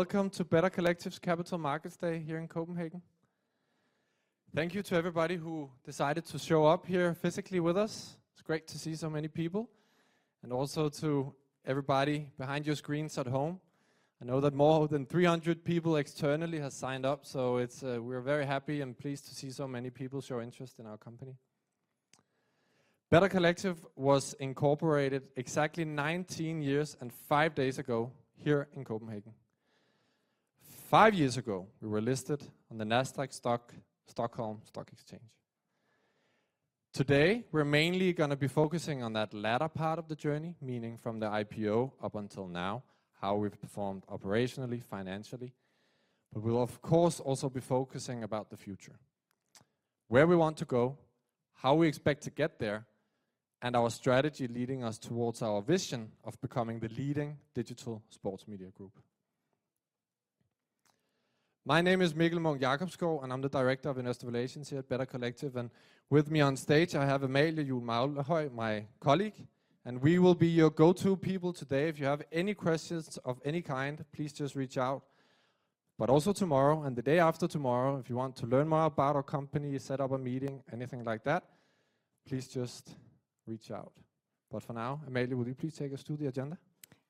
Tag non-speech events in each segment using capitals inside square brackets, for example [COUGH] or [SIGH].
Welcome to Better Collective's Capital Markets Day here in Copenhagen. Thank you to everybody who decided to show up here physically with us. It's great to see so many people, and also to everybody behind your screens at home. I know that more than 300 people externally have signed up, we're very happy and pleased to see so many people show interest in our company. Better Collective was incorporated exactly 19 years and five days ago here in Copenhagen. Five years ago, we were listed on the Nasdaq Stockholm. Today, we're mainly gonna be focusing on that latter part of the journey, meaning from the IPO up until now, how we've performed operationally, financially, but we'll of course also be focusing about the future, where we want to go, how we expect to get there, and our strategy leading us towards our vision of becoming the leading digital sports media group. My name is Mikkel Munch-Jacobsgaard, and I'm the Director of Investor Relations here at Better Collective, and with me on stage, I have Amalie Juel Maglehøj, my colleague, and we will be your go-to people today. If you have any questions of any kind, please just reach out. Also tomorrow and the day after tomorrow, if you want to learn more about our company, set up a meeting, anything like that, please just reach out. For now, Amalie, would you please take us through the agenda?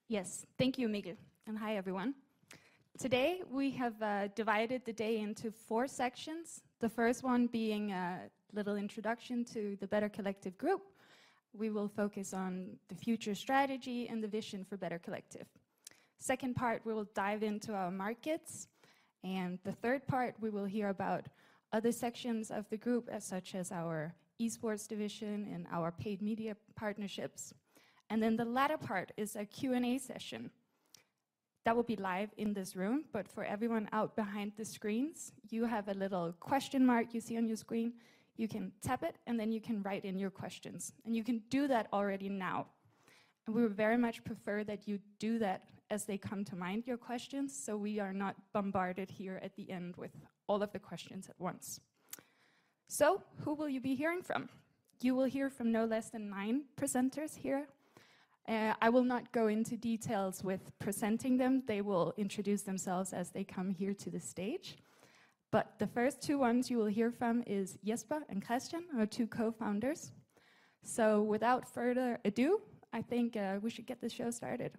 Yes. Thank you, Mikkel. Hi, everyone. Today, we have divided the day into four sections, the first one being a little introduction to the Better Collective group. We will focus on the future strategy and the vision for Better Collective. Second part, we will dive into our markets, the third part, we will hear about other sections of the group, as such as our esports division and our paid media partnerships. The latter part is a Q&A session that will be live in this room, but for everyone out behind the screens, you have a little question mark you see on your screen, you can tap it, and then you can write in your questions. You can do that already now. We would very much prefer that you do that as they come to mind, your questions, so we are not bombarded here at the end with all of the questions at once. Who will you be hearing from? You will hear from no less than nine presenters here. I will not go into details with presenting them. They will introduce themselves as they come here to the stage. The first two ones you will hear from is Jesper and Christian, our two Co-founders. Without further ado, I think we should get this show started.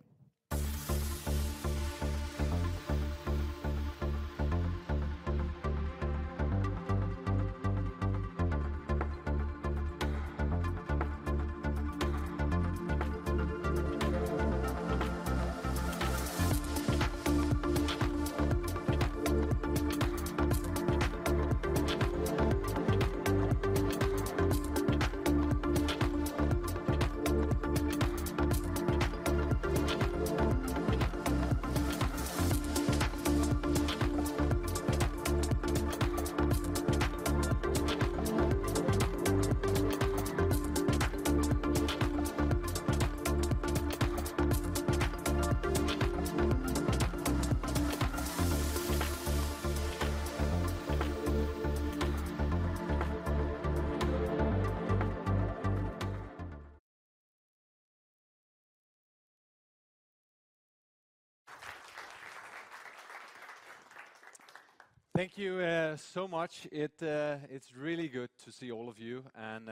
Thank you so much. It's really good to see all of you and,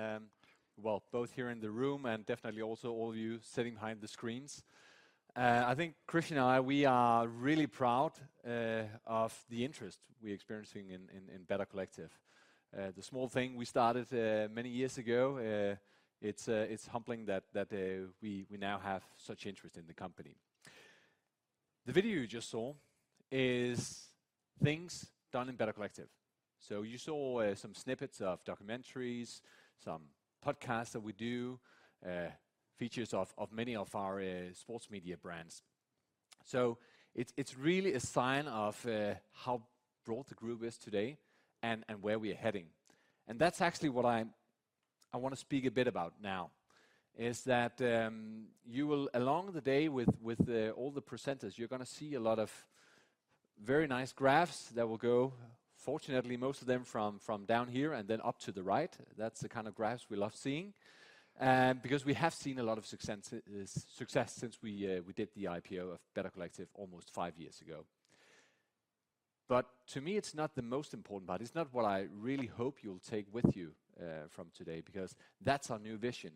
well, both here in the room and definitely also all of you sitting behind the screens. I think Christian and I, we are really proud of the interest we're experiencing in Better Collective. The small thing we started many years ago, it's humbling that we now have such interest in the company. The video you just saw is things done in Better Collective. You saw some snippets of documentaries, some podcasts that we do, features of many of our sports media brands. It's really a sign of how broad the group is today and where we're heading. That's actually what I wanna speak a bit about now, is that, you will along the day with the, all the presenters, you're gonna see a lot of very nice graphs that will go, fortunately, most of them from down here and then up to the right. That's the kind of graphs we love seeing. Because we have seen a lot of success since we did the IPO of Better Collective almost five years ago. To me, it's not the most important part. It's not what I really hope you'll take with you from today because that's our new vision.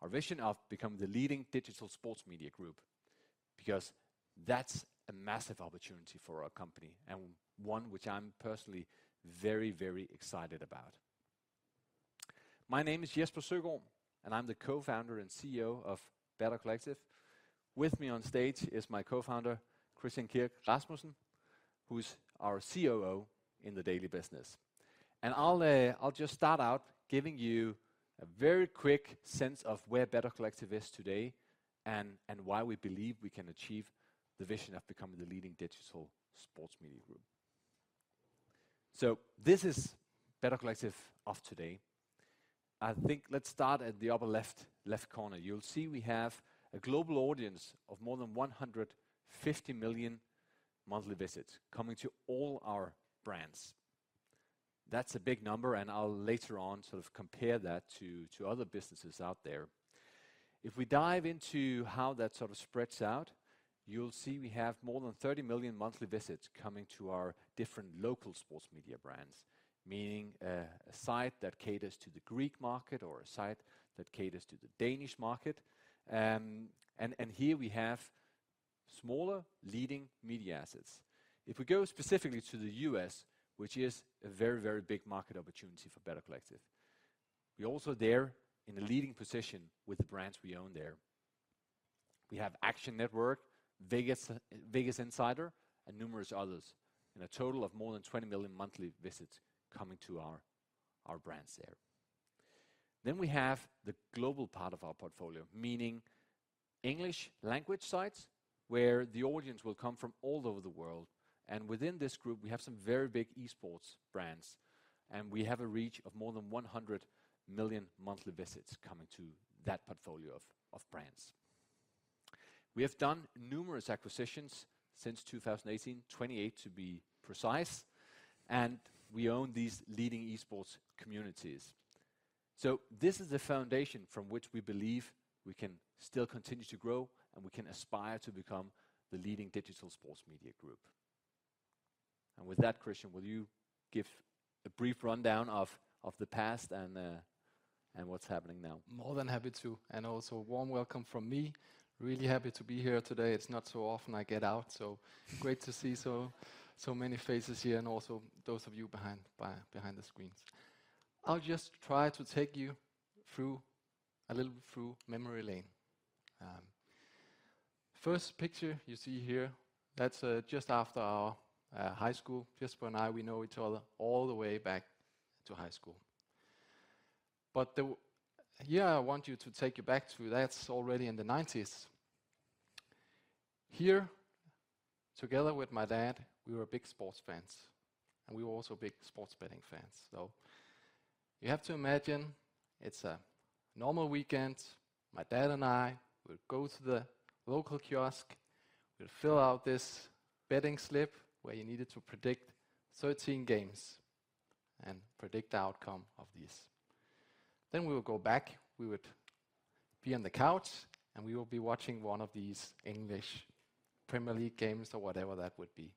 Our vision of becoming the leading digital sports media group because that's a massive opportunity for our company and one which I'm personally very, very excited about. My name is Jesper Søgaard, and I'm the Co-founder and CEO of Better Collective. With me on stage is my Co-founder, Christian Kirk Rasmussen, who's our COO in the daily business. I'll just start out giving you a very quick sense of where Better Collective is today and why we believe we can achieve the vision of becoming the leading digital sports media group. This is Better Collective of today. I think let's start at the upper left corner. You'll see we have a global audience of more than 150 million monthly visits coming to all our brands. That's a big number, and I'll later on sort of compare that to other businesses out there. If we dive into how that sort of spreads out, you'll see we have more than 30 million monthly visits coming to our different local sports media brands, meaning, a site that caters to the Greek market or a site that caters to the Danish market. Here we have smaller leading media assets. If we go specifically to the US, which is a very, very big market opportunity for Better Collective, we're also there in a leading position with the brands we own there. We have Action Network, Vegas Insider and numerous others, and a total of more than 20 million monthly visits coming to our brands there. We have the global part of our portfolio, meaning English language sites where the audience will come from all over the world, and within this group we have some very big esports brands, and we have a reach of more than 100 million monthly visits coming to that portfolio of brands. We have done numerous acquisitions since 2018, 28 to be precise, and we own these leading esports communities. This is the foundation from which we believe we can still continue to grow, and we can aspire to become the leading digital sports media group. With that, Christian, will you give a brief rundown of the past and what's happening now? More than happy to, also a warm welcome from me. Really happy to be here today. It's not so often I get out, great to see so many faces here and also those of you behind the screens. I'll just try to take you through a little bit through memory lane. First picture you see here, that's just after our high school. Jesper Søgaard and I, we know each other all the way back to high school. Here, I want you to take you back to, that's already in the 90's. Here, together with my dad, we were big sports fans, we were also big sports betting fans. You have to imagine it's a normal weekend. My dad and I will go to the local kiosk. We'll fill out this betting slip where you needed to predict 13 games and predict the outcome of these. We would go back, we would be on the couch, and we would be watching one of these English Premier League games or whatever that would be.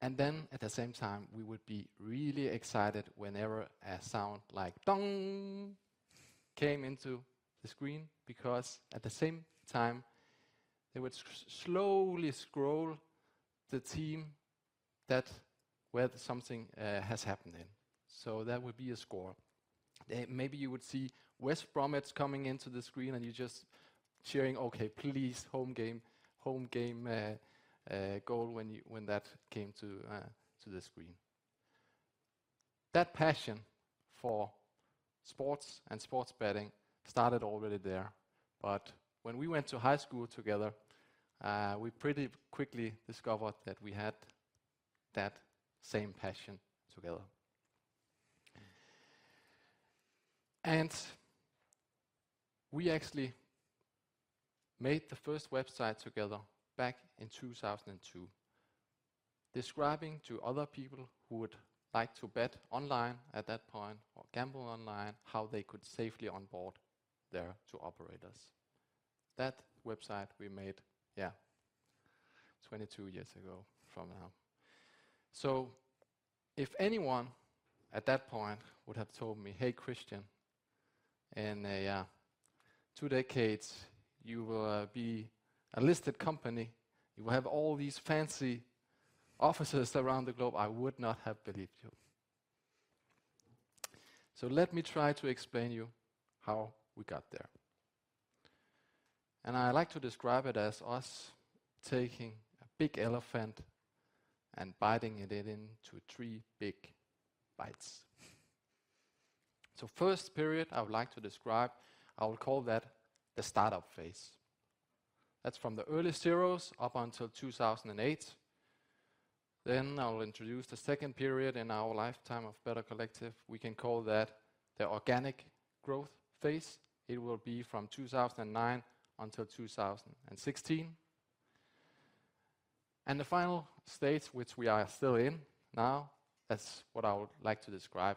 At the same time, we would be really excited whenever a sound like dong came into the screen because at the same time, they would slowly scroll the team that where something has happened in. That would be a score. Maybe you would see West Bromwich coming into the screen, and you're just cheering, "Okay. Please, home game. Home game, goal," when you, when that came to the screen. That passion for sports and sports betting started already there. When we went to high school together, we pretty quickly discovered that we had that same passion together. We actually made the first website together back in 2002, describing to other people who would like to bet online at that point or gamble online, how they could safely onboard their to operators. That website we made, yeah, 22 years ago from now. If anyone at that point would have told me, "Hey, Christian, in two decades, you will be a listed company, you will have all these fancy offices around the globe," I would not have believed you. Let me try to explain you how we got there. I like to describe it as us taking a big elephant and biting it into three big bites. First period I would like to describe, I would call that the startup phase. That's from the early zeros up until 2008. I will introduce the second period in our lifetime of Better Collective. We can call that the organic growth phase. It will be from 2009 until 2016. The final stage, which we are still in now, that's what I would like to describe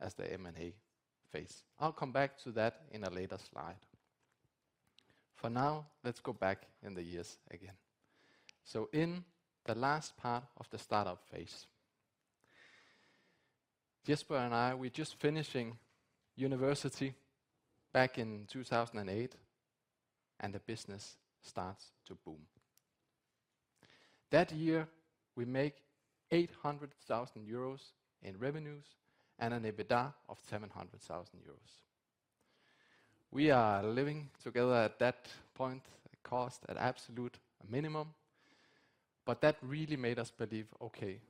as the M&A phase. I'll come back to that in a later slide. For now, let's go back in the years again. In the last part of the startup phase, Jesper and I, we're just finishing university back in 2008, and the business starts to boom. That year we make 800,000 euros in revenues and an EBITDA of 700,000 euros. We are living together at that point, cost at absolute minimum, that really made us believe, "Okay,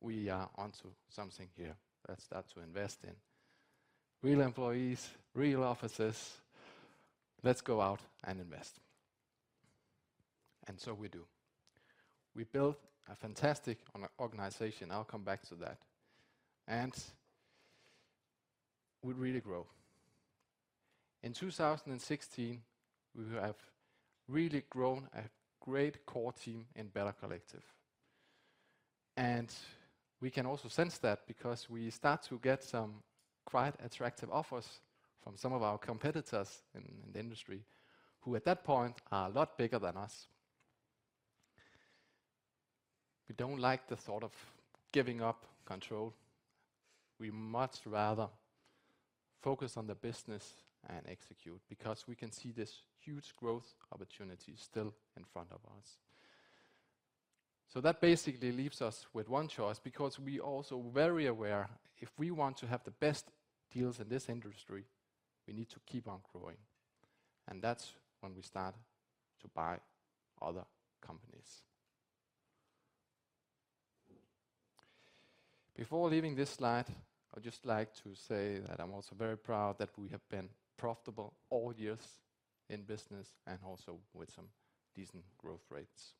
we are onto something here." Let's start to invest in real employees, real offices. Let's go out and invest. We do. We built a fantastic organization. I'll come back to that. We really grow. In 2016, we have really grown a great core team in Better Collective. We can also sense that because we start to get some quite attractive offers from some of our competitors in the industry, who at that point are a lot bigger than us. We don't like the thought of giving up control. We much rather focus on the business and execute because we can see this huge growth opportunity still in front of us. That basically leaves us with one choice because we also very aware if we want to have the best deals in this industry, we need to keep on growing, and that's when we start to buy other companies. Before leaving this slide, I'd just like to say that I'm also very proud that we have been profitable all years in business and also with some decent growth rates.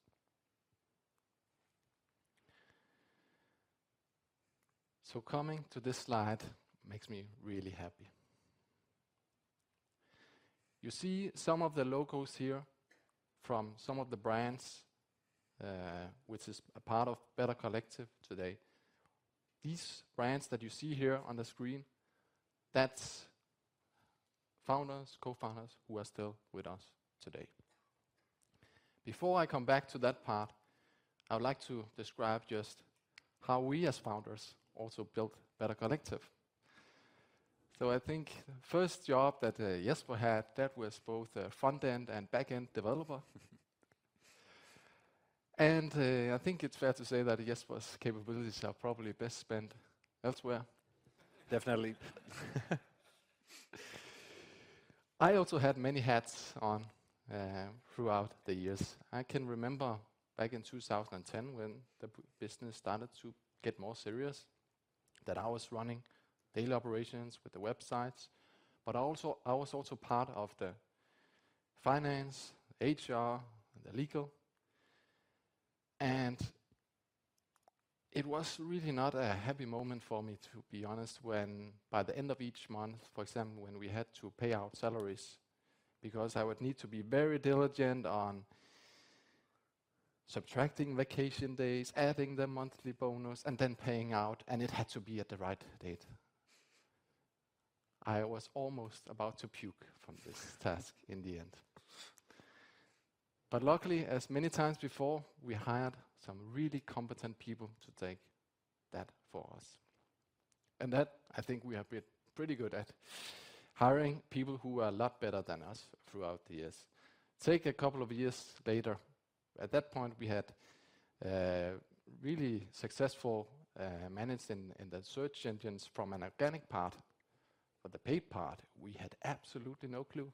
Coming to this slide makes me really happy. You see some of the logos here from some of the brands, which is a part of Better Collective today. These brands that you see here on the screen, that's Founders, Co-founders who are still with us today. Before I come back to that part, I would like to describe just how we as Founders also built Better Collective. I think first job that Jesper had, that was both a front-end and back-end developer. And, I think it's fair to say that Jesper's capabilities are probably best spent elsewhere. Definitely. I also had many hats on throughout the years. I can remember back in 2010 when the business started to get more serious, that I was running daily operations with the websites, but also, I was also part of the finance, HR, and the legal. It was really not a happy moment for me, to be honest, when by the end of each month, for example, when we had to pay out salaries, because I would need to be very diligent on subtracting vacation days, adding the monthly bonus, and then paying out, and it had to be at the right date. I was almost about to puke from this task in the end. Luckily, as many times before, we hired some really competent people to take that for us. That, I think we have been pretty good at hiring people who are a lot better than us throughout the years. Take a couple of years later. At that point, we had really successful managed in the search engines from an organic part. For the paid part, we had absolutely no clue,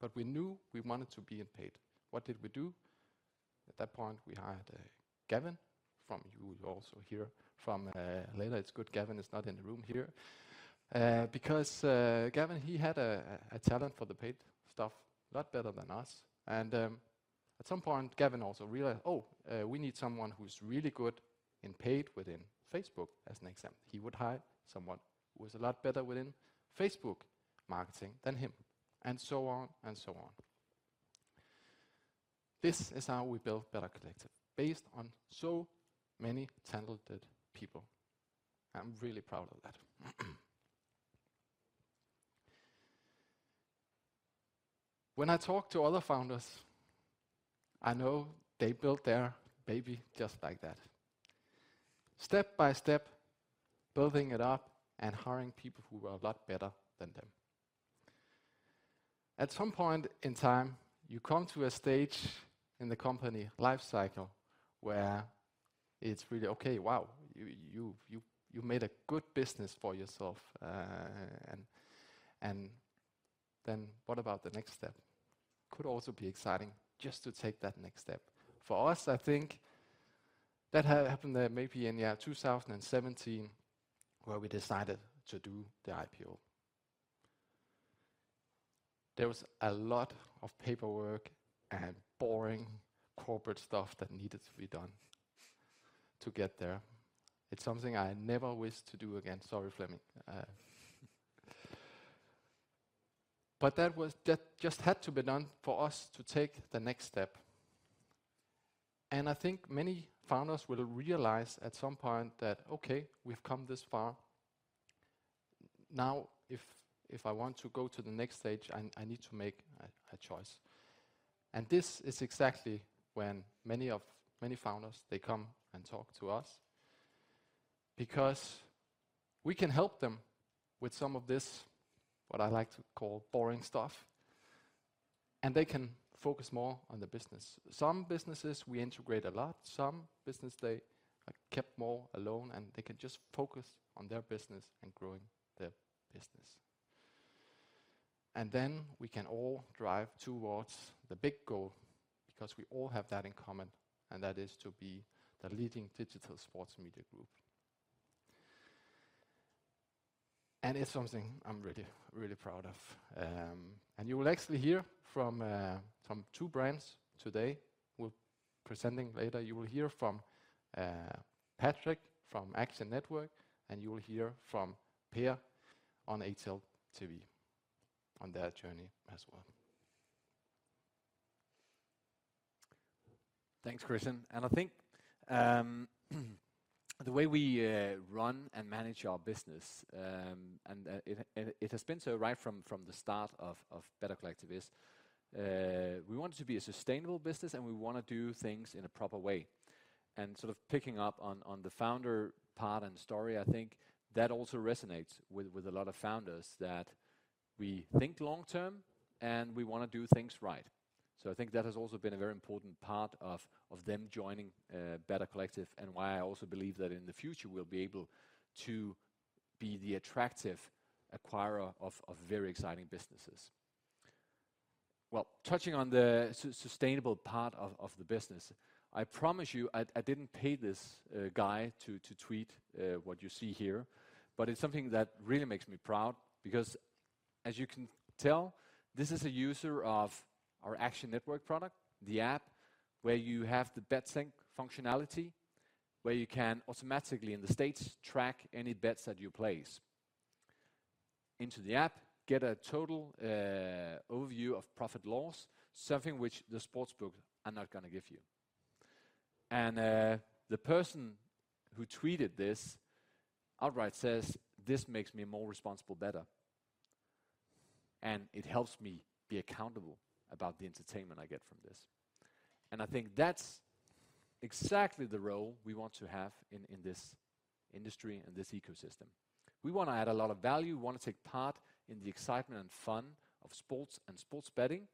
but we knew we wanted to be in paid. What did we do? At that point, we hired Gavin from, who you will also hear from later. It's good Gavin is not in the room here. Because Gavin, he had a talent for the paid stuff, a lot better than us. At some point, Gavin also realized, we need someone who's really good in paid within Facebook as an example. He would hire someone who was a lot better within Facebook marketing than him, and so on and so on. This is how we build Better Collective, based on so many talented people. I'm really proud of that. When I talk to other founders, I know they built their baby just like that. Step by step, building it up and hiring people who are a lot better than them. At some point in time, you come to a stage in the company life cycle where it's really, okay, wow, you made a good business for yourself. Then what about the next step? Could also be exciting just to take that next step. For us, I think that happened maybe in, yeah, 2017, where we decided to do the IPO. There was a lot of paperwork and boring corporate stuff that needed to be done to get there. It's something I never wish to do again. Sorry, Flemming. That just had to be done for us to take the next step. I think many founders will realize at some point that, okay, we've come this far. Now if I want to go to the next stage, I need to make a choice. This is exactly when many founders, they come and talk to us because we can help them with some of this, what I like to call boring stuff, and they can focus more on the business. Some businesses we integrate a lot, some business they kept more alone, and they can just focus on their business and growing their business. Then we can all drive towards the big goal because we all have that in common, and that is to be the leading digital sports media group. It's something I'm really, really proud of. You will actually hear from two brands today Presenting later you will hear from Patrick from Action Network, and you will hear from Per on HLTV on their journey as well. Thanks, Christian. I think the way we run and manage our business, and it has been so right from the start of Better Collective is, we want it to be a sustainable business and we wanna do things in a proper way. Sort of picking up on the founder part and story, I think that also resonates with a lot of founders that we think long-term, and we wanna do things right. I think that has also been a very important part of them joining Better Collective and why I also believe that in the future we'll be able to be the attractive acquirer of very exciting businesses. Well, touching on the sustainable part of the business. I promise you I didn't pay this guy to tweet what you see here, but it's something that really makes me proud because as you can tell, this is a user of our Action Network product, the app where you have the BetSync functionality, where you can automatically in the States track any bets that you place into the app, get a total overview of profit-loss, something which the sportsbooks are not gonna give you. The person who tweeted this outright says, "This makes me more responsible better, and it helps me be accountable about the entertainment I get from this." I think that's exactly the role we want to have in this industry and this ecosystem. We wanna add a lot of value, we wanna take part in the excitement and fun of sports and sports betting,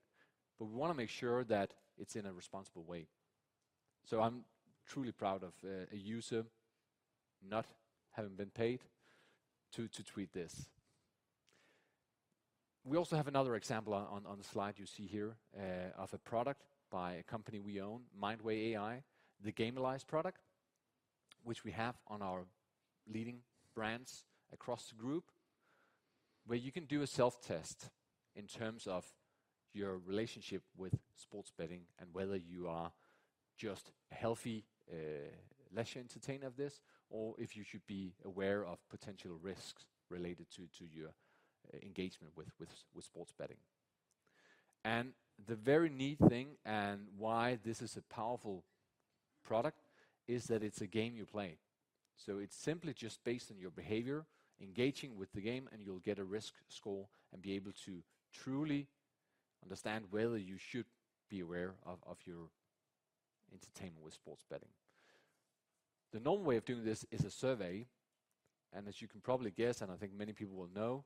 but we wanna make sure that it's in a responsible way. I'm truly proud of a user not having been paid to tweet this. We also have another example on the slide you see here of a product by a company we own, Mindway AI, the Gamalyze product, which we have on our leading brands across the group, where you can do a self-test in terms of your relationship with sports betting and whether you are just a healthy leisure entertainer of this, or if you should be aware of potential risks related to your engagement with sports betting. The very neat thing and why this is a powerful product is that it's a game you play. It's simply just based on your behavior, engaging with the game, and you'll get a risk score and be able to truly understand whether you should be aware of your entertainment with sports betting. The normal way of doing this is a survey, and as you can probably guess, and I think many people will know,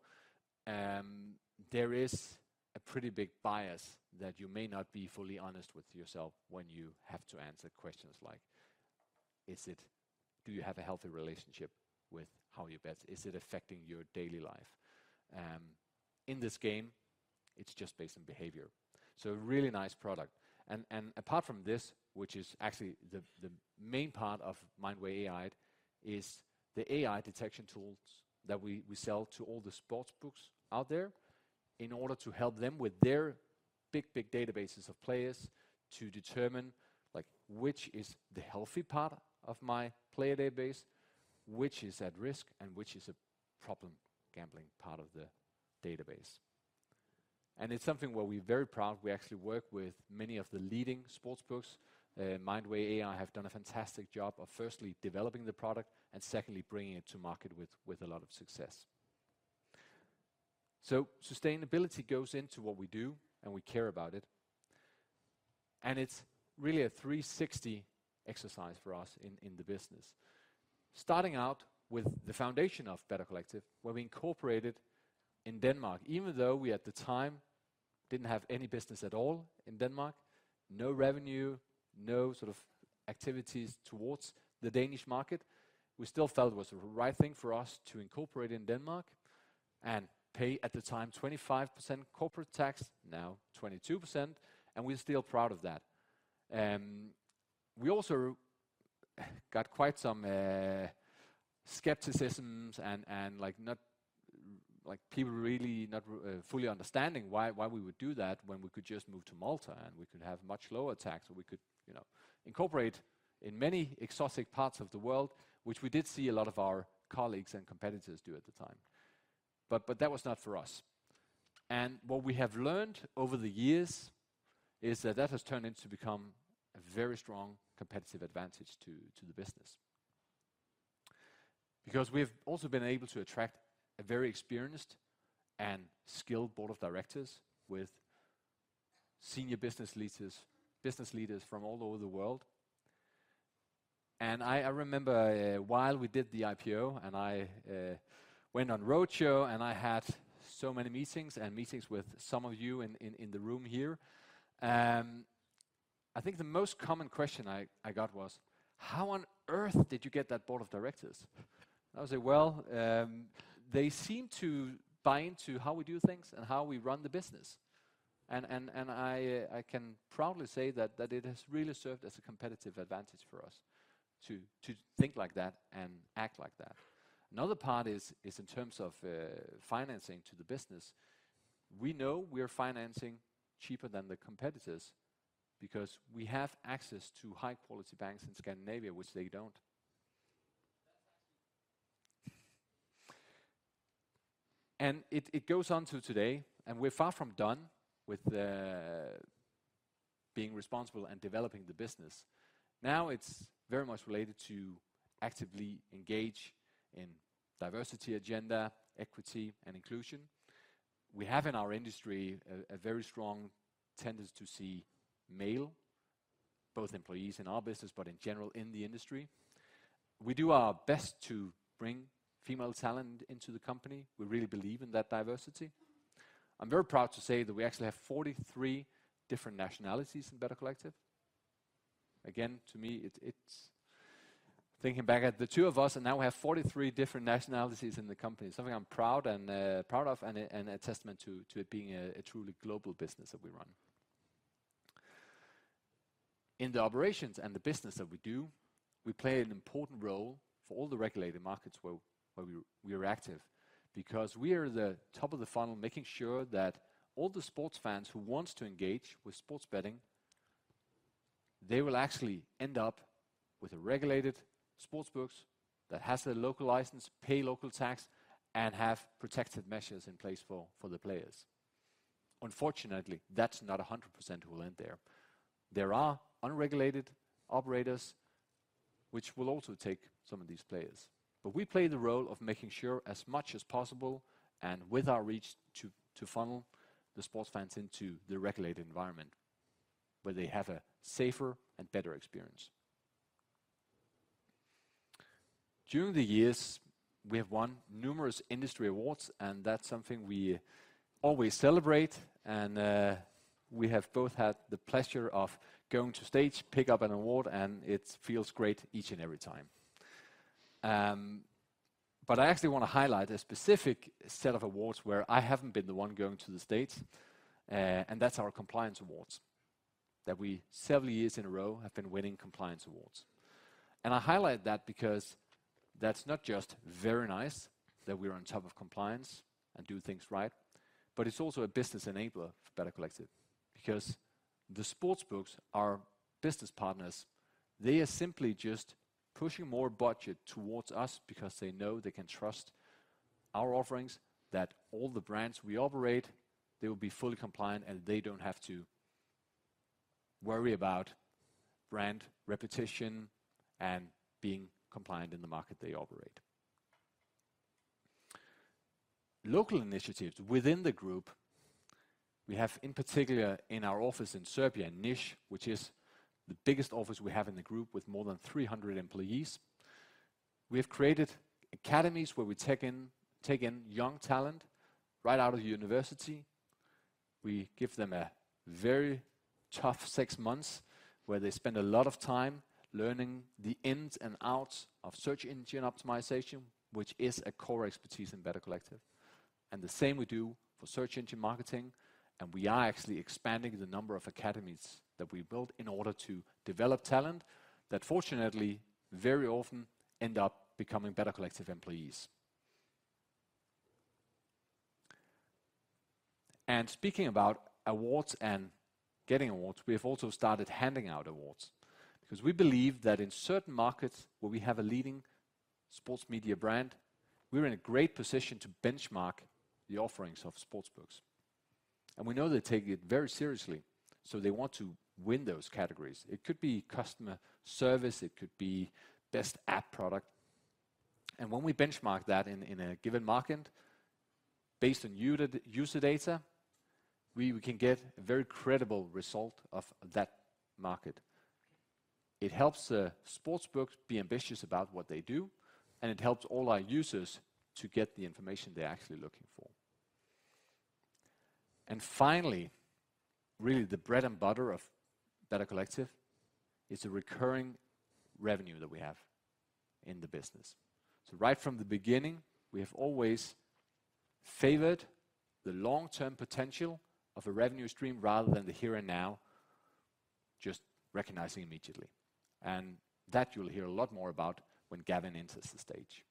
there is a pretty big bias that you may not be fully honest with yourself when you have to answer questions like, do you have a healthy relationship with how you bet? Is it affecting your daily life? In this game, it's just based on behavior. A really nice product. Apart from this, which is actually the main part of Mindway AI is the AI detection tools that we sell to all the sportsbooks out there in order to help them with their big, big databases of players to determine, like, which is the healthy part of my player database, which is at risk, and which is a problem gambling part of the database. It's something where we're very proud. We actually work with many of the leading sportsbooks. Mindway AI have done a fantastic job of firstly developing the product and secondly bringing it to market with a lot of success. Sustainability goes into what we do, and we care about it, and it's really a 360 exercise for us in the business. Starting out with the foundation of Better Collective, where we incorporated in Denmark, even though we at the time didn't have any business at all in Denmark, no revenue, no sort of activities towards the Danish market. We still felt it was the right thing for us to incorporate in Denmark and pay at the time 25% corporate tax, now 22%, and we're still proud of that. We also got quite some skepticisms and like people really not fully understanding why we would do that when we could just move to Malta, and we could have much lower tax, or we could, you know, incorporate in many exotic parts of the world, which we did see a lot of our colleagues and competitors do at the time. That was not for us. What we have learned over the years is that has turned into become a very strong competitive advantage to the business. We've also been able to attract a very experienced and skilled board of directors with senior business leaders from all over the world. I remember, while we did the IPO, and I went on roadshow, and I had so many meetings with some of you in the room here, I think the most common question I got was, "How on earth did you get that board of directors?" I would say, "Well, they seem to buy into how we do things and how we run the business." I can proudly say that it has really served as a competitive advantage for us to think like that and act like that. Another part is in terms of financing to the business. We know we are financing cheaper than the competitors because we have access to high-quality banks in Scandinavia, which they don't. It goes on to today, and we're far from done with being responsible and developing the business. Now it's very much related to actively engage in diversity agenda, equity and inclusion. We have in our industry a very strong tendency to see male, both employees in our business, but in general in the industry. We do our best to bring female talent into the company. We really believe in that diversity. I'm very proud to say that we actually have 43 different nationalities in Better Collective. Again, to me it's thinking back at the two of us, and now we have 43 different nationalities in the company, something I'm proud and proud of and a testament to it being a truly global business that we run. In the operations and the business that we do, we play an important role for all the regulated markets where we are active because we are the top of the funnel making sure that all the sports fans who wants to engage with sports betting, they will actually end up with a regulated sportsbooks that has a local license, pay local tax, and have protective measures in place for the players. Unfortunately, that's not 100% who will end there. There are unregulated operators which will also take some of these players, but we play the role of making sure as much as possible and with our reach to funnel the sports fans into the regulated environment where they have a safer and better experience. During the years, we have won numerous industry awards, and that's something we always celebrate and we have both had the pleasure of going to stage, pick up an award, and it feels great each and every time. I actually wanna highlight a specific set of awards where I haven't been the one going to the stage, and that's our compliance awards, that we several years in a row have been winning compliance awards. I highlight that because that's not just very nice that we're on top of compliance and do things right, but it's also a business enabler for Better Collective because the sportsbooks are business partners. They are simply just pushing more budget towards us because they know they can trust our offerings, that all the brands we operate, they will be fully compliant, and they don't have to worry about brand repetition and being compliant in the market they operate. Local initiatives within the group, we have in particular in our office in Serbia, Niš, which is the biggest office we have in the group with more than 300 employees. We have created academies where we take in young talent right out of university. We give them a very tough six months where they spend a lot of time learning the ins and outs of search engine optimization, which is a core expertise in Better Collective, and the same we do for search engine marketing. We are actually expanding the number of academies that we built in order to develop talent that fortunately very often end up becoming Better Collective employees. Speaking about awards and getting awards, we have also started handing out awards because we believe that in certain markets where we have a leading sports media brand, we're in a great position to benchmark the offerings of sportsbooks. We know they take it very seriously, so they want to win those categories. It could be customer service. It could be best app product. When we benchmark that in a given market based on user data, we can get a very credible result of that market. It helps sportsbooks be ambitious about what they do, and it helps all our users to get the information they're actually looking for. Finally, really the bread and butter of Better Collective is the recurring revenue that we have in the business. Right from the beginning, we have always favored the long-term potential of a revenue stream rather than the here and now, just recognizing immediately, and that you'll hear a lot more about when Gavin enters the stage.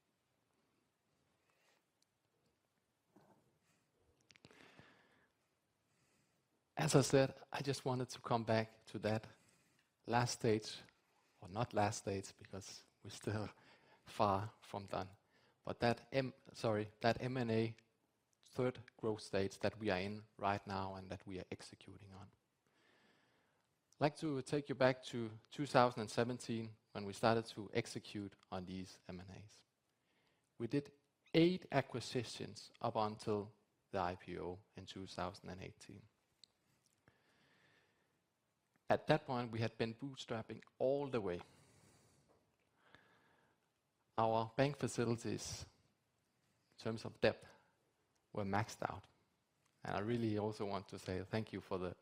As I said, I just wanted to come back to that last stage, or not last stage because we're still far from done. That M&A third growth stage that we are in right now and that we are executing on. I'd like to take you back to 2017 when we started to execute on these M&As. We did eight acquisitions up until the IPO in 2018. At that point, we had been bootstrapping all the way. Our bank facilities in terms of debt were maxed out, and I really also want to say thank you for the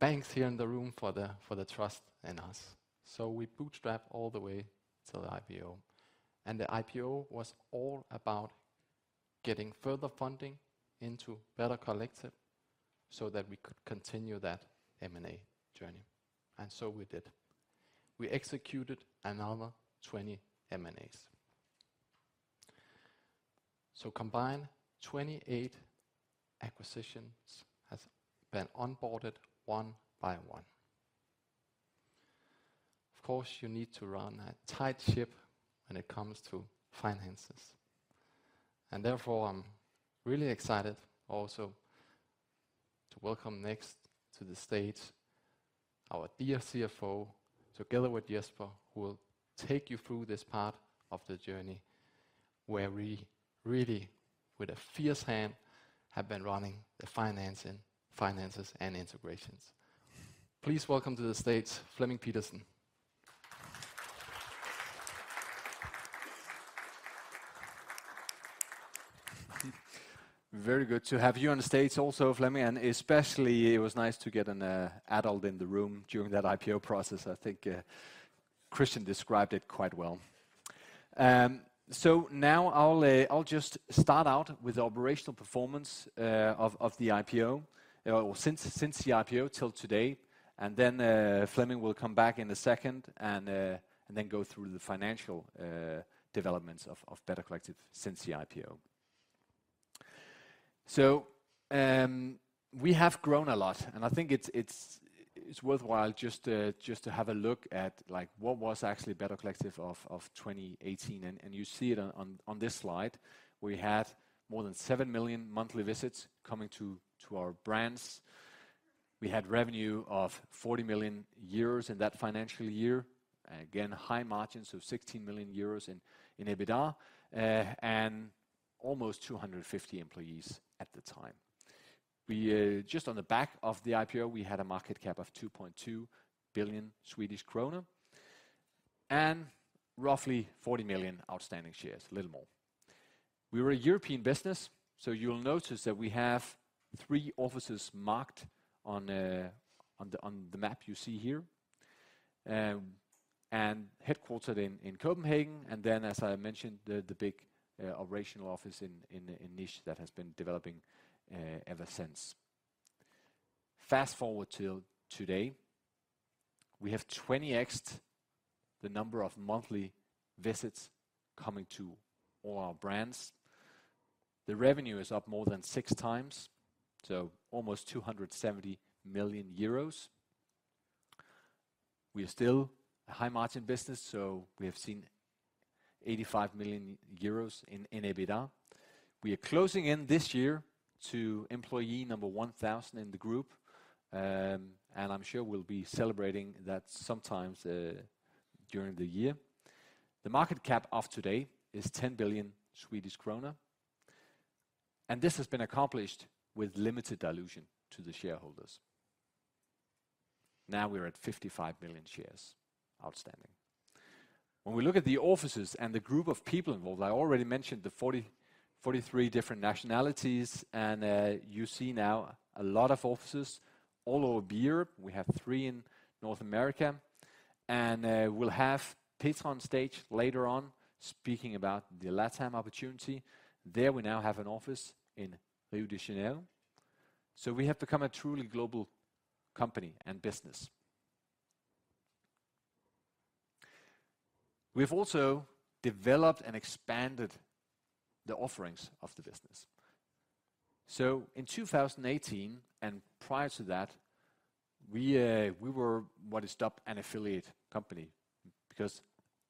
banks here in the room for the trust in us. We bootstrap all the way to the IPO, and the IPO was all about getting further funding into Better Collective so that we could continue that M&A journey. We did. We executed another 20 M&As. Combined, 28 acquisitions has been onboarded one by one. Of course, you need to run a tight ship when it comes to finances. Therefore I'm really excited also to welcome next to the stage our dear CFO, together with Jesper Søgaard, who will take you through this part of the journey where we really, with a fierce hand, have been running the financing, finances and integrations. Please welcome to the stage, Flemming Pedersen. Very good to have you on the stage also, Flemming, especially it was nice to get an adult in the room during that IPO process. I think Christian described it quite well. Now I'll just start out with the operational performance of the IPO, or since the IPO till today. Then Flemming will come back in a second and then go through the financial developments of Better Collective since the IPO. We have grown a lot, and I think it's worthwhile just to have a look at like what was actually Better Collective of 2018. You see it on this slide. We had more than seven million monthly visits coming to our brands. We had revenue of 40 million euros in that financial year. High margins of 16 million euros in EBITDA and almost 250 employees at the time. Just on the back of the IPO, we had a market cap of 2.2 billion Swedish kronor and roughly 40 million outstanding shares, a little more. We were a European business, you'll notice that we have three offices marked on the map you see here. Headquartered in Copenhagen. As I mentioned, the big operational office in Niš that has been developing ever since. Fast-forward till today, we have 20x-ed the number of monthly visits coming to all our brands. The revenue is up more than six times, almost 270 million euros. We are still a high-margin business, so we have seen 85 million euros in EBITDA. We are closing in this year to employee number 1,000 in the group, and I'm sure we'll be celebrating that sometimes during the year. The market cap of today is 10 billion Swedish kronor, and this has been accomplished with limited dilution to the shareholders. Now we're at 55 million shares outstanding. When we look at the offices and the group of people involved, I already mentioned the 43 different nationalities, and you see now a lot of offices all over Europe. We have three in North America, and we'll have Peter on stage later on speaking about the LatAm opportunity. There we now have an office in Rue du Cherche-Midi. We have become a truly global company and business. We've also developed and expanded the offerings of the business. In 2018 and prior to that, we were what is dubbed an affiliate company because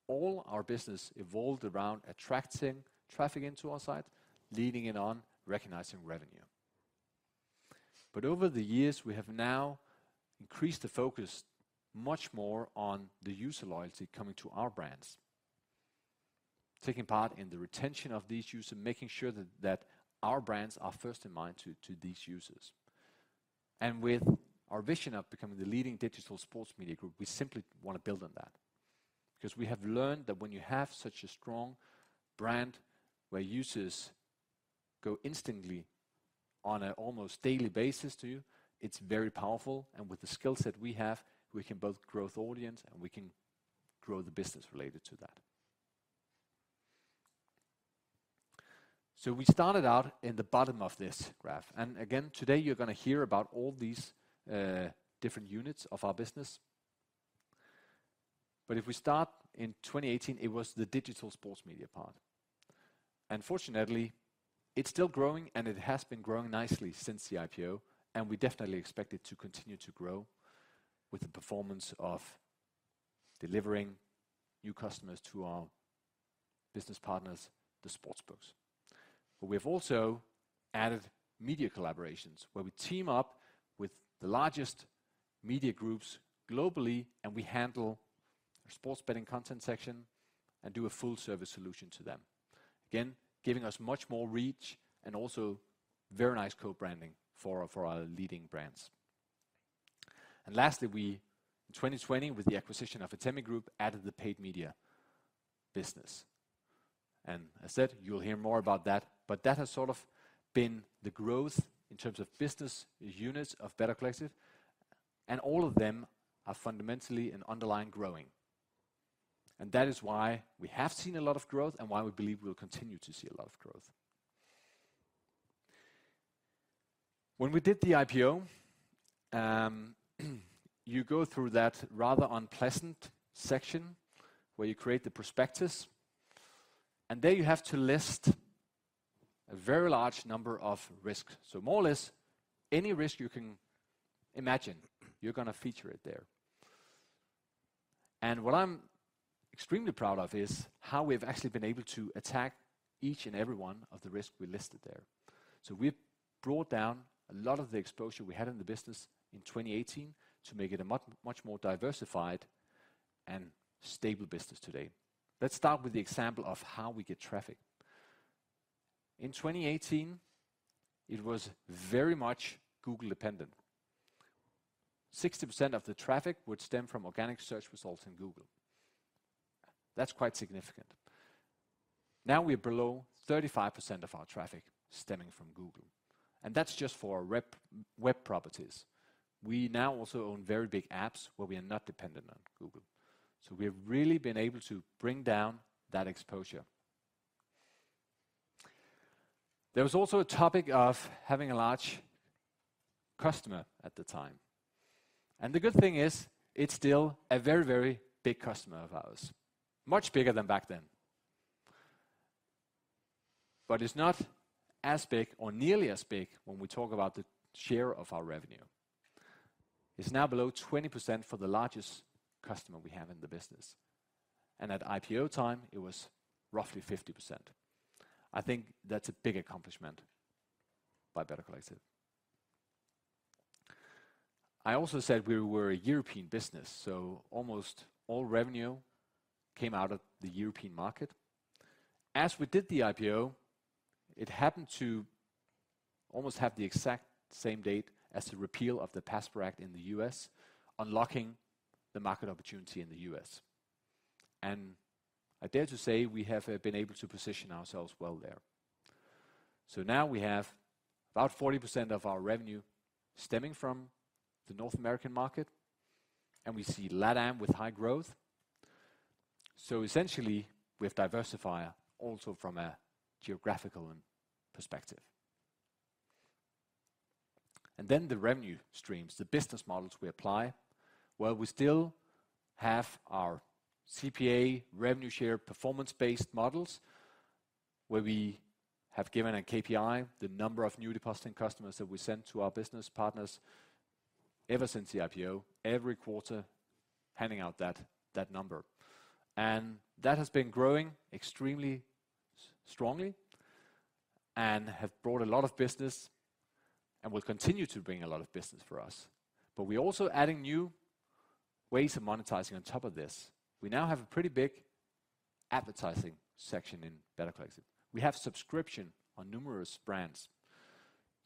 all our business evolved around attracting traffic into our site, leading it on, recognizing revenue. Over the years, we have now increased the focus much more on the user loyalty coming to our brands, taking part in the retention of these users, making sure that our brands are first in mind to these users. With our vision of becoming the leading digital sports media group, we simply wanna build on that. We have learned that when you have such a strong brand where users go instantly on a almost daily basis to you, it's very powerful. With the skill set we have, we can both grow audience, and we can grow the business related to that. We started out in the bottom of this graph. Again, today you're gonna hear about all these different units of our business. If we start in 2018, it was the digital sports media part. Fortunately, it's still growing, and it has been growing nicely since the IPO, and we definitely expect it to continue to grow with the performance of delivering new customers to our business partners, the sportsbooks. We have also added media collaborations where we team up with the largest media groups globally, and we handle their sports betting content section and do a full service solution to them. Again, giving us much more reach and also very nice co-branding for our leading brands. Lastly, we, in 2020, with the acquisition of Atemi Group, added the paid media business. As said, you'll hear more about that, but that has sort of been the growth in terms of business units of Better Collective, and all of them are fundamentally and underlying growing. That is why we have seen a lot of growth and why we believe we'll continue to see a lot of growth. When we did the IPO, you go through that rather unpleasant section where you create the prospectus, and there you have to list a very large number of risks. More or less any risk you can imagine, you're gonna feature it there. What I'm extremely proud of is how we've actually been able to attack each and every one of the risks we listed there. We've brought down a lot of the exposure we had in the business in 2018 to make it a much more diversified and stable business today. Let's start with the example of how we get traffic. In 2018, it was very much Google-dependent. 60% of the traffic would stem from organic search results in Google. That's quite significant. Now we're below 35% of our traffic stemming from Google, and that's just for our web properties. We now also own very big apps where we are not dependent on Google. We've really been able to bring down that exposure. There was also a topic of having a large customer at the time, and the good thing is it's still a very, very big customer of ours, much bigger than back then. It's not as big or nearly as big when we talk about the share of our revenue. It's now below 20% for the largest customer we have in the business, and at IPO time it was roughly 50%. I think that's a big accomplishment by Better Collective. I also said we were a European business, so almost all revenue came out of the European market. As we did the IPO, it happened to almost have the exact same date as the repeal of the PASPA Act in the US, unlocking the market opportunity in the US I dare to say we have been able to position ourselves well there. Now we have about 40% of our revenue stemming from the North American market, and we see LATAM with high growth. Essentially, we've diversified also from a geographical perspective. The revenue streams, the business models we apply, where we still have our CPA revenue share performance-based models, where we have given a KPI, the number of new depositing customers that we send to our business partners ever since the IPO every quarter handing out that number. That has been growing extremely strongly and have brought a lot of business and will continue to bring a lot of business for us. We're also adding new ways of monetizing on top of this. We now have a pretty big advertising section in Better Collective. We have subscription on numerous brands.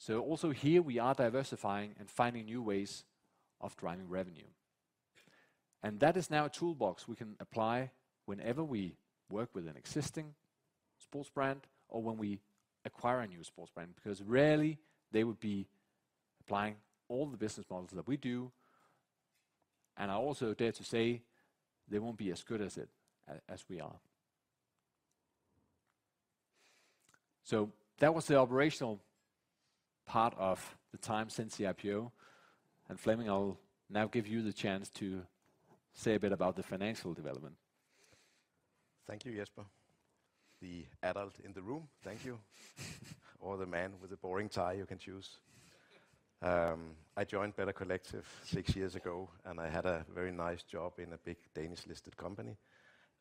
Also here we are diversifying and finding new ways of driving revenue. That is now a toolbox we can apply whenever we work with an existing sports brand or when we acquire a new sports brand, because rarely they would be applying all the business models that we do, and I also dare to say they won't be as good as we are. That was the operational part of the time since the IPO. Flemming, I'll now give you the chance to say a bit about the financial development. Thank you, Jesper. The adult in the room. Thank you. The man with the boring tie, you can choose. I joined Better Collective six years ago, and I had a very nice job in a big Danish-listed company,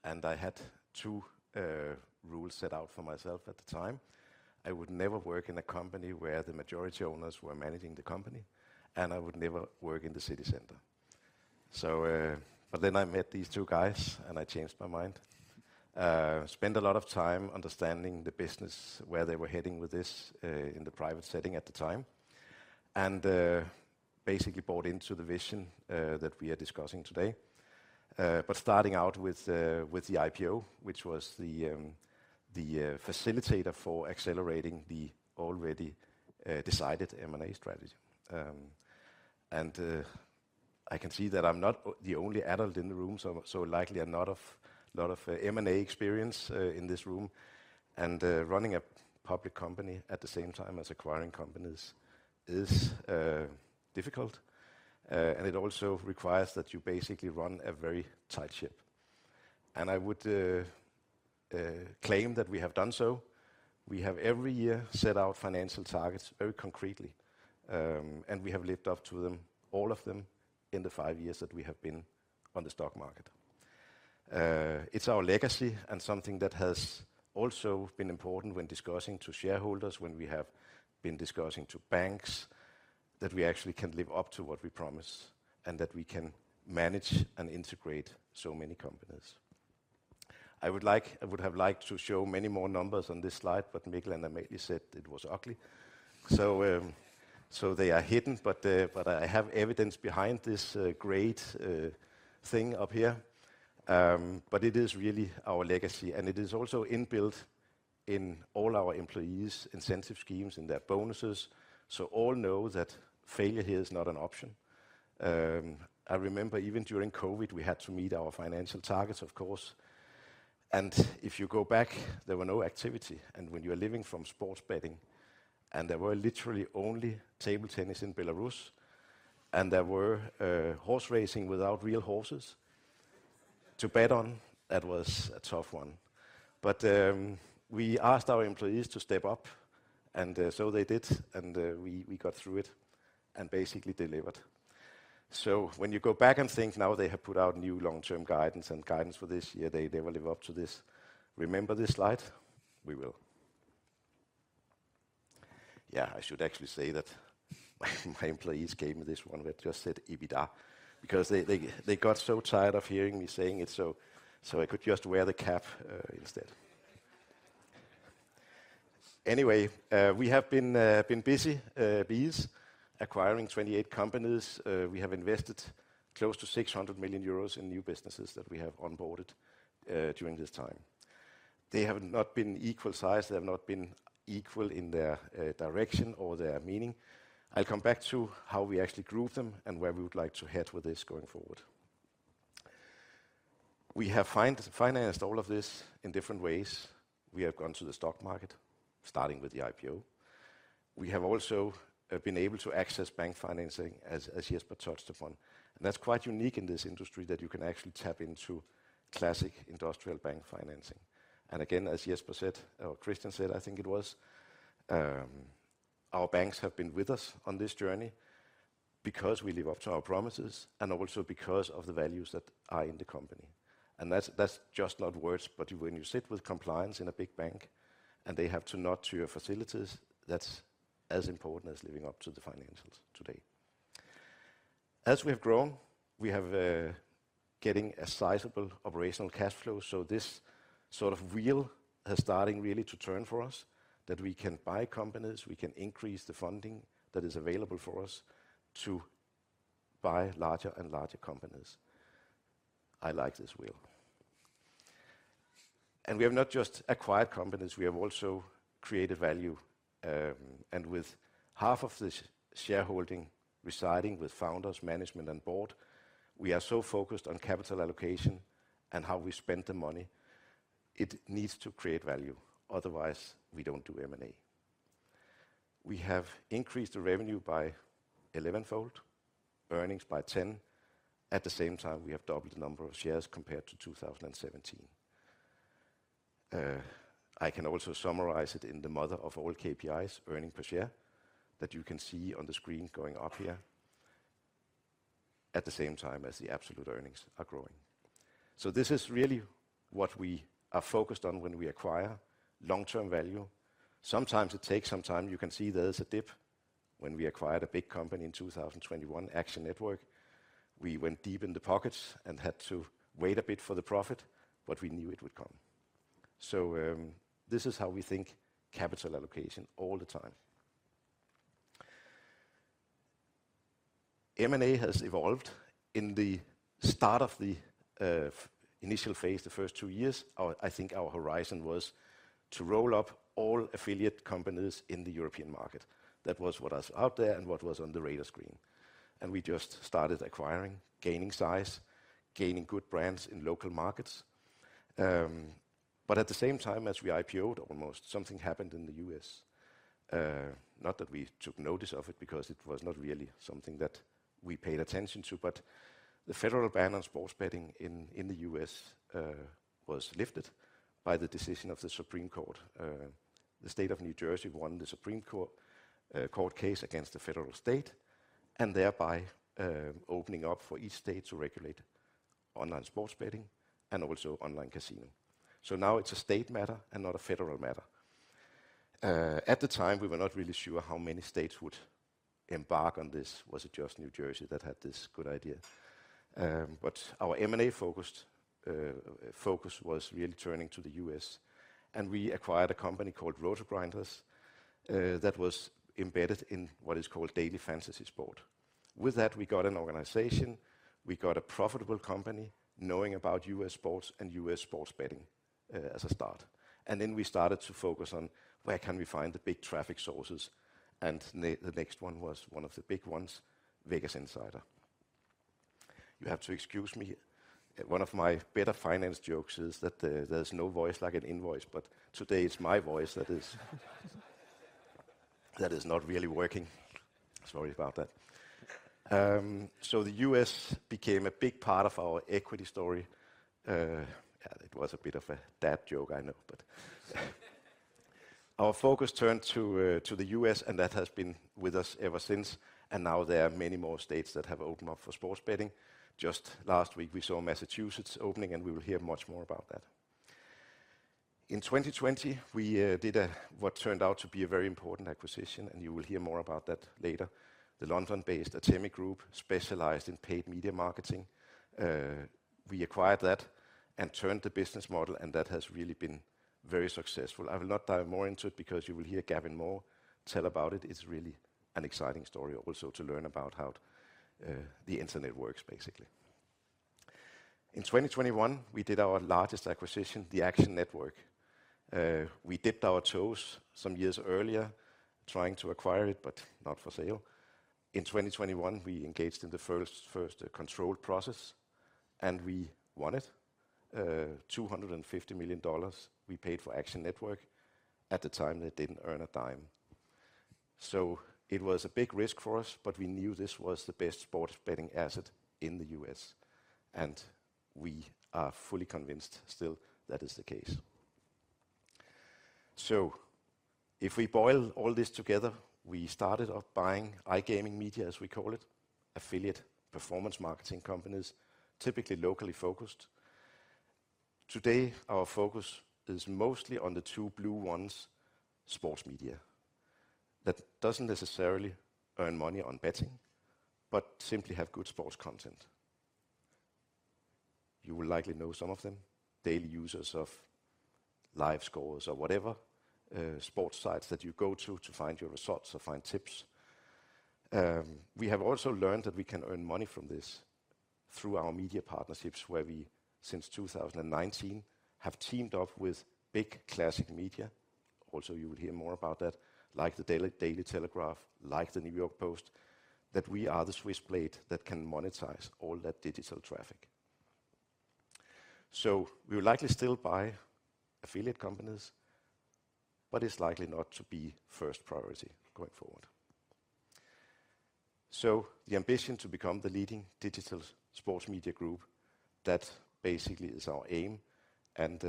and I had two rules set out for myself at the time. I would never work in a company where the majority owners were managing the company, and I would never work in the city center. I met these two guys, and I changed my mind. Spent a lot of time understanding the business, where they were heading with this in the private setting at the time, and basically bought into the vision that we are discussing today. Starting out with the IPO, which was the facilitator for accelerating the already decided M&A strategy. I can see that I'm not the only adult in the room, so likely a lot of M&A experience in this room. Running a public company at the same time as acquiring companies is difficult. It also requires that you basically run a very tight ship. I would claim that we have done so. We have every year set out financial targets very concretely, and we have lived up to them, all of them, in the five years that we have been on the stock market. It's our legacy and something that has also been important when discussing to shareholders, when we have been discussing to banks that we actually can live up to what we promise and that we can manage and integrate so many companies. I would have liked to show many more numbers on this slide. Mikkel and Amalie said it was ugly. They are hidden. I have evidence behind this great thing up here. It is really our legacy. It is also inbuilt in all our employees' incentive schemes and their bonuses. All know that failure here is not an option. I remember even during COVID, we had to meet our financial targets, of course. If you go back, there were no activity. When you are living from sports betting, and there were literally only table tennis in Belarus, and there were horse racing without real horses to bet on, that was a tough one. We asked our employees to step up, so they did and we got through it and basically delivered. When you go back and think now they have put out new long-term guidance and guidance for this year, they will live up to this. Remember this slide? We will. Yeah, I should actually say that my employees gave me this one that just said EBITDA because they got so tired of hearing me saying it so I could just wear the cap instead. Anyway, we have been busy bees acquiring 28 companies. We have invested close to 600 million euros in new businesses that we have onboarded during this time. They have not been equal size, they have not been equal in their direction or their meaning. I'll come back to how we actually group them and where we would like to head with this going forward. We have find-financed all of this in different ways. We have gone to the stock market, starting with the IPO. We have also been able to access bank financing as Jesper touched upon. That's quite unique in this industry that you can actually tap into classic industrial bank financing. As Jesper said or Christian said, I think it was, our banks have been with us on this journey because we live up to our promises and also because of the values that are in the company. That's just not words, but when you sit with compliance in a big bank and they have to nod to your facilities, that's as important as living up to the financials today. As we have grown, we have getting a sizable operational cash flow, so this sort of wheel has starting really to turn for us that we can buy companies, we can increase the funding that is available for us to buy larger and larger companies. I like this wheel. We have not just acquired companies, we have also created value. With half of this shareholding residing with founders, management, and board, we are so focused on capital allocation and how we spend the money. It needs to create value, otherwise we don't do M&A. We have increased the revenue by elevenfold, earnings by ten. At the same time, we have doubled the number of shares compared to 2017. I can also summarize it in the mother of all KPIs, earnings per share, that you can see on the screen going up here at the same time as the absolute earnings are growing. This is really what we are focused on when we acquire long-term value. Sometimes it takes some time. You can see there's a dip when we acquired a big company in 2021, Action Network. We went deep in the pockets and had to wait a bit for the profit, but we knew it would come. This is how we think capital allocation all the time. M&A has evolved. In the start of the initial phase, the first two years, I think our horizon was to roll up all affiliate companies in the European market. That was what was out there and what was on the radar screen, and we just started acquiring, gaining size, gaining good brands in local markets. At the same time as we IPO'd almost, something happened in the U.S. Not that we took notice of it because it was not really something that we paid attention to, but the federal ban on sports betting in the U.S. was lifted by the decision of the Supreme Court. The state of New Jersey won the Supreme Court Court case against the federal state and thereby, opening up for each state to regulate online sports betting and also online casino. Now it's a state matter and not a federal matter. At the time, we were not really sure how many states would embark on this. Was it just New Jersey that had this good idea? But our M&A focused, focus was really turning to the US and we acquired a company called RotoGrinders, that was embedded in what is called daily fantasy sports. With that, we got an organization, we got a profitable company knowing about US sports and US sports betting as a start. We started to focus on where can we find the big traffic sources, the next one was one of the big ones, Vegas Insider. You have to excuse me. One of my better finance jokes is that there's no voice like an invoice, but today it's my voice that is not really working. Sorry about that. The US became a big part of our equity story. Yeah, it was a bit of a dad joke, I know, but. Our focus turned to the US and that has been with us ever since. Now there are many more states that have opened up for sports betting. Just last week we saw Massachusetts opening, and we will hear much more about that. In 2020 we did a what turned out to be a very important acquisition. You will hear more about that later. The London-based Atemi Group specialized in paid media marketing. We acquired that and turned the business model. That has really been very successful. I will not dive more into it because you will hear Gavin Moore tell about it. It's really an exciting story also to learn about how the internet works basically. In 2021, we did our largest acquisition, the Action Network. We dipped our toes some years earlier trying to acquire it, not for sale. In 2021, we engaged in the first control process. We won it. $250 million we paid for Action Network. At the time, they didn't earn a dime. It was a big risk for us, but we knew this was the best sports betting asset in the US, and we are fully convinced still that is the case. If we boil all this together, we started off buying iGaming media, as we call it, affiliate performance marketing companies, typically locally focused. Today, our focus is mostly on the two blue ones, sports media. That doesn't necessarily earn money on betting, but simply have good sports content. You will likely know some of them, daily users of live scores or whatever, sports sites that you go to find your results or find tips. We have also learned that we can earn money from this through our media partnerships, where we since 2019 have teamed up with big classic media. Also, you will hear more about that. The Daily Telegraph, like the New York Post, that we are the Swiss blade that can monetize all that digital traffic. We will likely still buy affiliate companies, but it's likely not to be first priority going forward. The ambition to become the leading digital sports media group, that basically is our aim and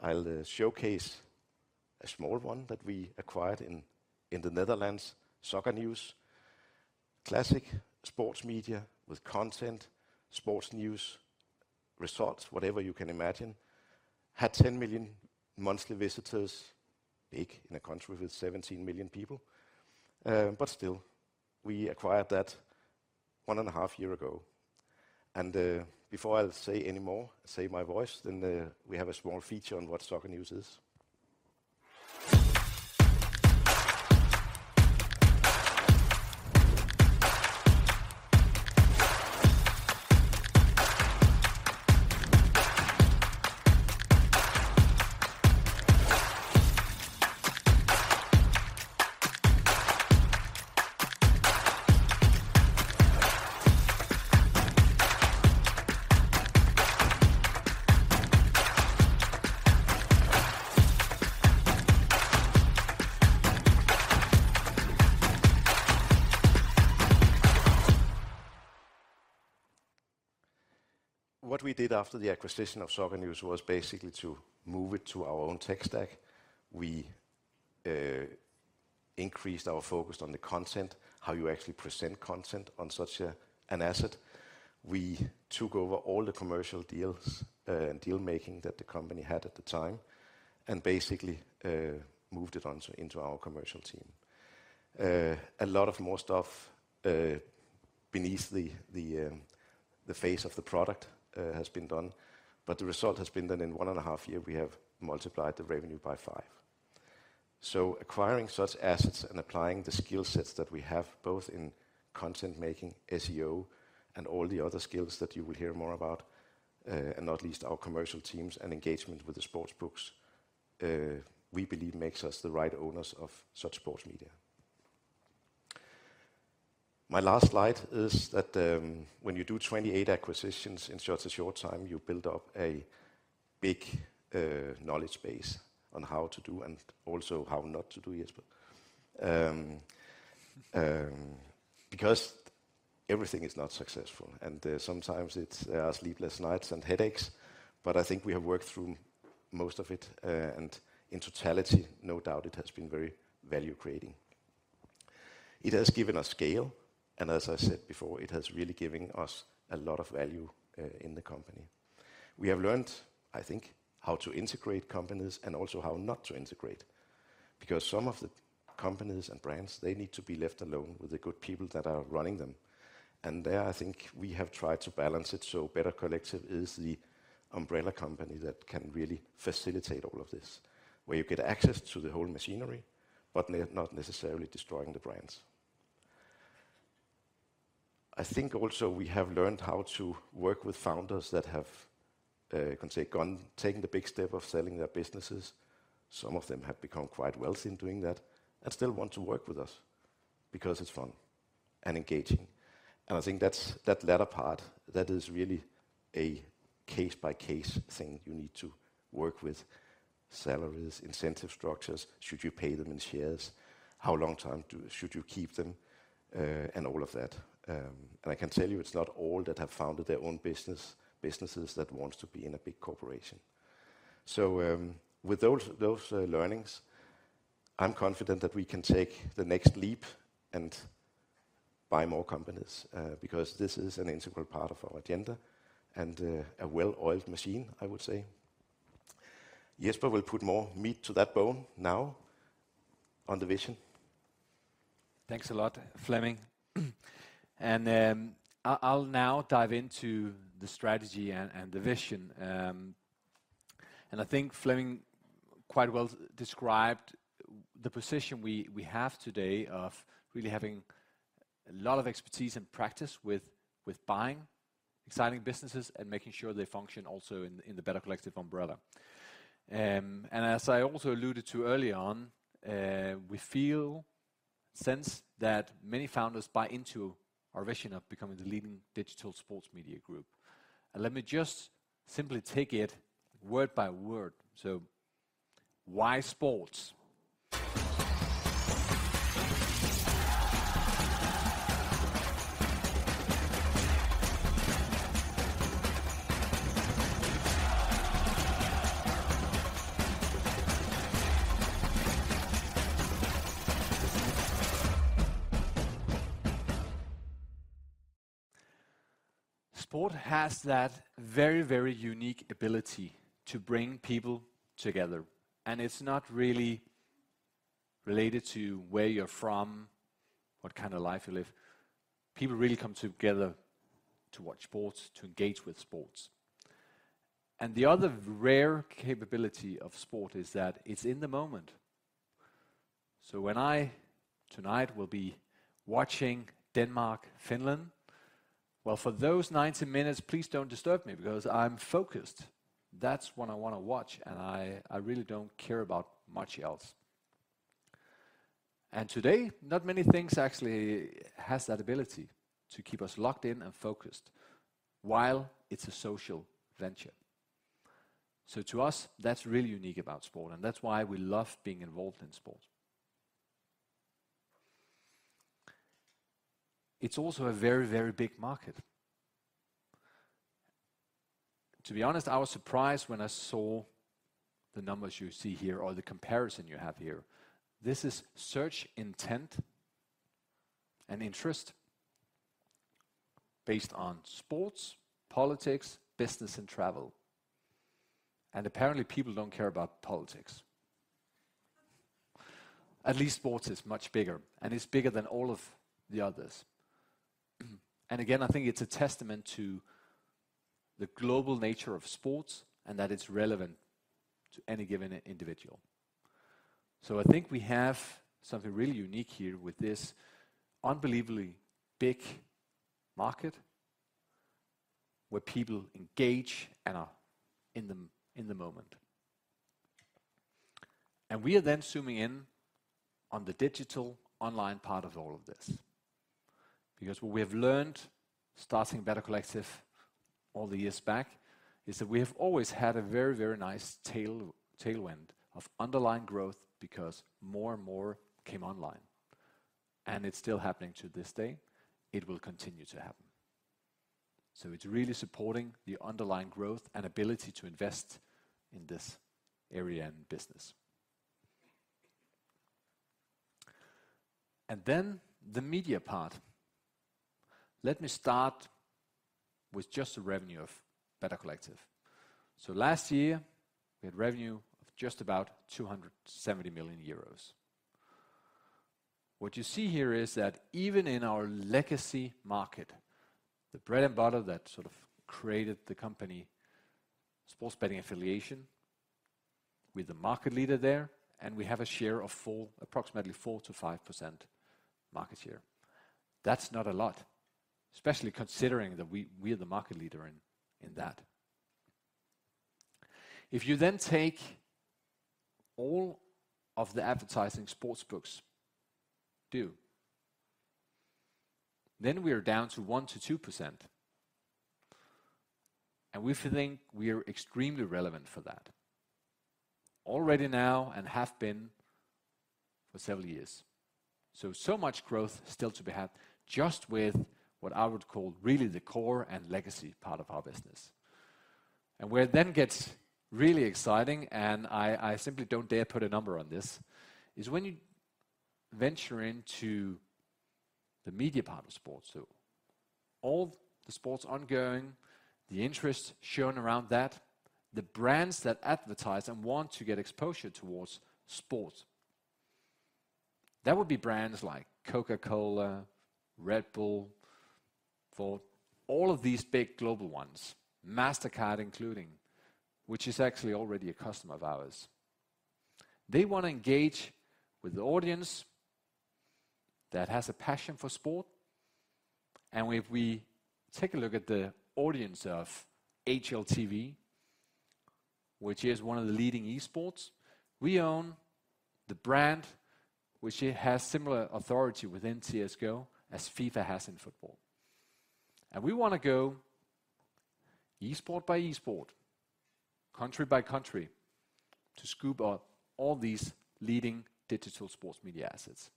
I'll showcase a small one that we acquired in the Netherlands, SoccerNews, classic sports media with content, sports news, results, whatever you can imagine. Had 10 million monthly visitors, big in a country with 17 million people. But still, we acquired that one and a half year ago. Before I'll say any more, save my voice, then we have a small feature on what SoccerNews is. What we did after the acquisition of SoccerNews was basically to move it to our own tech stack. We increased our focus on the content, how you actually present content on such an asset. We took over all the commercial deals and deal-making that the company had at the time and basically moved it on into our commercial team. A lot of more stuff beneath the face of the product has been done, but the result has been that in one and a half year, we have multiplied the revenue by five. Acquiring such assets and applying the skill sets that we have both in content making, SEO and all the other skills that you will hear more about, and not least our commercial teams and engagement with the sportsbooks, we believe makes us the right owners of such sports media. My last slide is that when you do 28 acquisitions in such a short time, you build up a big knowledge base on how to do and also how not to do, Jesper. Because everything is not successful, and sometimes it's sleepless nights and headaches, but I think we have worked through most of it. In totality, no doubt it has been very value-creating. It has given us scale, and as I said before, it has really given us a lot of value in the company. We have learned, I think, how to integrate companies and also how not to integrate, because some of the companies and brands, they need to be left alone with the good people that are running them. There, I think we have tried to balance it so Better Collective is the umbrella company that can really facilitate all of this. Where you get access to the whole machinery, but not necessarily destroying the brands. I think also we have learned how to work with founders that have, you can say, taken the big step of selling their businesses. Some of them have become quite wealthy in doing that and still want to work with us because it's fun and engaging. I think that's that latter part, that is really a case-by-case thing. You need to work with salaries, incentive structures. Should you pay them in shares? How long time should you keep them? All of that. I can tell you it's not all that have founded their own businesses that wants to be in a big corporation. With those learnings, I'm confident that we can take the next leap and buy more companies, because this is an integral part of our agenda and a well-oiled machine, I would say. Jesper will put more meat to that bone now on the vision. Thanks a lot, Flemming. I'll now dive into the strategy and the vision. I think Flemming quite well described the position we have today of really having A lot of expertise and practice with buying exciting businesses and making sure they function also in the Better Collective umbrella. As I also alluded to early on, we feel, sense that many founders buy into our vision of becoming the leading digital sports media group. Let me just simply take it word by word. Why sports? Sport has that very, very unique ability to bring people together, and it's not really related to where you're from, what kind of life you live. People really come together to watch sports, to engage with sports. The other rare capability of sport is that it's in the moment. When I, tonight, will be watching Denmark, Finland. Well, for those 90 minutes, please don't disturb me because I'm focused. That's what I wanna watch, and I really don't care about much else. Today, not many things actually has that ability to keep us locked in and focused while it's a social venture. To us, that's really unique about sport, and that's why we love being involved in sports. It's also a very, very big market. To be honest, I was surprised when I saw the numbers you see here or the comparison you have here. This is search intent and interest based on sports, politics, business and travel. Apparently, people don't care about politics. At least sports is much bigger, and it's bigger than all of the others. Again, I think it's a testament to the global nature of sports and that it's relevant to any given individual. I think we have something really unique here with this unbelievably big market where people engage and are in the moment. We are then zooming in on the digital online part of all of this because what we have learned starting Better Collective all the years back is that we have always had a very, very nice tailwind of underlying growth because more and more came online, and it's still happening to this day. It will continue to happen. It's really supporting the underlying growth and ability to invest in this area and business. Then the media part. Let me start with just the revenue of Better Collective. Last year, we had revenue of just about 270 million euros. What you see here is that even in our legacy market, the bread and butter that sort of created the company, sports betting affiliation, we're the market leader there, and we have a share of approximately 4% to 5% market share. That's not a lot, especially considering that we're the market leader in that. You then take all of the advertising sportsbooks do, then we are down to 1% to 2%, We think we are extremely relevant for that already now and have been for several years. So much growth still to be had just with what I would call really the core and legacy part of our business. Where it then gets really exciting, I simply don't dare put a number on this, is when you venture into the media part of sports. All the sports ongoing, the interest shown around that, the brands that advertise and want to get exposure towards sports. That would be brands like Coca-Cola, Red Bull, Ford, all of these big global ones, Mastercard including, which is actually already a customer of ours. They wanna engage with the audience that has a passion for sport. If we take a look at the audience of HLTV, which is one of the leading esports, we own the brand which has similar authority within CS:GO as FIFA has in football. We wanna go esport by esport, country by country to scoop up all these leading digital sports media assets.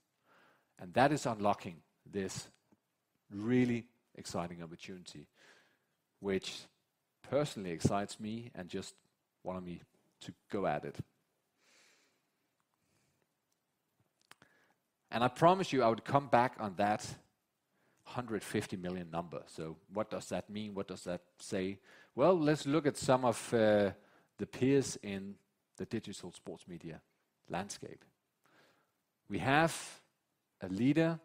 That is unlocking this really exciting opportunity, which personally excites me and just want me to go at it. I promised you I would come back on that $150 million number. What does that mean? What does that say? Well, let's look at some of the peers in the digital sports media landscape. We have a leader,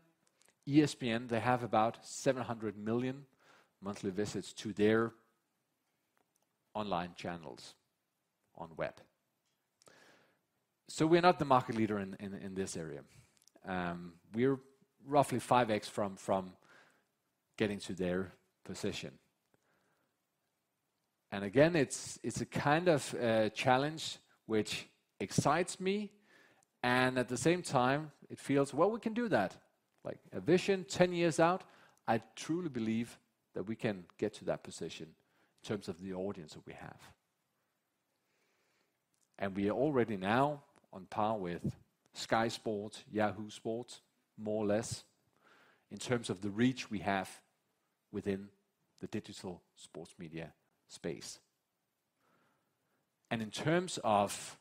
ESPN. They have about 700 million monthly visits to their online channels on web. So we are not the market leader in this area. We're roughly five x from getting to their position. Again, it's a kind of challenge which excites me, and at the same time it feels, well, we can do that. Like a vision 10 years out, I truly believe that we can get to that position in terms of the audience that we have. We are already now on par with Sky Sports, Yahoo Sports, more or less, in terms of the reach we have within the digital sports media space. In terms of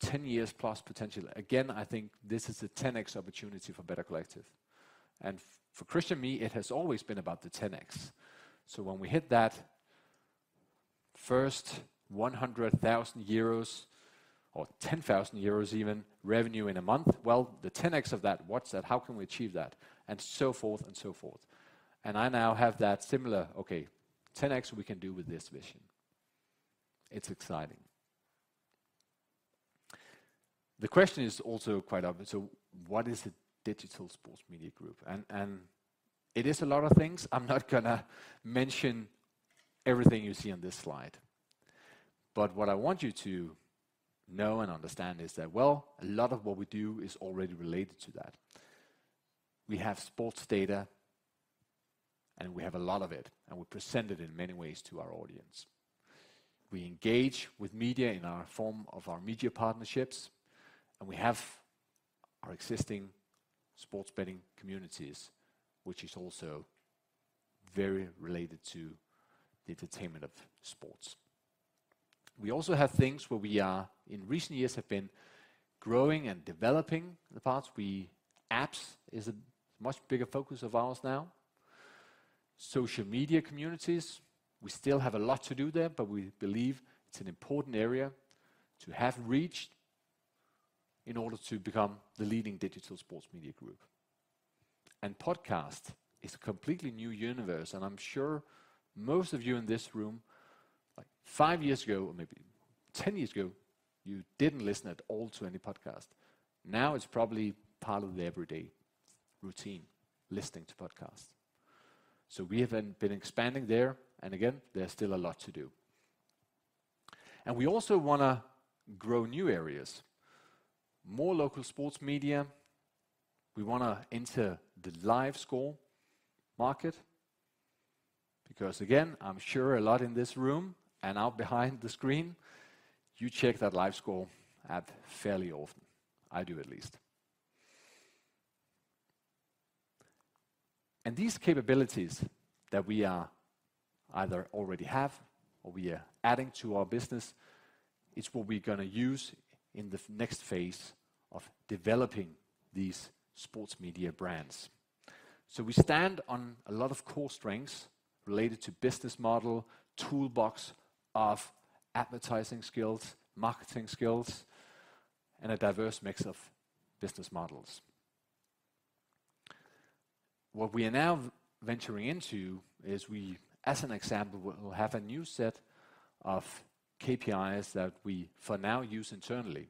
10 years plus potential, again, I think this is a 10x opportunity for Better Collective. For Christian and me, it has always been about the 10x. When we hit that first 100,000 euros or 10,000 euros even, revenue in a month, well, the 10x of that, what's that? How can we achieve that? So forth and so forth. I now have that similar, "Okay, 10x we can do with this vision." It's exciting. The question is also quite obvious, what is a digital sports media group? It is a lot of things. I'm not going to mention everything you see on this slide, but what I want you to know and understand is that, well, a lot of what we do is already related to that. We have sports data, and we have a lot of it, and we present it in many ways to our audience. We engage with media in our form of our media partnerships, and we have our existing sports betting communities, which is also very related to the entertainment of sports. We also have things where we are, in recent years have been growing and developing the parts. Apps is a much bigger focus of ours now. Social media communities, we still have a lot to do there, but we believe it's an important area to have reached in order to become the leading digital sports media group. Podcast is a completely new universe, and I'm sure most of you in this room, like five years ago or maybe 10 years ago, you didn't listen at all to any podcast. Now it's probably part of the everyday routine, listening to podcasts. We have been expanding there, and again, there's still a lot to do. We also wanna grow new areas. More local sports media. We wanna enter the live score market because, again, I'm sure a lot in this room and out behind the screen, you check that live score app fairly often. I do at least. These capabilities that we are either already have or we are adding to our business, it's what we're gonna use in the next phase of developing these sports media brands. We stand on a lot of core strengths related to business model, toolbox of advertising skills, marketing skills, and a diverse mix of business models. What we are now venturing into is we, as an example, we'll have a new set of KPIs that we for now use internally.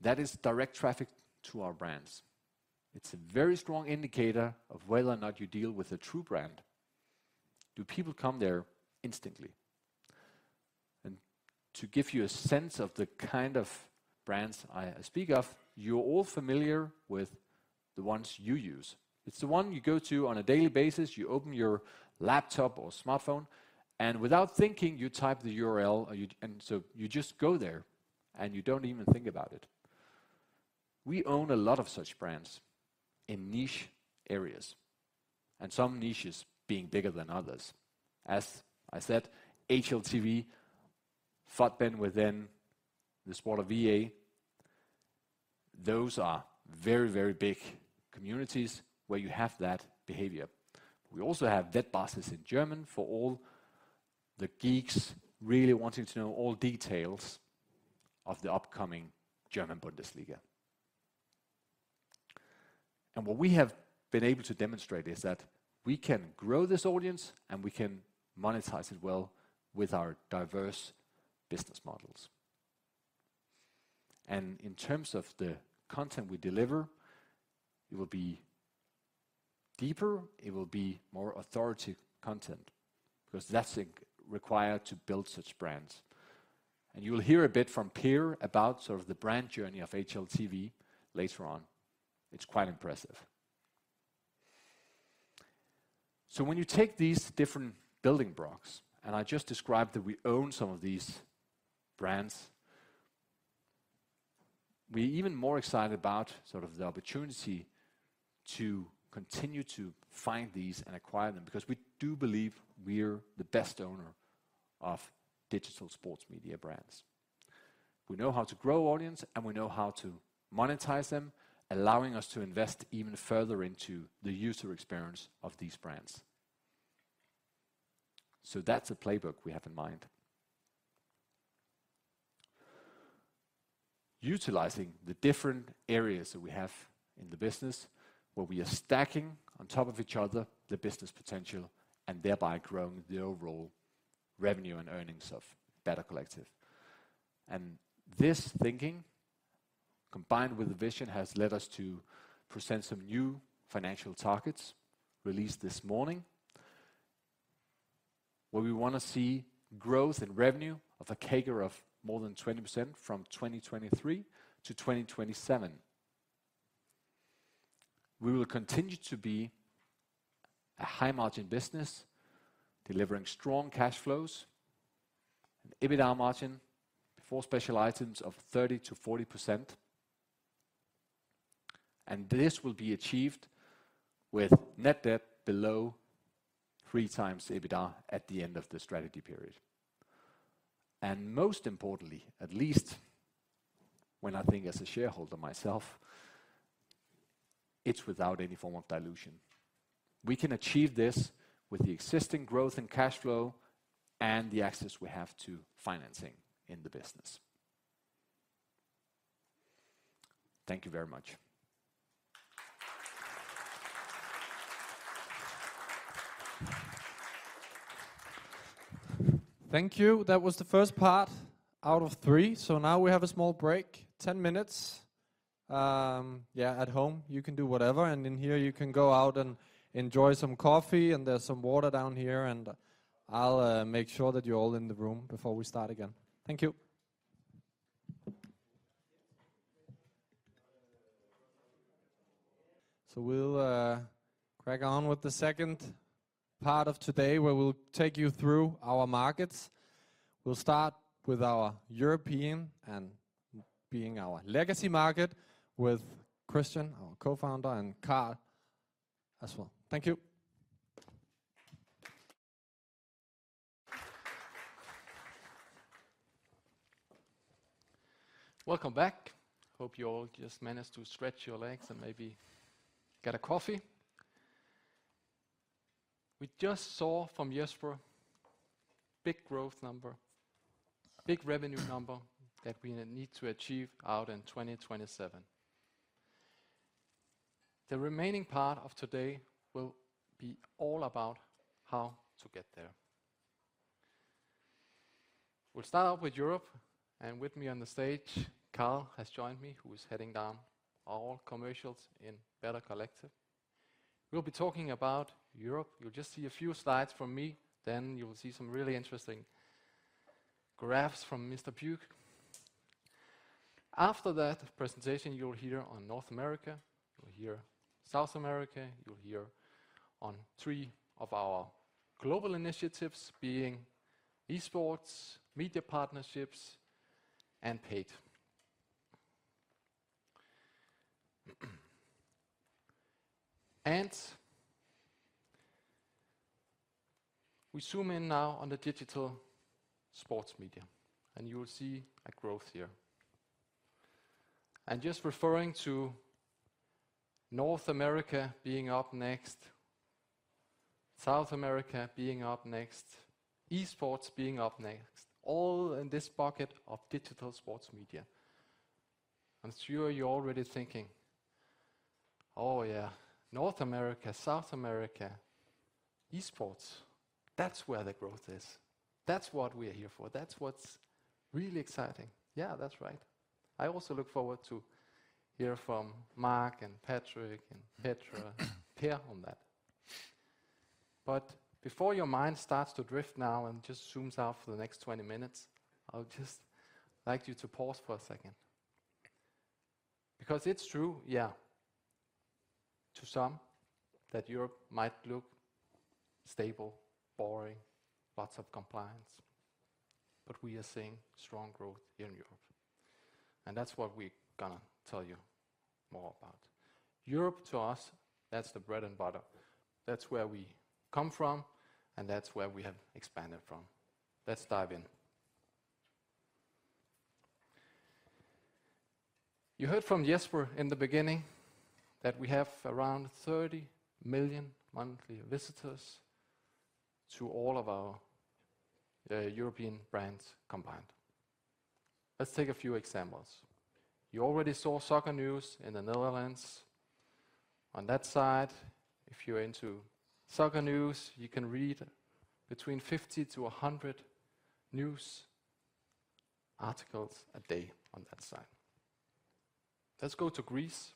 That is direct traffic to our brands. It's a very strong indicator of whether or not you deal with a true brand. Do people come there instantly? To give you a sense of the kind of brands I speak of, you're all familiar with the ones you use. It's the one you go to on a daily basis. You open your laptop or smartphone, without thinking, you type the URL or you just go there, and you don't even think about it. We own a lot of such brands in niche areas, some niches being bigger than others. As I said, HLTV, FUTBIN within the sport of EA, those are very, very big communities where you have that behavior. We also have Wettbasis in German for all the geeks really wanting to know all details of the upcoming German Bundesliga. What we have been able to demonstrate is that we can grow this audience, and we can monetize it well with our diverse business models. In terms of the content we deliver, it will be deeper, it will be more authority content, because that's required to build such brands. You will hear a bit from Per about sort of the brand journey of HLTV later on. It's quite impressive. When you take these different building blocks, and I just described that we own some of these brands, we're even more excited about sort of the opportunity to continue to find these and acquire them, because we do believe we're the best owner of digital sports media brands. We know how to grow audience, and we know how to monetize them, allowing us to invest even further into the user experience of these brands. That's a playbook we have in mind. Utilizing the different areas that we have in the business where we are stacking on top of each other the business potential and thereby growing the overall revenue and earnings of Better Collective. This thinking, combined with the vision, has led us to present some new financial targets released this morning where we wanna see growth in revenue of a CAGR of more than 20% from 2023 to 2027. We will continue to be a high-margin business delivering strong cash flows, an EBITDA margin before special items of 30% to 40%, and this will be achieved with net debt below three times EBITDA at the end of the strategy period. Most importantly, at least when I think as a shareholder myself, it's without any form of dilution. We can achieve this with the existing growth and cash flow and the access we have to financing in the business. Thank you very much. Thank you. That was the first part out of three. Now we have a small break, 10 minutes. Yeah, at home, you can do whatever. In here you can go out and enjoy some coffee, and there's some water down here. I'll make sure that you're all in the room before we start again. Thank you. We'll crack on with the second part of today where we'll take you through our markets. We'll start with our European and being our legacy market with Christian, our Co-Founder, and Karl as well. Thank you. Welcome back. Hope you all just managed to stretch your legs and maybe get a coffee. We just saw from Jesper big growth number, big revenue number that we need to achieve out in 2027. The remaining part of today will be all about how to get there. We'll start off with Europe, and with me on the stage, Karl has joined me, who is heading down all commercials in Better Collective. We'll be talking about Europe. You'll just see a few slides from me, then you'll see some really interesting graphs from Mr. Puk. After that presentation, you'll hear on North America, you'll hear South America, you'll hear on three of our global initiatives being esports, media partnerships, and paid. We zoom in now on the digital sports media, and you will see a growth here. Just referring to North America being up next, South America being up next, esports being up next, all in this bucket of digital sports media. I'm sure you're already thinking, "Oh, yeah, North America, South America, esports, that's where the growth is. That's what we're here for. That's what's really exciting." Yeah, that's right. I also look forward to hear from Mark and Patrick and Petra, Per on that. Before your mind starts to drift now and just zooms out for the next 20 minutes, I would just like you to pause for a second because it's true, yeah, to some that Europe might look stable, boring, lots of compliance, but we are seeing strong growth here in Europe, and that's what we're gonna tell you more about. Europe to us, that's the bread and butter. That's where we come from, and that's where we have expanded from. Let's dive in. You heard from Jesper in the beginning that we have around 30 million monthly visitors to all of our European brands combined. Let's take a few examples. You already saw SoccerNews in the Netherlands. On that site, if you're into soccer news, you can read between 50-100 news articles a day on that site. Let's go to Greece.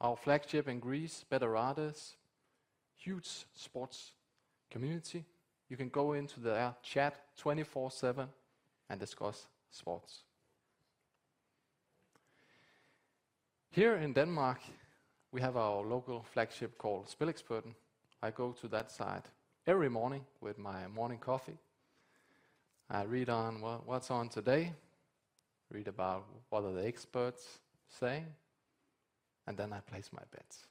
Our flagship in Greece, Betarades, huge sports community. You can go into their chat 24/7 and discuss sports. Here in Denmark, we have our local flagship called SpilXperten. I go to that site every morning with my morning coffee. I read on what's on today, read about what are the experts saying, and then I place my bets.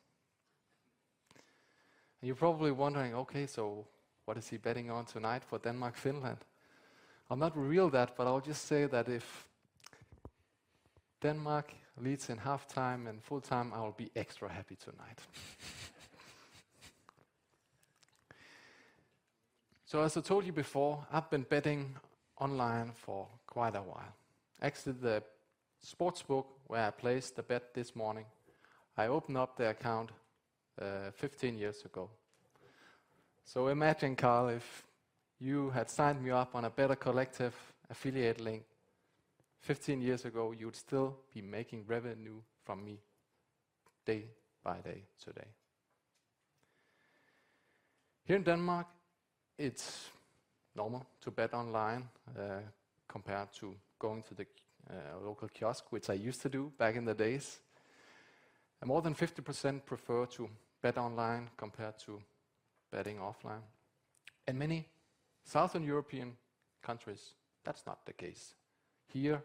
You're probably wondering, "Okay, so what is he betting on tonight for Denmark-Finland?" I'll not reveal that, but I'll just say that if Denmark leads in half time and full time I will be extra happy tonight. As I told you before, I've been betting online for quite a while. Actually, the sportsbook where I placed the bet this morning, I opened up the account 15 years ago. Imagine, Carl, if you had signed me up on a Better Collective affiliate link 15 years ago, you would still be making revenue from me day by day today. Here in Denmark, it's normal to bet online compared to going to the local kiosk, which I used to do back in the days. More than 50% prefer to bet online compared to betting offline. In many southern European countries, that's not the case. Here,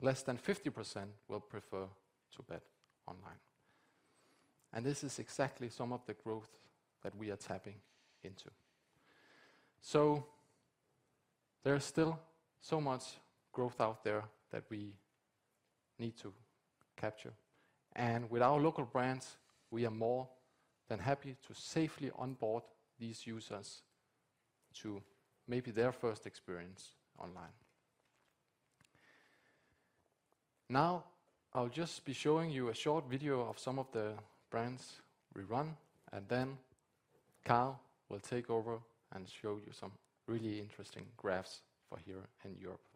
less than 50% will prefer to bet online. This is exactly some of the growth that we are tapping into. There is still so much growth out there that we need to capture. With our local brands, we are more than happy to safely onboard these users to maybe their first experience online. Now, I'll just be showing you a short video of some of the brands we run, and then Karl will take over and show you some really interesting graphs for here in Europe.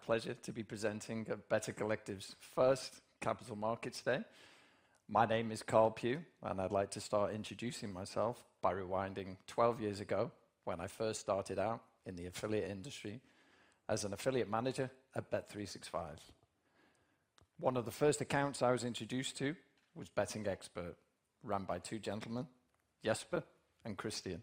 Here we go. Hello, everybody. It's my pleasure to be presenting Better Collective's first Capital Markets Day. My name is Karl Pugh, and I'd like to start introducing myself by rewinding 12 years ago when I first started out in the affiliate industry as an affiliate manager at bet365. One of the first accounts I was introduced to was betting expert, run by two gentlemen, Jesper and Christian.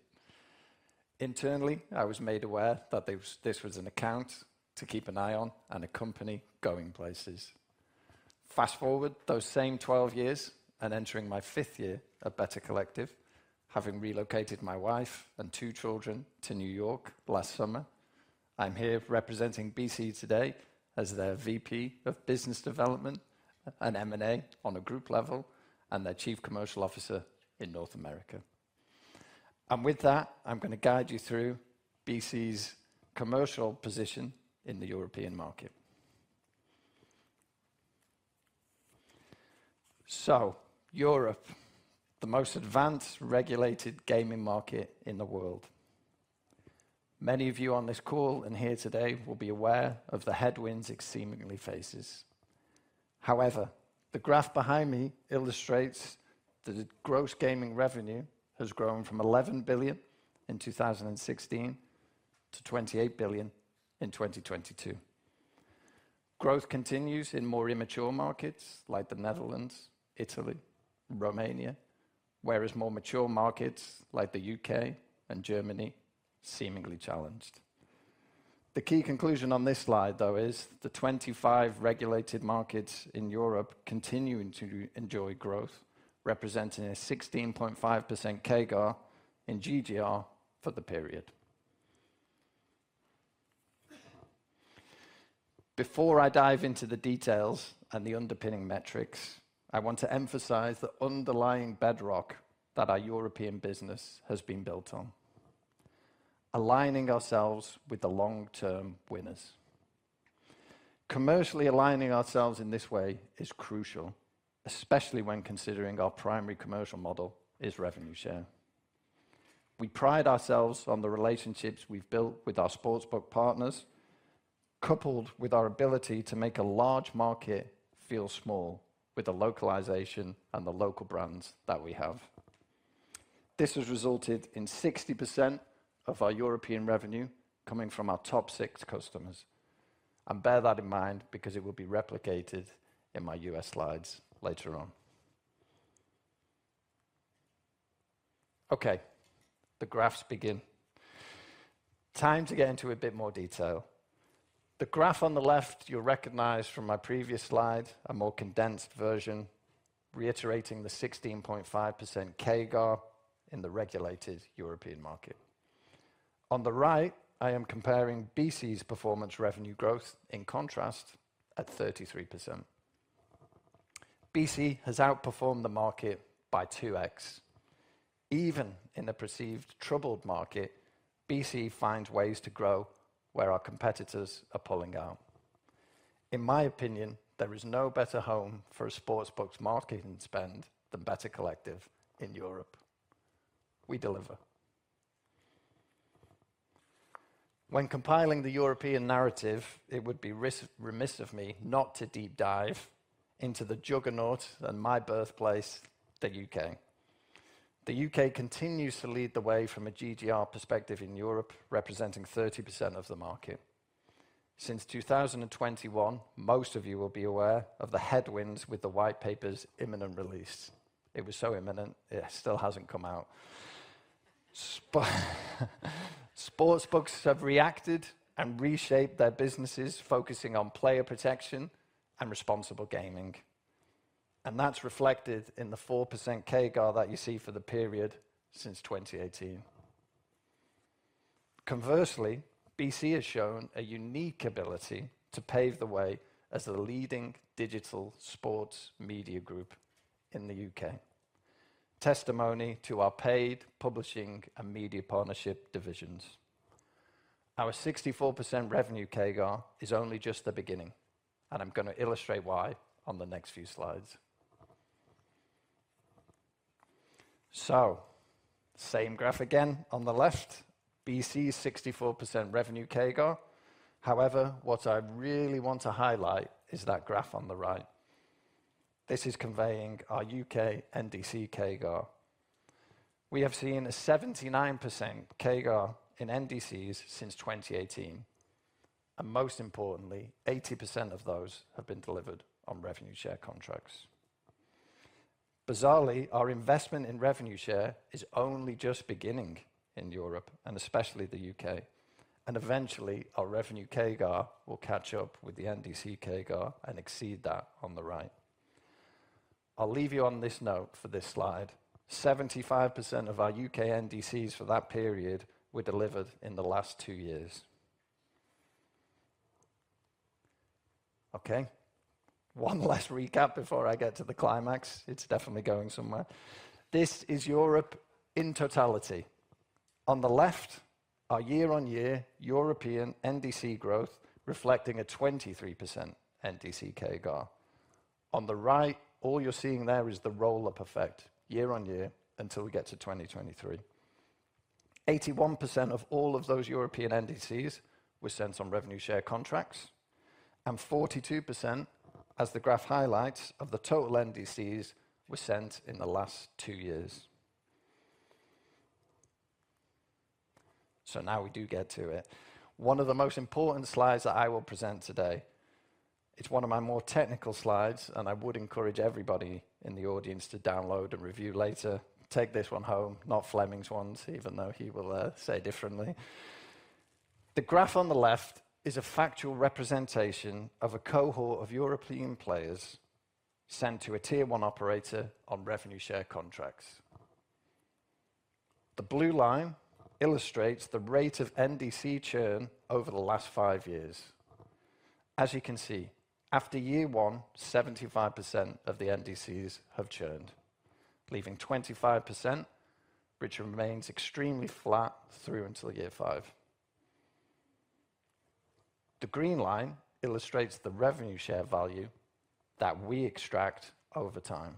Internally, I was made aware that this was an account to keep an eye on and a company going places. Fast-forward those same 12 years and entering my fifth year at Better Collective, having relocated my wife and two children to New York last summer, I'm here representing BC today as their VP of Business Development and M&A on a group level, and their Chief Commercial Officer in North America. With that, I'm gonna guide you through BC's commercial position in the European market. Europe, the most advanced regulated gaming market in the world. Many of you on this call and here today will be aware of the headwinds it seemingly faces. However, the graph behind me illustrates that the gross gaming revenue has grown from 11 billion in 2016 to 28 billion in 2022. Growth continues in more immature markets like the Netherlands, Italy, Romania, whereas more mature markets like the UK and Germany seemingly challenged. The key conclusion on this slide, though, is the 25 regulated markets in Europe continuing to enjoy growth, representing a 16.5% CAGR in GGR for the period. Before I dive into the details and the underpinning metrics, I want to emphasize the underlying bedrock that our European business has been built on, aligning ourselves with the long-term winners. Commercially aligning ourselves in this way is crucial, especially when considering our primary commercial model is revenue share. We pride ourselves on the relationships we've built with our sportsbook partners, coupled with our ability to make a large market feel small with the localization and the local brands that we have. This has resulted in 60% of our European revenue coming from our top six customers. Bear that in mind because it will be replicated in my US slides later on. Okay, the graphs begin. Time to get into a bit more detail. The graph on the left you'll recognize from my previous slide, a more condensed version reiterating the 16.5% CAGR in the regulated European market. On the right, I am comparing BC's performance revenue growth in contrast at 33%. BC has outperformed the market by two x. Even in a perceived troubled market, BC finds ways to grow where our competitors are pulling out. In my opinion, there is no better home for a sportsbook's marketing spend than Better Collective in Europe. We deliver. When compiling the European narrative, it would be remiss of me not to deep dive into the juggernaut and my birthplace, the UK. The UK continues to lead the way from a GGR perspective in Europe, representing 30% of the market. Since 2021, most of you will be aware of the headwinds with the White Paper's imminent release. It was so imminent, it still hasn't come out. Sportsbooks have reacted and reshaped their businesses focusing on player protection and responsible gaming, and that's reflected in the 4% CAGR that you see for the period since 2018. Conversely, Better Collective has shown a unique ability to pave the way as a leading digital sports media group in the UK, testimony to our paid publishing and media partnership divisions. Our 64% revenue CAGR is only just the beginning, and I'm gonna illustrate why on the next few slides. Same graph again on the left, Better Collective's 64% revenue CAGR. However, what I really want to highlight is that graph on the right. This is conveying our UK NDC CAGR. We have seen a 79% CAGR in NDCs since 2018, and most importantly, 80% of those have been delivered on revenue share contracts. Bizarrely, our investment in revenue share is only just beginning in Europe, and especially the U.K., and eventually our revenue CAGR will catch up with the NDC CAGR and exceed that on the right. I'll leave you on this note for this slide. 75% of our U.K. NDCs for that period were delivered in the last two years. Okay, one last recap before I get to the climax. It's definitely going somewhere. This is Europe in totality. On the left, our year-on-year European NDC growth reflecting a 23% NDC CAGR. On the right, all you're seeing there is the roll-up effect year-on-year until we get to 2023. 81% of all of those European NDCs were sent on revenue share contracts, and 42%, as the graph highlights, of the total NDCs were sent in the last two years. Now we do get to it. One of the most important slides that I will present today. It's one of my more technical slides, and I would encourage everybody in the audience to download and review later. Take this one home, not Flemming's ones, even though he will say differently. The graph on the left is a factual representation of a cohort of European players sent to a tier one operator on revenue share contracts. The blue line illustrates the rate of NDC churn over the last five years. As you can see, after year one, 75% of the NDCs have churned, leaving 25%, which remains extremely flat through until year five. The green line illustrates the revenue share value that we extract over time.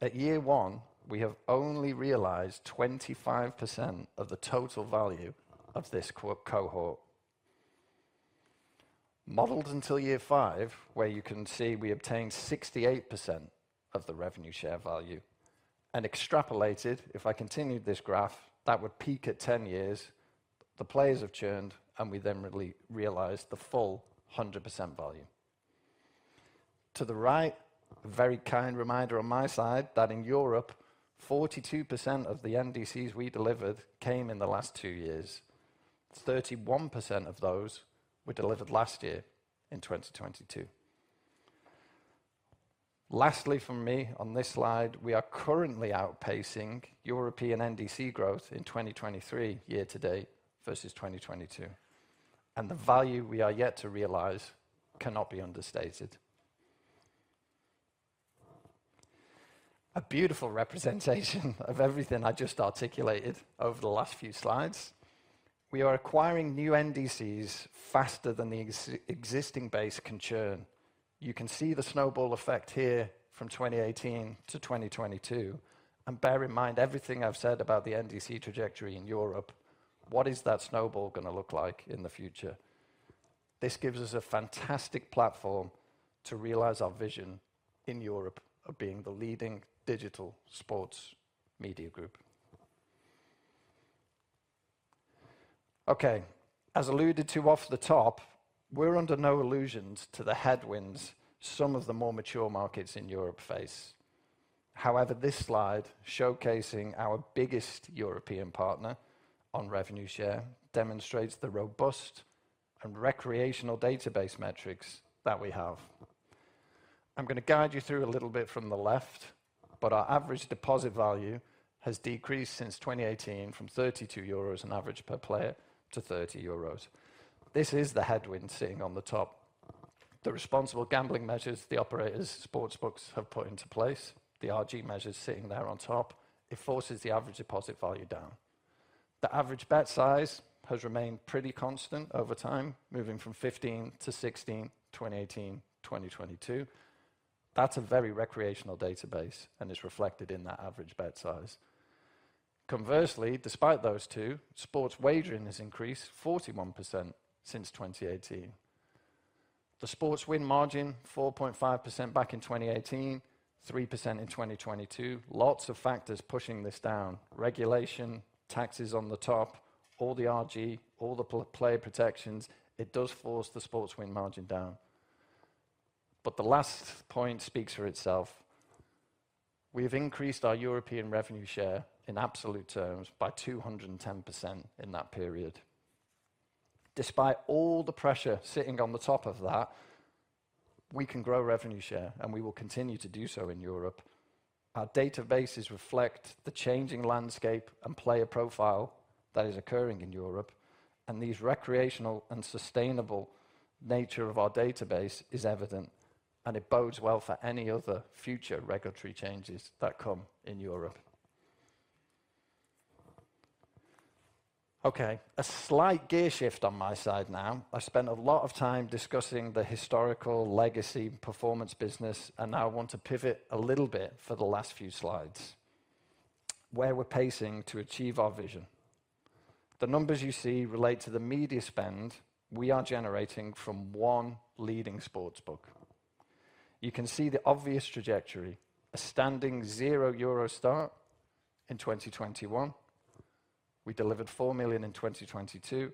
At year one, we have only realized 25% of the total value of this cohort. Modeled until year five, where you can see we obtain 68% of the revenue share value, and extrapolated, if I continued this graph, that would peak at 10 years, the players have churned, and we then really realized the full 100% value. To the right, a very kind reminder on my side that in Europe, 42% of the NDCs we delivered came in the last two years. 31% of those were delivered last year in 2022. Lastly from me on this slide, we are currently outpacing European NDC growth in 2023 year to date versus 2022, and the value we are yet to realize cannot be understated. A beautiful representation of everything I just articulated over the last few slides. We are acquiring new NDCs faster than the existing base can churn. You can see the snowball effect here from 2018 to 2022, bear in mind everything I've said about the NDC trajectory in Europe, what is that snowball gonna look like in the future? This gives us a fantastic platform to realize our vision in Europe of being the leading digital sports media group. Okay, as alluded to off the top, we're under no illusions to the headwinds some of the more mature markets in Europe face. This slide showcasing our biggest European partner on revenue share demonstrates the robust and recreational database metrics that we have. I'm gonna guide you through a little bit from the left. Our average deposit value has decreased since 2018 from 32 euros on average per player to 30 euros. This is the headwind seeing on the top. The responsible gambling measures the operators sportsbooks have put into place, the RG measures sitting there on top, it forces the average deposit value down. The average bet size has remained pretty constant over time, moving from 15 to 16 2018, 2022. That's a very recreational database and is reflected in that average bet size. Despite those two, sports wagering has increased 41% since 2018. The sports win margin 4.5% back in 2018, 3% in 2022. Lots of factors pushing this down. Regulation, taxes on the top, all the RG, all the player protections, it does force the sports win margin down. The last point speaks for itself. We have increased our European revenue share in absolute terms by 210% in that period. Despite all the pressure sitting on the top of that, we can grow revenue share, and we will continue to do so in Europe. Our databases reflect the changing landscape and player profile that is occurring in Europe, and the recreational and sustainable nature of our database is evident, and it bodes well for any other future regulatory changes that come in Europe. Okay, a slight gear shift on my side now. I spent a lot of time discussing the historical legacy performance business, and now I want to pivot a little bit for the last few slides. Where we're pacing to achieve our vision. The numbers you see relate to the media spend we are generating from one leading sportsbook. You can see the obvious trajectory, a standing 0 euro start in 2021. We delivered 4 million in 2022,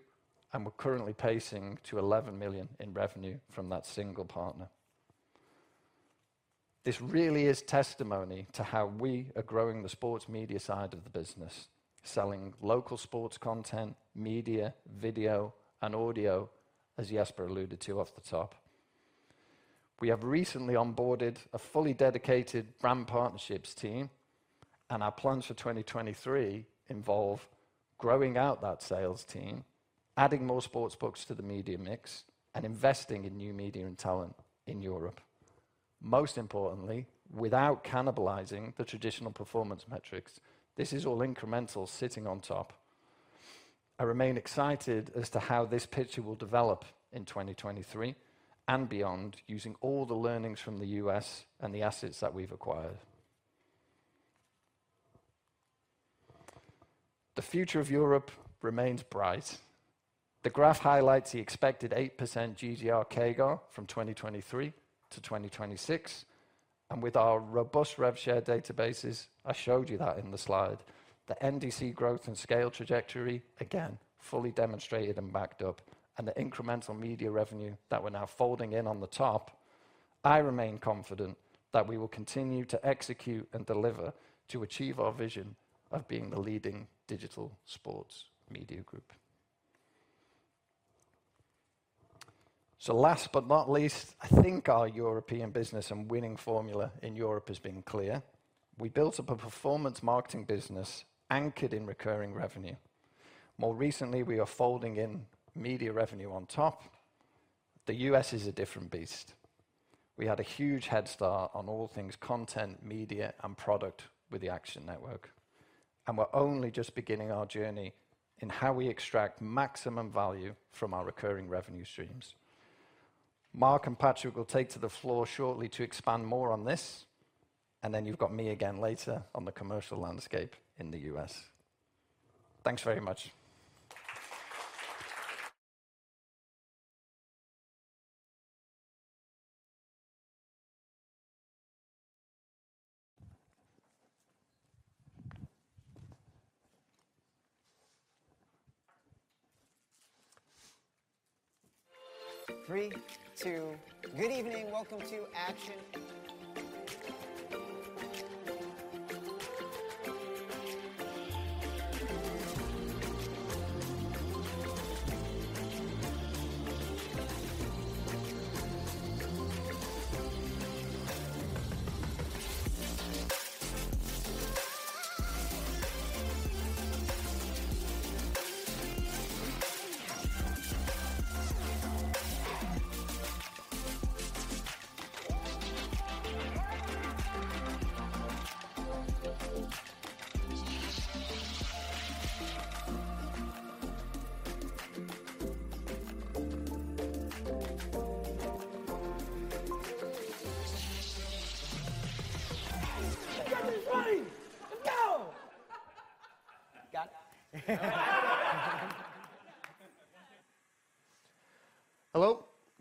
and we're currently pacing to 11 million in revenue from that single partner. This really is testimony to how we are growing the sports media side of the business, selling local sports content, media, video and audio, as Jesper alluded to off the top. We have recently onboarded a fully dedicated brand partnerships team, and our plans for 2023 involve growing out that sales team, adding more sportsbooks to the media mix and investing in new media and talent in Europe. Most importantly, without cannibalizing the traditional performance metrics. This is all incremental sitting on top. I remain excited as to how this picture will develop in 2023 and beyond, using all the learnings from the US and the assets that we've acquired. The future of Europe remains bright. The graph highlights the expected 8% GGR CAGR from 2023 to 2026. With our robust rev share databases, I showed you that in the slide, the NDC growth and scale trajectory again fully demonstrated and backed up and the incremental media revenue that we're now folding in on the top, I remain confident that we will continue to execute and deliver to achieve our vision of being the leading Digital Sports Media Group. Last but not least, I think our European business and winning formula in Europe has been clear. We built up a performance marketing business anchored in recurring revenue. More recently, we are folding in media revenue on top. The US is a different beast. We had a huge head start on all things content, media and product with the Action Network, and we're only just beginning our journey in how we extract maximum value from our recurring revenue streams. Marc and Patrick will take to the floor shortly to expand more on this, and then you've got me again later on the commercial landscape in the US Thanks very much. three, two. Good evening. Welcome to Action.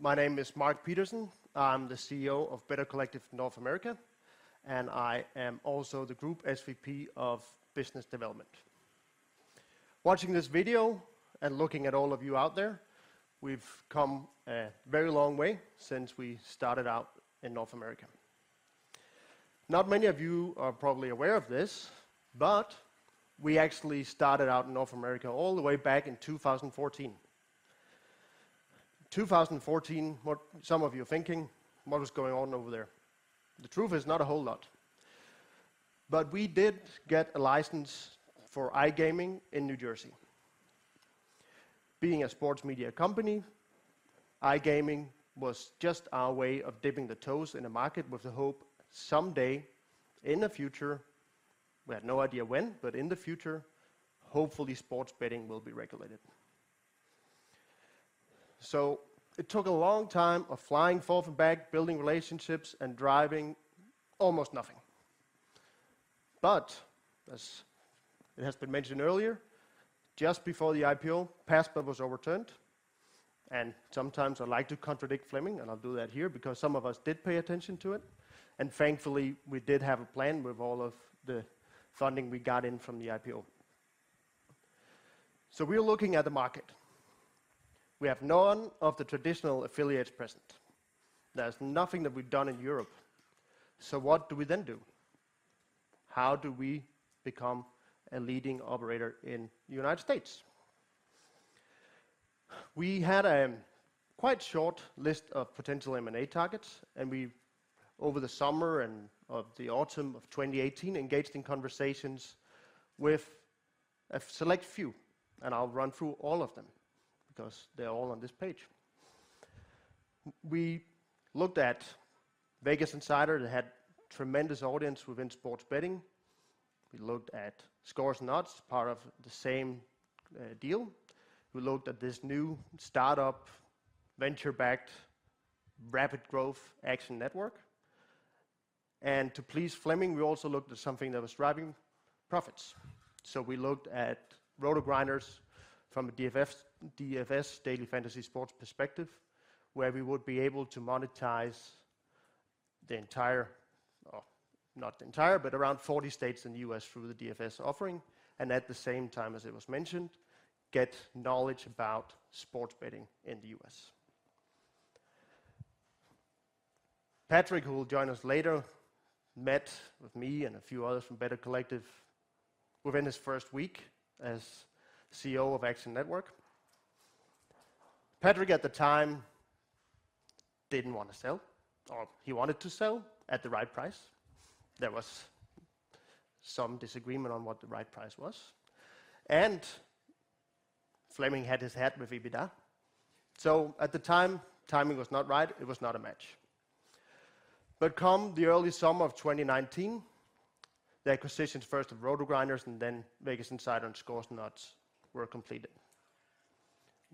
[INAUDIBLE] Hello, my name is Marc Pedersen. I'm the CEO of Better Collective North America, and I am also the group SVP of Business Development. Watching this video and looking at all of you out there, we've come a very long way since we started out in North America. Not many of you are probably aware of this, but we actually started out in North America all the way back in 2014. 2014, what some of you are thinking, what was going on over there? The truth is not a whole lot. We did get a license for iGaming in New Jersey. Being a sports media company, iGaming was just our way of dipping the toes in a market with the hope someday in the future, we had no idea when, but in the future, hopefully sports betting will be regulated. It took a long time of flying forth and back, building relationships and driving almost nothing. As it has been mentioned earlier, just before the IPO, PASPA was overturned, and sometimes I like to contradict Flemming, and I'll do that here because some of us did pay attention to it, and thankfully, we did have a plan with all of the funding we got in from the IPO. We're looking at the market. We have none of the traditional affiliates present. There's nothing that we've done in Europe. What do we then do? How do we become a leading operator in the United States? We had a quite short list of potential M&A targets, and we over the summer and of the autumn of 2018 engaged in conversations with a select few, and I'll run through all of them because they're all on this page. We looked at Vegas Insider that had tremendous audience within sports betting. We looked at Scores and Odds, part of the same deal. We looked at this new startup, venture-backed, rapid growth Action Network. To please Flemming, we also looked at something that was driving profits. We looked at RotoGrinders from a DFS, daily fantasy sports perspective, where we would be able to monetize or not the entire, but around 40 states in the US through the DFS offering, and at the same time, as it was mentioned, get knowledge about sports betting in the US. Patrick, who will join us later, met with me and a few others from Better Collective within his first week as CEO of Action Network. Patrick, at the time, didn't want to sell, or he wanted to sell at the right price. There was some disagreement on what the right price was. Flemming had his hat with EBITDA. At the time, timing was not right. It was not a match. Come the early summer of 2019, the acquisitions first of RotoGrinders and then Vegas Insider and Scores and Odds were completed.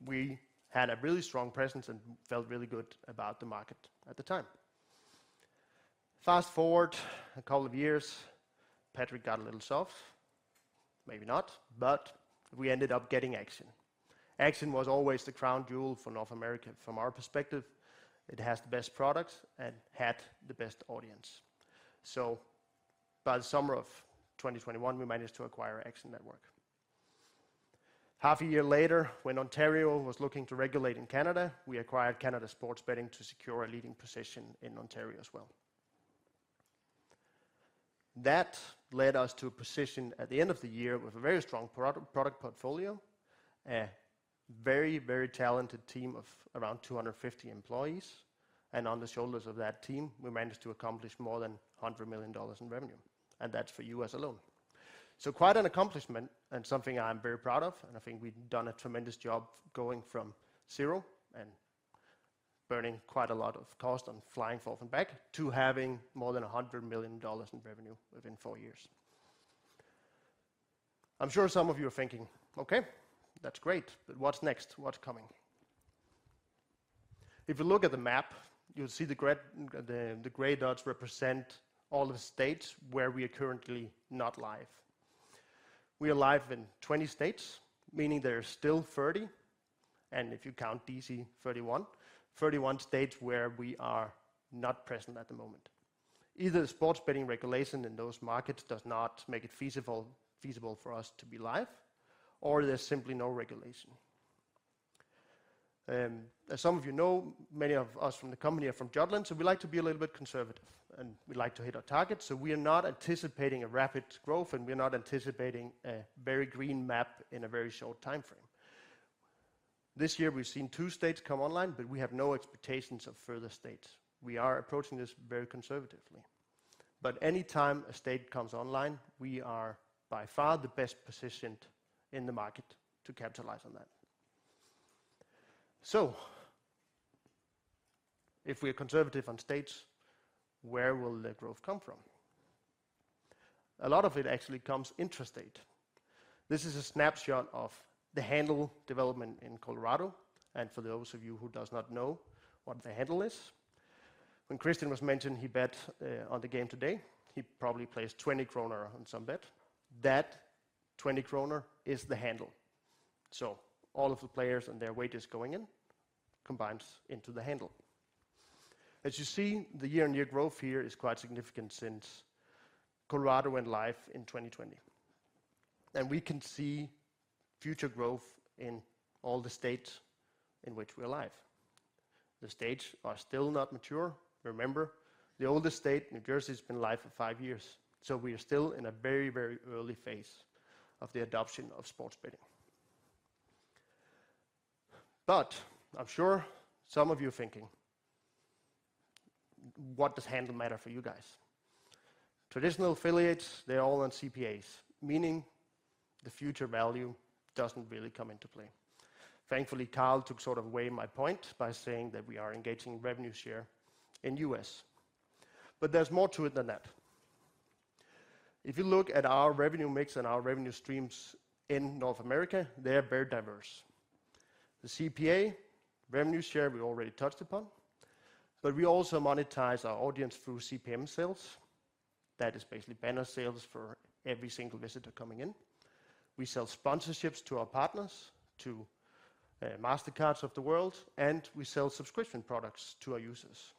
We had a really strong presence and felt really good about the market at the time. Fast-forward a couple of years, Patrick got a little soft, maybe not, but we ended up getting Action. Action was always the crown jewel for North America from our perspective. It has the best products and had the best audience. By the summer of 2021, we managed to acquire Action Network. Half a year later, when Ontario was looking to regulate in Canada, we acquired Canada Sports Betting to secure a leading position in Ontario as well. That led us to a position at the end of the year with a very strong product portfolio, a very, very talented team of around 250 employees. On the shoulders of that team, we managed to accomplish more than $100 million in revenue, and that's for US alone. Quite an accomplishment and something I'm very proud of, and I think we've done a tremendous job going from zero and burning quite a lot of cost on flying forth and back to having more than $100 million in revenue within four years. I'm sure some of you are thinking, "Okay, that's great, but what's next? What's coming?" If you look at the map, you'll see the gray, the gray dots represent all the states where we are currently not live. We are live in 20 states, meaning there are still 30, and if you count DC, 31. 31 states where we are not present at the moment. Either sports betting regulation in those markets does not make it feasible for us to be live, or there's simply no regulation. As some of you know, many of us from the company are from Jutland, so we like to be a little bit conservative, and we like to hit our targets. We are not anticipating a rapid growth, and we are not anticipating a very green map in a very short timeframe. This year we've seen two states come online, but we have no expectations of further states. We are approaching this very conservatively. Any time a state comes online, we are by far the best positioned in the market to capitalize on that. If we're conservative on states, where will the growth come from? A lot of it actually comes intrastate. This is a snapshot of the handle development in Colorado. For those of you who does not know what the handle is, when Christian was mentioned he bet on the game today, he probably placed 20 kroner on some bet. That 20 kroner is the handle. All of the players and their wagers going in combines into the handle. As you see, the year-over-year growth here is quite significant since Colorado went live in 2020. We can see future growth in all the states in which we are live. The states are still not mature. Remember, the oldest state, New Jersey, has been live for five years. We are still in a very, very early phase of the adoption of sports betting. I'm sure some of you are thinking, "What does handle matter for you guys?" Traditional affiliates, they're all on CPAs, meaning the future value doesn't really come into play. Thankfully, Karl took sort of away my point by saying that we are engaging revenue share in US There's more to it than that. If you look at our revenue mix and our revenue streams in North America, they are very diverse. The CPA revenue share we already touched upon, but we also monetize our audience through CPM sales. That is basically banner sales for every single visitor coming in. We sell sponsorships to our partners, to Mastercards of the world, and we sell subscription products to our users.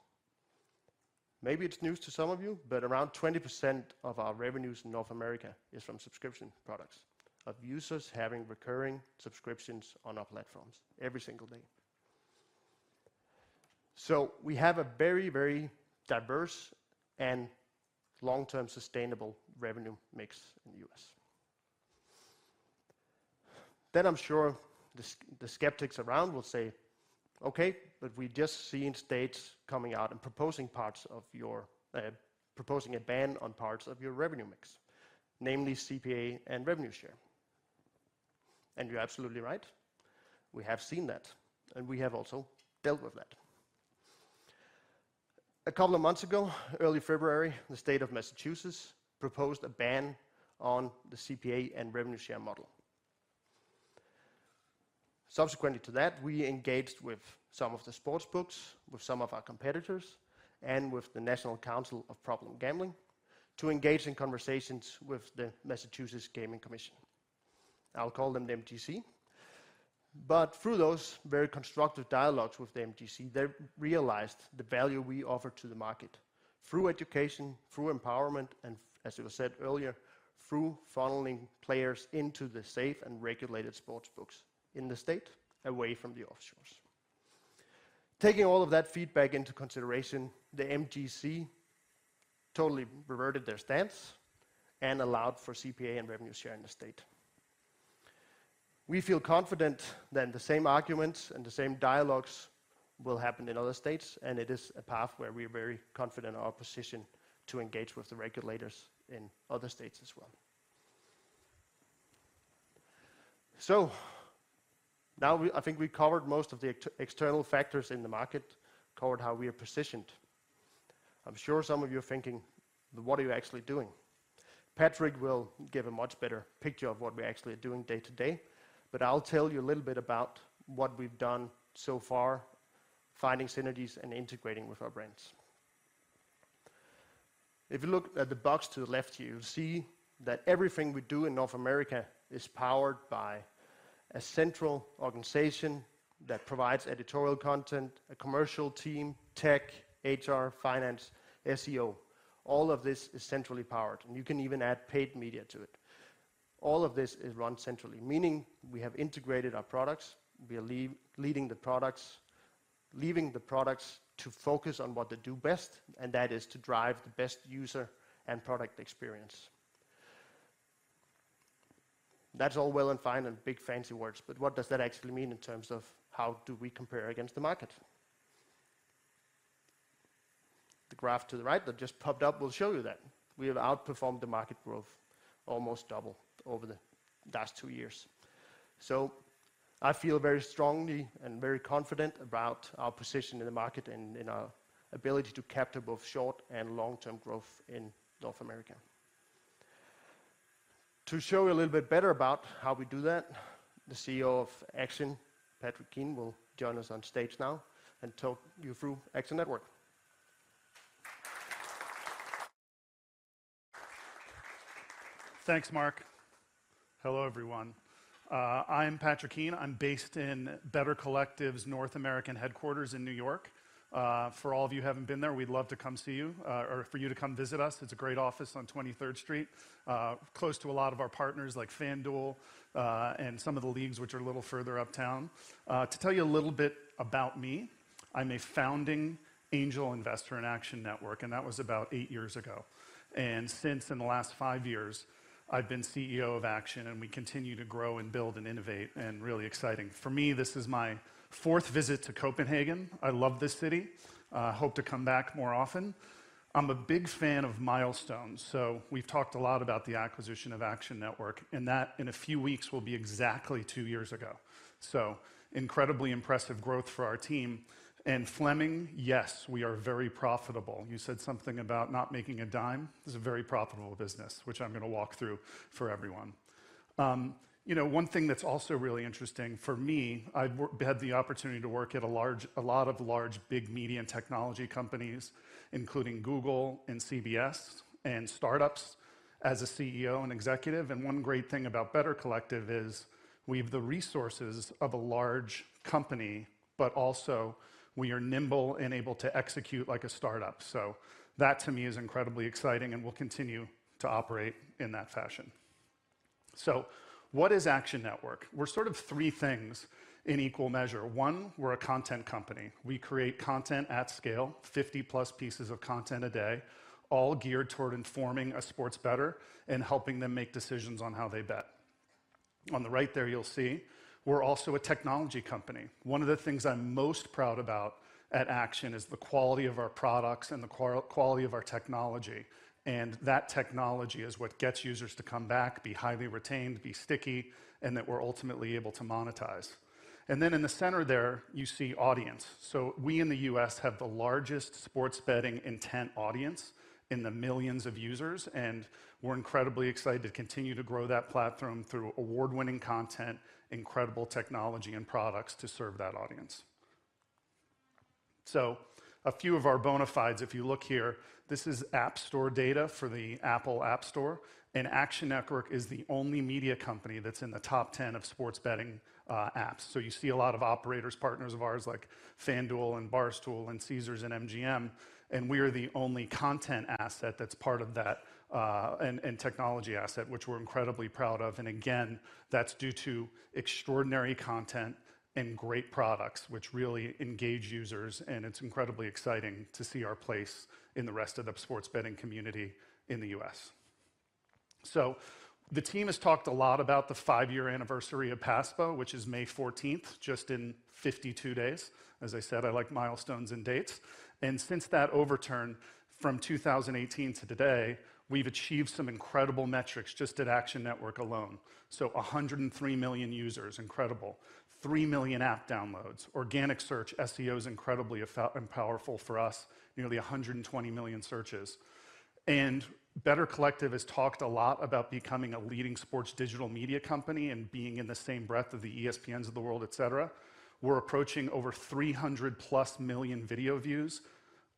Maybe it's news to some of you, but around 20% of our revenues in North America is from subscription products of users having recurring subscriptions on our platforms every single day. We have a very, very diverse and long-term sustainable revenue mix in the US. I'm sure the skeptics around will say, "Okay, but we've just seen states coming out and proposing parts of your, proposing a ban on parts of your revenue mix, namely CPA and revenue share." You're absolutely right. We have seen that, and we have also dealt with that. A couple of months ago, early February, the state of Massachusetts proposed a ban on the CPA and revenue share model. Subsequently to that, we engaged with some of the sports books, with some of our competitors, and with the National Council on Problem Gambling to engage in conversations with the Massachusetts Gaming Commission. I'll call them the MGC. Through those very constructive dialogues with the MGC, they realized the value we offer to the market through education, through empowerment, and as it was said earlier, through funneling players into the safe and regulated sports books in the state away from the offshores. Taking all of that feedback into consideration, the MGC totally reverted their stance and allowed for CPA and revenue share in the state. We feel confident that the same arguments and the same dialogues will happen in other states, and it is a path where we are very confident in our position to engage with the regulators in other states as well. Now I think we covered most of the external factors in the market, covered how we are positioned. I'm sure some of you are thinking, "What are you actually doing?" Patrick will give a much better picture of what we actually are doing day to day, but I'll tell you a little bit about what we've done so far, finding synergies and integrating with our brands. If you look at the box to the left, you'll see that everything we do in North America is powered by a central organization that provides editorial content, a commercial team, tech, HR, finance, SEO. All of this is centrally powered, and you can even add paid media to it. All of this is run centrally, meaning we have integrated our products. We are leading the products, leaving the products to focus on what they do best, and that is to drive the best user and product experience. That's all well and fine and big fancy words, but what does that actually mean in terms of how do we compare against the market? The graph to the right that just popped up will show you that. We have outperformed the market growth almost double over the last two years. I feel very strongly and very confident about our position in the market and our ability to capture both short and long-term growth in North America. To show you a little bit better about how we do that, the CEO of Action Network, Patrick Keane, will join us on stage now and talk you through Action Network. Thanks, Marc. Hello, everyone. I'm Patrick Keane. I'm based in Better Collective's North American headquarters in New York. For all of you who haven't been there, we'd love to come see you, or for you to come visit us. It's a great office on 23rd Street, close to a lot of our partners like FanDuel, and some of the leagues which are a little further uptown. To tell you a little bit about me, I'm a founding angel investor in Action Network, and that was about eight years ago. Since in the last five years, I've been CEO of Action, and we continue to grow and build and innovate and really exciting. For me, this is my fourth visit to Copenhagen. I love this city. Hope to come back more often. I'm a big fan of milestones. We've talked a lot about the acquisition of Action Network, and that in a few weeks will be exactly two years ago. Incredibly impressive growth for our team. Fleming, yes, we are very profitable. You said something about not making a dime. This is a very profitable business, which I'm gonna walk through for everyone. You know, one thing that's also really interesting for me, I've had the opportunity to work at a lot of large, big media and technology companies, including Google and CBS and startups as a CEO and executive. One great thing about Better Collective is we've the resources of a large company, but also we are nimble and able to execute like a startup. That to me is incredibly exciting and will continue to operate in that fashion. What is Action Network? We're sort of three things in equal measure. one, we're a content company. We create content at scale, 50-plus pieces of content a day, all geared toward informing a sports bettor and helping them make decisions on how they bet. On the right there, you'll see we're also a technology company. One of the things I'm most proud about at Action is the quality of our products and the quality of our technology, and that technology is what gets users to come back, be highly retained, be sticky, and that we're ultimately able to monetize. In the center there, you see audience. We in the US have the largest sports betting intent audience in the millions of users. We're incredibly excited to continue to grow that platform through award-winning content, incredible technology, and products to serve that audience. A few of our bona fides, if you look here, this is App Store data for the Apple App Store. Action Network is the only media company that's in the top 10 of sports betting apps. You see a lot of operators, partners of ours like FanDuel, and Barstool, and Caesars, and MGM. We are the only content asset that's part of that and technology asset, which we're incredibly proud of. Again, that's due to extraordinary content and great products which really engage users. It's incredibly exciting to see our place in the rest of the sports betting community in the U.S. The team has talked a lot about the five-year anniversary of PASPA, which is May 14th, just in 52 days. As I said, I like milestones and dates. Since that overturn from 2018 to today, we've achieved some incredible metrics just at Action Network alone. 103 million users, incredible. 3 million app downloads. Organic search, SEO is incredibly powerful for us. Nearly 120 million searches. Better Collective has talked a lot about becoming a leading sports digital media company and being in the same breath of the ESPNs of the world, et cetera. We're approaching over 300-plus million video views,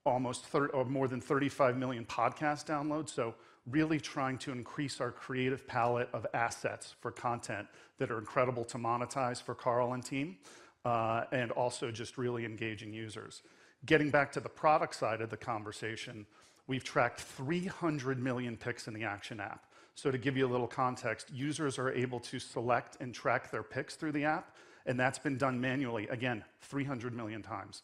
almost or more than 35 million podcast downloads. Really trying to increase our creative palette of assets for content that are incredible to monetize for Carl and team, and also just really engaging users. Getting back to the product side of the conversation, we've tracked 300 million picks in the Action app. To give you a little context, users are able to select and track their picks through the app, and that's been done manually, again, 300 million times.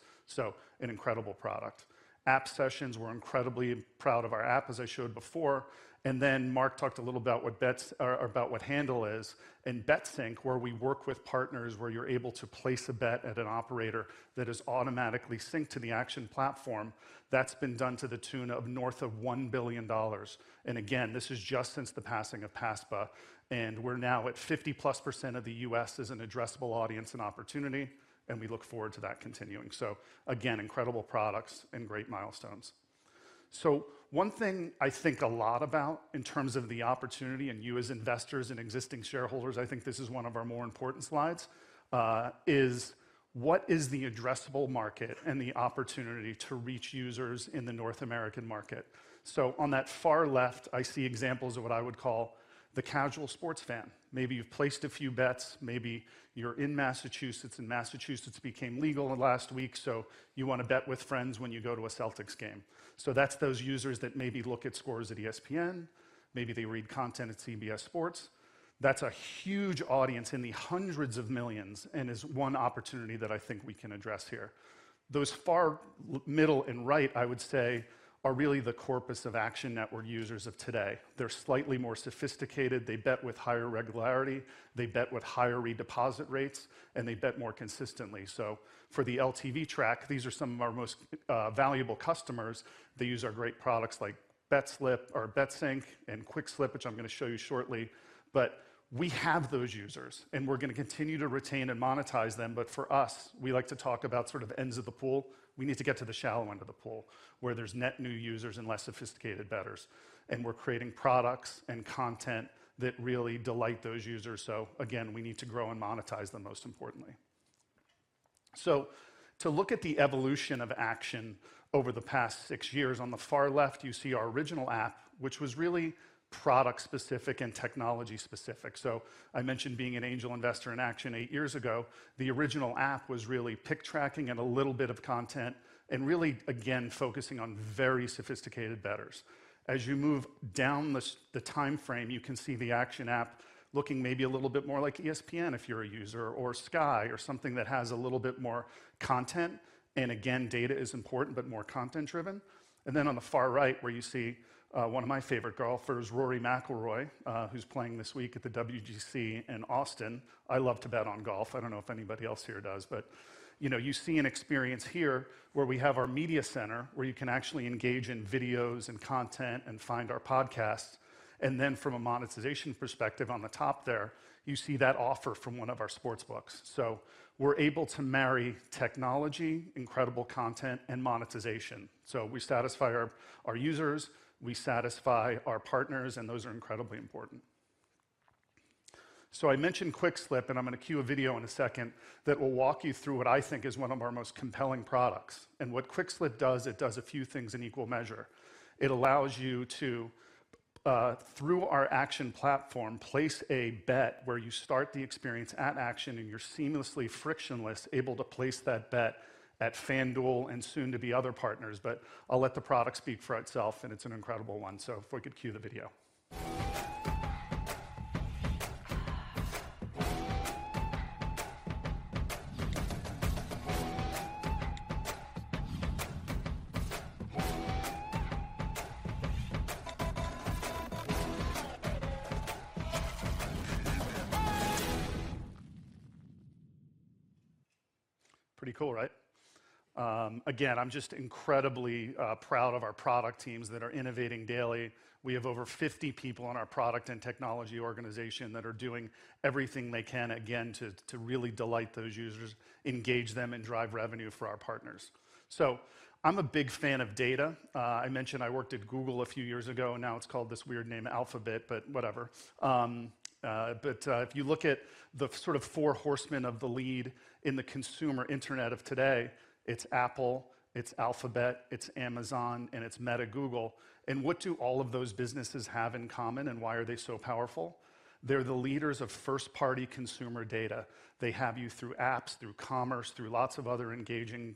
An incredible product. App sessions, we're incredibly proud of our app, as I showed before. Then Mark talked a little about what bets or about what Handle is and BetSync, where we work with partners where you're able to place a bet at an operator that is automatically synced to the Action platform. That's been done to the tune of north of $1 billion. Again, this is just since the passing of PASPA, and we're now at 50+% of the U.S. as an addressable audience and opportunity, and we look forward to that continuing. Again, incredible products and great milestones. One thing I think a lot about in terms of the opportunity, and you as investors and existing shareholders, I think this is one of our more important slides, is what is the addressable market and the opportunity to reach users in the North American market? On that far left, I see examples of what I would call the casual sports fan. Maybe you've placed a few bets, maybe you're in Massachusetts, and Massachusetts became legal last week, you wanna bet with friends when you go to a Celtics game. That's those users that maybe look at scores at ESPN, maybe they read content at CBS Sports. That's a huge audience in the hundreds of millions and is one opportunity that I think we can address here. Those far middle and right, I would say, are really the corpus of Action Network users of today. They're slightly more sophisticated, they bet with higher regularity, they bet with higher redeposit rates, and they bet more consistently. For the LTV track, these are some of our most valuable customers. They use our great products like BetSlip, or BetSync, and QuickSlip, which I'm gonna show you shortly. We have those users, and we're gonna continue to retain and monetize them. For us, we like to talk about sort of ends of the pool. We need to get to the shallow end of the pool where there's net new users and less sophisticated bettors. We're creating products and content that really delight those users. Again, we need to grow and monetize them, most importantly. To look at the evolution of Action over the past 6 years, on the far left, you see our original app, which was really product-specific and technology-specific. I mentioned being an angel investor in Action 8 years ago. The original app was really pick tracking and a little bit of content, and really, again, focusing on very sophisticated bettors. As you move down the timeframe, you can see the Action app looking maybe a little bit more like ESPN if you're a user, or Sky, or something that has a little bit more content, and again, data is important, but more content-driven. On the far right where you see one of my favorite golfers, Rory McIlroy, who's playing this week at the WGC in Austin. I love to bet on golf. I don't know if anybody else here does. You know, you see an experience here where we have our media center where you can actually engage in videos and content and find our podcasts. From a monetization perspective, on the top there, you see that offer from one of our sports books. We're able to marry technology, incredible content, and monetization. We satisfy our users, we satisfy our partners, and those are incredibly important. I mentioned QuickSlip, and I'm gonna cue a video in a second that will walk you through what I think is one of our most compelling products. What QuickSlip does, it does a few things in equal measure. It allows you to, through our Action platform, place a bet where you start the experience at Action and you're seamlessly frictionless, able to place that bet at FanDuel and soon to be other partners. I'll let the product speak for itself, and it's an incredible one. If we could cue the video. Pretty cool, right? Again, I'm just incredibly proud of our product teams that are innovating daily. We have over 50 people on our product and technology organization that are doing everything they can again to really delight those users, engage them, and drive revenue for our partners. I'm a big fan of data. I mentioned I worked at Google a few years ago, now it's called this weird name Alphabet, whatever. If you look at the sort of four horsemen of the lead in the consumer internet of today, it's Apple, it's Alphabet, it's Amazon, and it's Meta Google. What do all of those businesses have in common, and why are they so powerful? They're the leaders of first-party consumer data. They have you through apps, through commerce, through lots of other engaging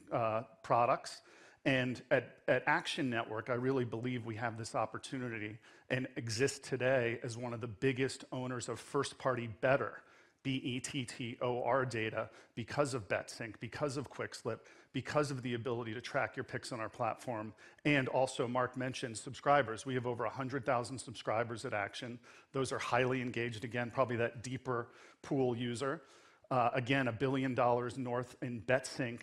products. At Action Network, I really believe we have this opportunity and exist today as one of the biggest owners of first-party bettor, B-E-T-T-O-R data because of BetSync, because of Quick Slip, because of the ability to track your picks on our platform. Also, Mark mentioned subscribers. We have over 100,000 subscribers at Action. Those are highly engaged, again, probably that deeper pool user. Again, $1 billion north in BetSync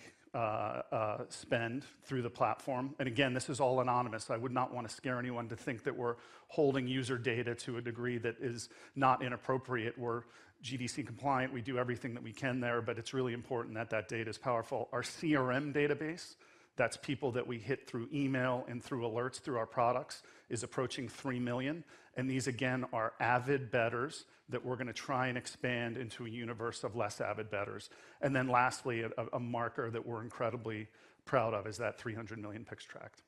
spend through the platform. Again, this is all anonymous. I would not wanna scare anyone to think that we're holding user data to a degree that is not inappropriate. We're GDC compliant. We do everything that we can there, but it's really important that that data is powerful. Our CRM database, that's people that we hit through email and through alerts through our products, is approaching 3 million. These again, are avid bettors that we're gonna try and expand into a universe of less avid bettors. Lastly, a marker that we're incredibly proud of is that 300 million picks tracked.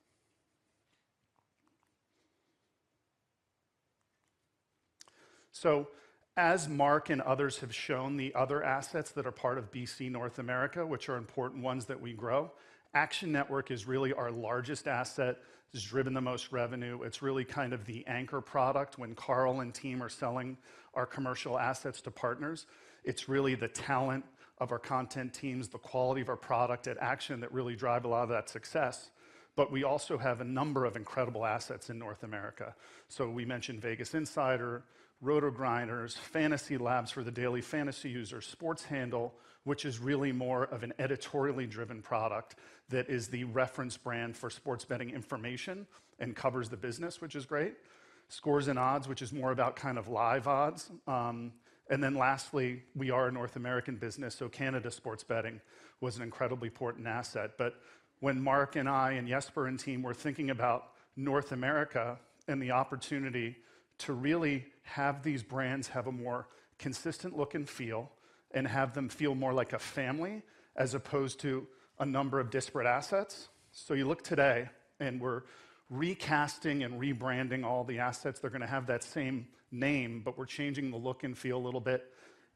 As Mark and others have shown the other assets that are part of BC North America, which are important ones that we grow, Action Network is really our largest asset. It's driven the most revenue. It's really kind of the anchor product when Carl and team are selling our commercial assets to partners. It's really the talent of our content teams, the quality of our product at Action that really drive a lot of that success. We also have a number of incredible assets in North America. We mentioned VegasInsider, RotoGrinders, FantasyLabs for the daily fantasy user, SportsHandle, which is really more of an editorially driven product that is the reference brand for sports betting information and covers the business, which is great. ScoresAndOdds, which is more about kind of live odds. Lastly, we are a North American business, so Canada Sports Betting was an incredibly important asset. When Mark and I, and Jesper Søgaard, and team were thinking about North America and the opportunity to really have these brands have a more consistent look and feel and have them feel more like a family as opposed to a number of disparate assets. You look today and we're recasting and rebranding all the assets. They're gonna have that same name, but we're changing the look and feel a little bit.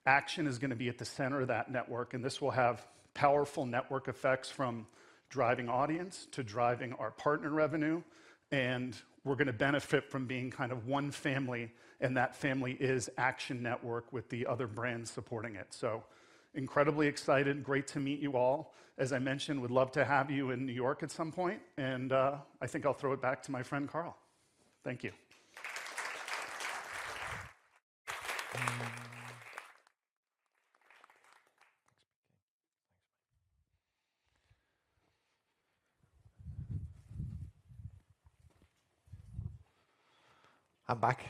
Action is gonna be at the center of that network, and this will have powerful network effects from driving audience to driving our partner revenue, and we're gonna benefit from being kind of one family, and that family is Action Network with the other brands supporting it. Incredibly excited, great to meet you all. As I mentioned, would love to have you in New York at some point and, I think I'll throw it back to my friend, Carl. Thank you. Thanks, Mike. I'm back.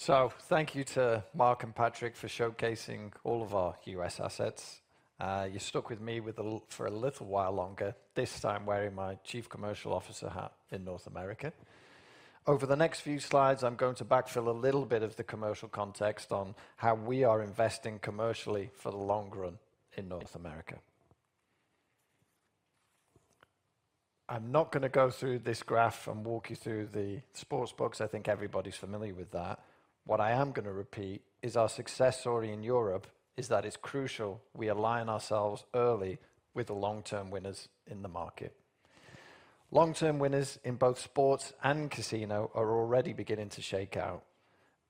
Thank you to Marc Pedersen and Patrick Keane for showcasing all of our U.S. assets. You're stuck with me for a little while longer, this time wearing my Chief Commercial Officer hat in North America. Over the next few slides, I'm going to backfill a little bit of the commercial context on how we are investing commercially for the long run in North America. I'm not gonna go through this graph and walk you through the sportsbooks. I think everybody's familiar with that. What I am gonna repeat is our success story in Europe is that it's crucial we align ourselves early with the long-term winners in the market. Long-term winners in both sports and casino are already beginning to shake out,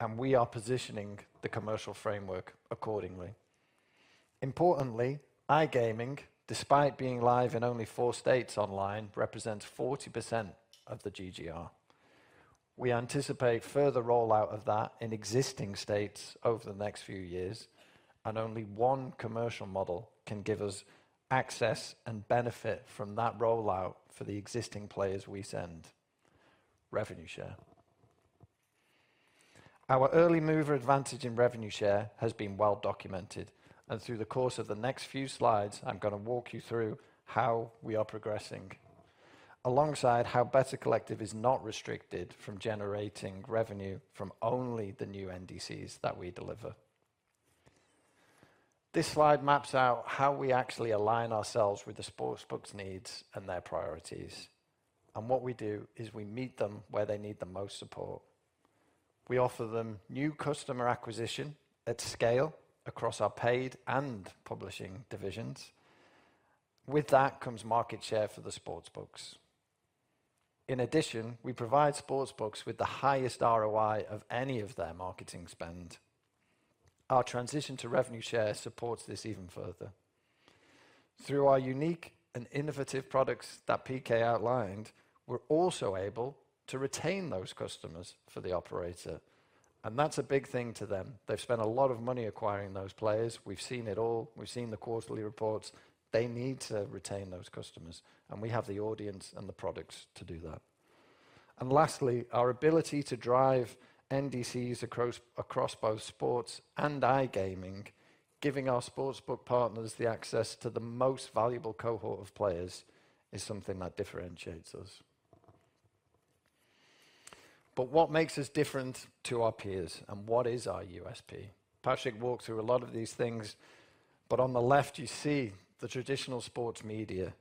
and we are positioning the commercial framework accordingly. Importantly, iGaming, despite being live in only 4 states online, represents 40% of the GGR. Only one commercial model can give us access and benefit from that rollout for the existing players we send: revenue share. Our early mover advantage in revenue share has been well documented. Through the course of the next few slides, I'm gonna walk you through how we are progressing alongside how Better Collective is not restricted from generating revenue from only the new NDCs that we deliver. This slide maps out how we actually align ourselves with the sports book's needs and their priorities. What we do is we meet them where they need the most support. We offer them new customer acquisition at scale across our paid and publishing divisions. With that comes market share for the sports books. In addition, we provide sportsbooks with the highest ROI of any of their marketing spend. Our transition to revenue share supports this even further. Through our unique and innovative products that PK outlined, we're also able to retain those customers for the operator, and that's a big thing to them. They've spent a lot of money acquiring those players. We've seen it all. We've seen the quarterly reports. They need to retain those customers, we have the audience and the products to do that. Lastly, our ability to drive NDCs across both sports and iGaming, giving our sportsbook partners the access to the most valuable cohort of players is something that differentiates us. What makes us different to our peers and what is our USP? Patrick walked through a lot of these things. On the left you see the traditional sports media,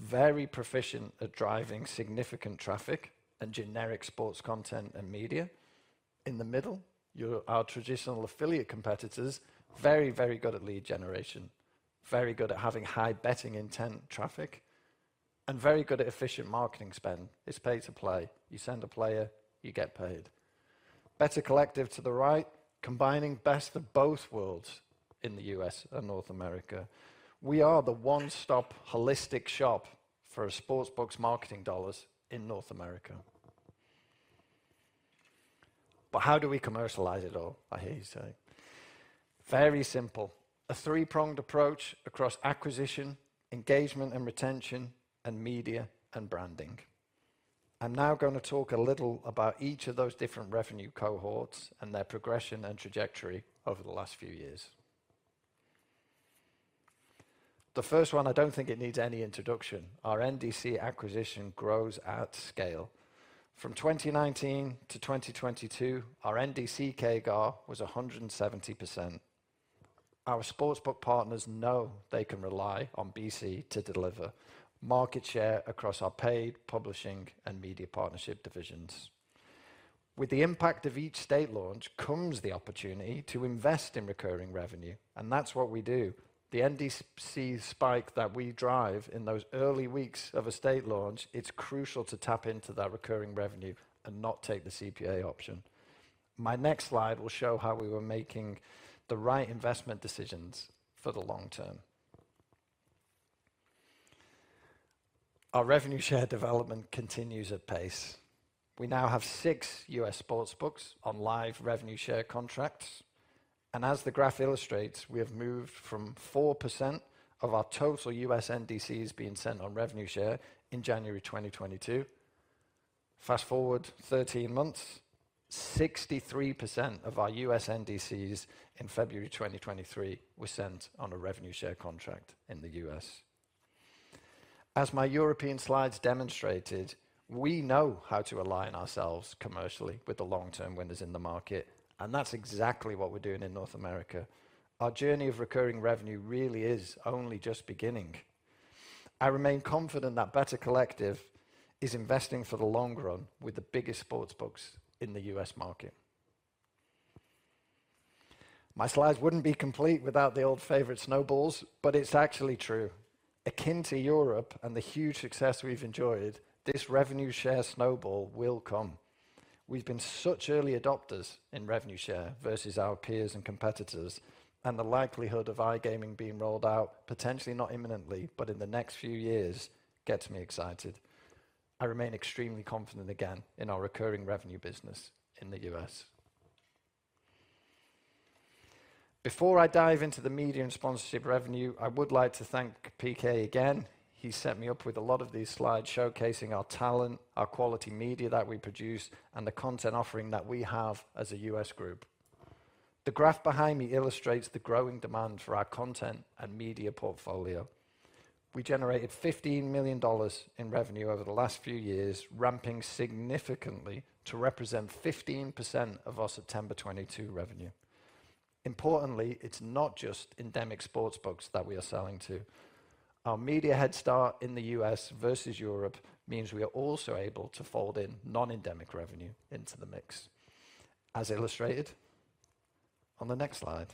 very proficient at driving significant traffic and generic sports content and media. In the middle, are traditional affiliate competitors, very good at lead generation, very good at having high betting intent traffic, and very good at efficient marketing spend. It's pay to play. You send a player, you get paid. Better Collective to the right, combining best of both worlds in the U.S. and North America. We are the one-stop holistic shop for a sportsbook's marketing dollars in North America. How do we commercialize it all, I hear you say? Very simple. A three-pronged approach across acquisition, engagement and retention, and media and branding. I'm now gonna talk a little about each of those different revenue cohorts and their progression and trajectory over the last few years. The first one, I don't think it needs any introduction. Our NDC acquisition grows at scale. From 2019 to 2022, our NDC CAGR was 170%. Our sportsbook partners know they can rely on BC to deliver market share across our paid publishing and media partnership divisions. With the impact of each state launch comes the opportunity to invest in recurring revenue, and that's what we do. The NDC spike that we drive in those early weeks of a state launch, it's crucial to tap into that recurring revenue and not take the CPA option. My next slide will show how we were making the right investment decisions for the long term. Our revenue share development continues at pace. We now have six US sportsbooks on live revenue share contracts, and as the graph illustrates, we have moved from 4% of our total US NDCs being sent on revenue share in January 2022. Fast-forward 13 months, 63% of our US NDCs in February 2023 were sent on a revenue share contract in the US. As my European slides demonstrated, we know how to align ourselves commercially with the long-term winners in the market, and that's exactly what we're doing in North America. Our journey of recurring revenue really is only just beginning. I remain confident that Better Collective is investing for the long run with the biggest sportsbooks in the US market. My slides wouldn't be complete without the old favorite snowballs, but it's actually true. Akin to Europe and the huge success we've enjoyed, this revenue share snowball will come. We've been such early adopters in revenue share versus our peers and competitors. The likelihood of iGaming being rolled out, potentially not imminently, but in the next few years, gets me excited. I remain extremely confident again in our recurring revenue business in the U.S. Before I dive into the media and sponsorship revenue, I would like to thank PK again. He set me up with a lot of these slides showcasing our talent, our quality media that we produce, and the content offering that we have as a U.S. group. The graph behind me illustrates the growing demand for our content and media portfolio. We generated $15 million in revenue over the last few years, ramping significantly to represent 15% of our September 2022 revenue. Importantly, it's not just endemic sportsbooks that we are selling to. Our media headstart in the U.S. versus Europe means we are also able to fold in non-endemic revenue into the mix, as illustrated on the next slide.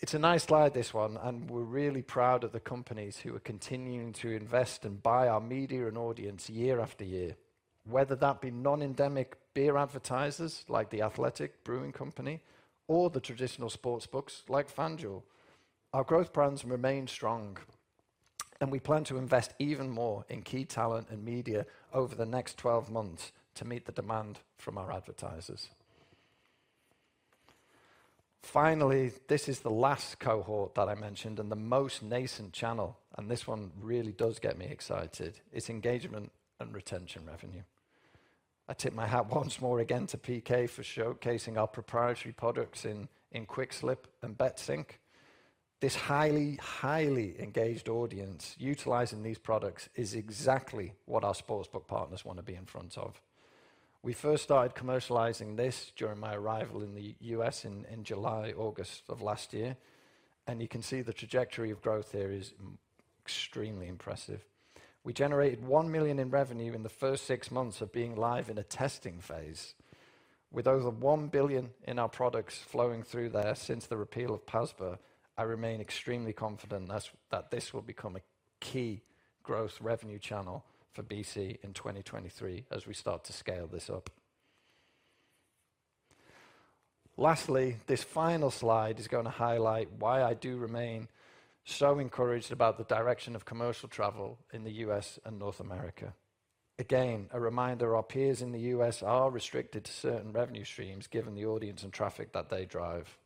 It's a nice slide, this one, and we're really proud of the companies who are continuing to invest and buy our media and audience year after year. Whether that be non-endemic beer advertisers like the Athletic Brewing Company or the traditional sportsbooks like FanDuel, our growth brands remain strong, and we plan to invest even more in key talent and media over the next 12 months to meet the demand from our advertisers. Finally, this is the last cohort that I mentioned and the most nascent channel, and this one really does get me excited. It's engagement and retention revenue. I tip my hat once more again to PK for showcasing our proprietary products in QuickSlip and BetSync. This highly engaged audience utilizing these products is exactly what our sportsbook partners wanna be in front of. We first started commercializing this during my arrival in the US in July, August of last year. You can see the trajectory of growth here is extremely impressive. We generated $1 million in revenue in the first 6 months of being live in a testing phase. With over $1 billion in our products flowing through there since the repeal of PASPA, I remain extremely confident that this will become a key growth revenue channel for BC in 2023 as we start to scale this up. Lastly, this final slide is gonna highlight why I do remain so encouraged about the direction of commercial travel in the US and North America. Again, a reminder, our peers in the U.S. are restricted to certain revenue streams given the audience and traffic that they drive.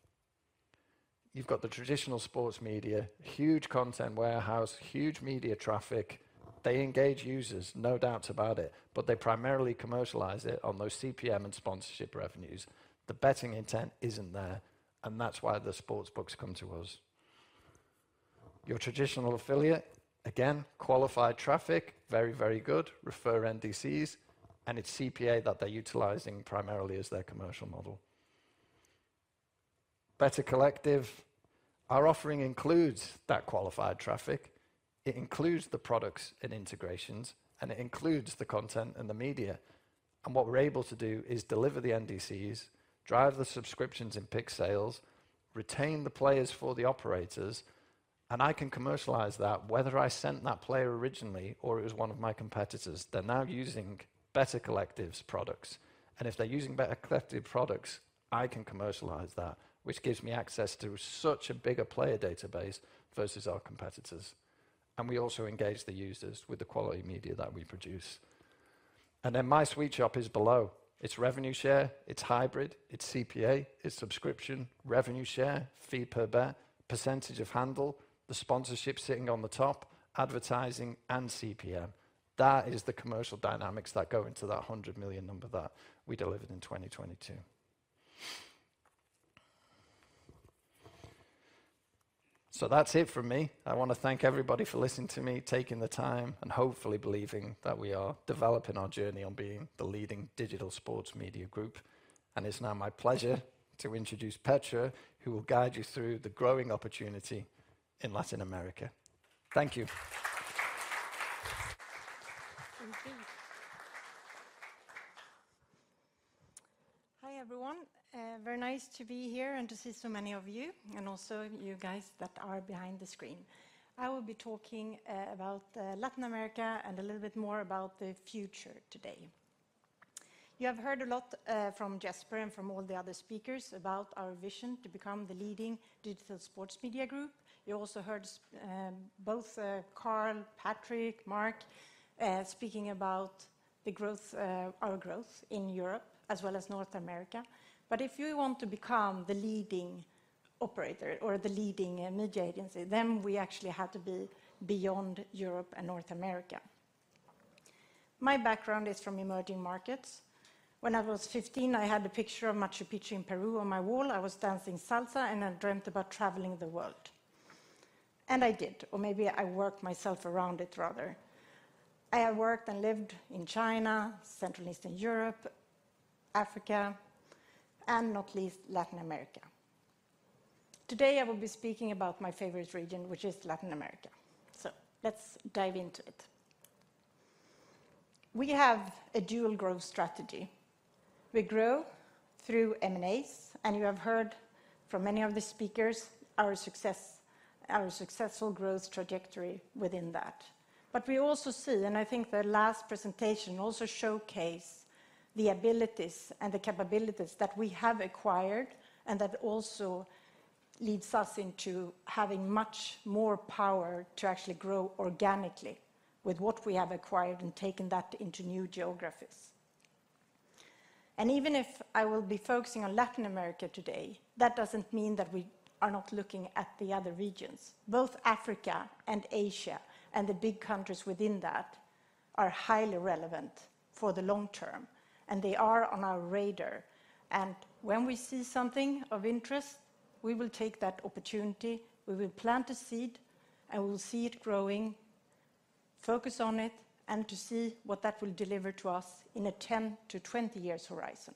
You've got the traditional sports media, huge content warehouse, huge media traffic. They engage users, no doubts about it, but they primarily commercialize it on those CPM and sponsorship revenues. The betting intent isn't there. That's why the sportsbooks come to us. Your traditional affiliate, again, qualified traffic, very, very good, refer NDCs, it's CPA that they're utilizing primarily as their commercial model. Better Collective, our offering includes that qualified traffic, it includes the products and integrations, it includes the content and the media. What we're able to do is deliver the NDCs, drive the subscriptions and pick sales, retain the players for the operators, and I can commercialize that whether I sent that player originally or it was one of my competitors. They're now using Better Collective's products, if they're using Better Collective products, I can commercialize that, which gives me access to such a bigger player database versus our competitors, we also engage the users with the quality media that we produce. My sweet shop is below. It's revenue share, it's hybrid, it's CPA, it's subscription, revenue share, fee per bet, percentage of handle, the sponsorship sitting on the top, advertising, and CPM. That is the commercial dynamics that go into that $100 million number that we delivered in 2022. That's it from me. I wanna thank everybody for listening to me, taking the time, and hopefully believing that we are developing our journey on being the leading digital sports media group. It's now my pleasure to introduce Petra, who will guide you through the growing opportunity in Latin America. Thank you. Thank you. Hi, everyone. Very nice to be here and to see so many of you, and also you guys that are behind the screen. I will be talking about Latin America and a little bit more about the future today. You have heard a lot from Jesper and from all the other speakers about our vision to become the leading digital sports media group. You also heard both Carl, Patrick, Mark, speaking about the growth, our growth in Europe as well as North America. If you want to become the leading operator or the leading media agency, we actually had to be beyond Europe and North America. My background is from emerging markets. When I was 15, I had a picture of Machu Picchu in Peru on my wall. I was dancing salsa. I dreamt about traveling the world. I did, or maybe I worked myself around it rather. I have worked and lived in China, Central Eastern Europe, Africa, and not least Latin America. Today, I will be speaking about my favorite region, which is Latin America. Let's dive into it. We have a dual growth strategy. We grow through M&As, and you have heard from many of the speakers our successful growth trajectory within that. We also see, and I think the last presentation also showcase the abilities and the capabilities that we have acquired and that also leads us into having much more power to actually grow organically with what we have acquired and taken that into new geographies. Even if I will be focusing on Latin America today, that doesn't mean that we are not looking at the other regions. Both Africa and Asia, and the big countries within that, are highly relevant for the long term, and they are on our radar. When we see something of interest, we will take that opportunity, we will plant a seed, and we'll see it growing, focus on it, and to see what that will deliver to us in a 10-20 years horizon.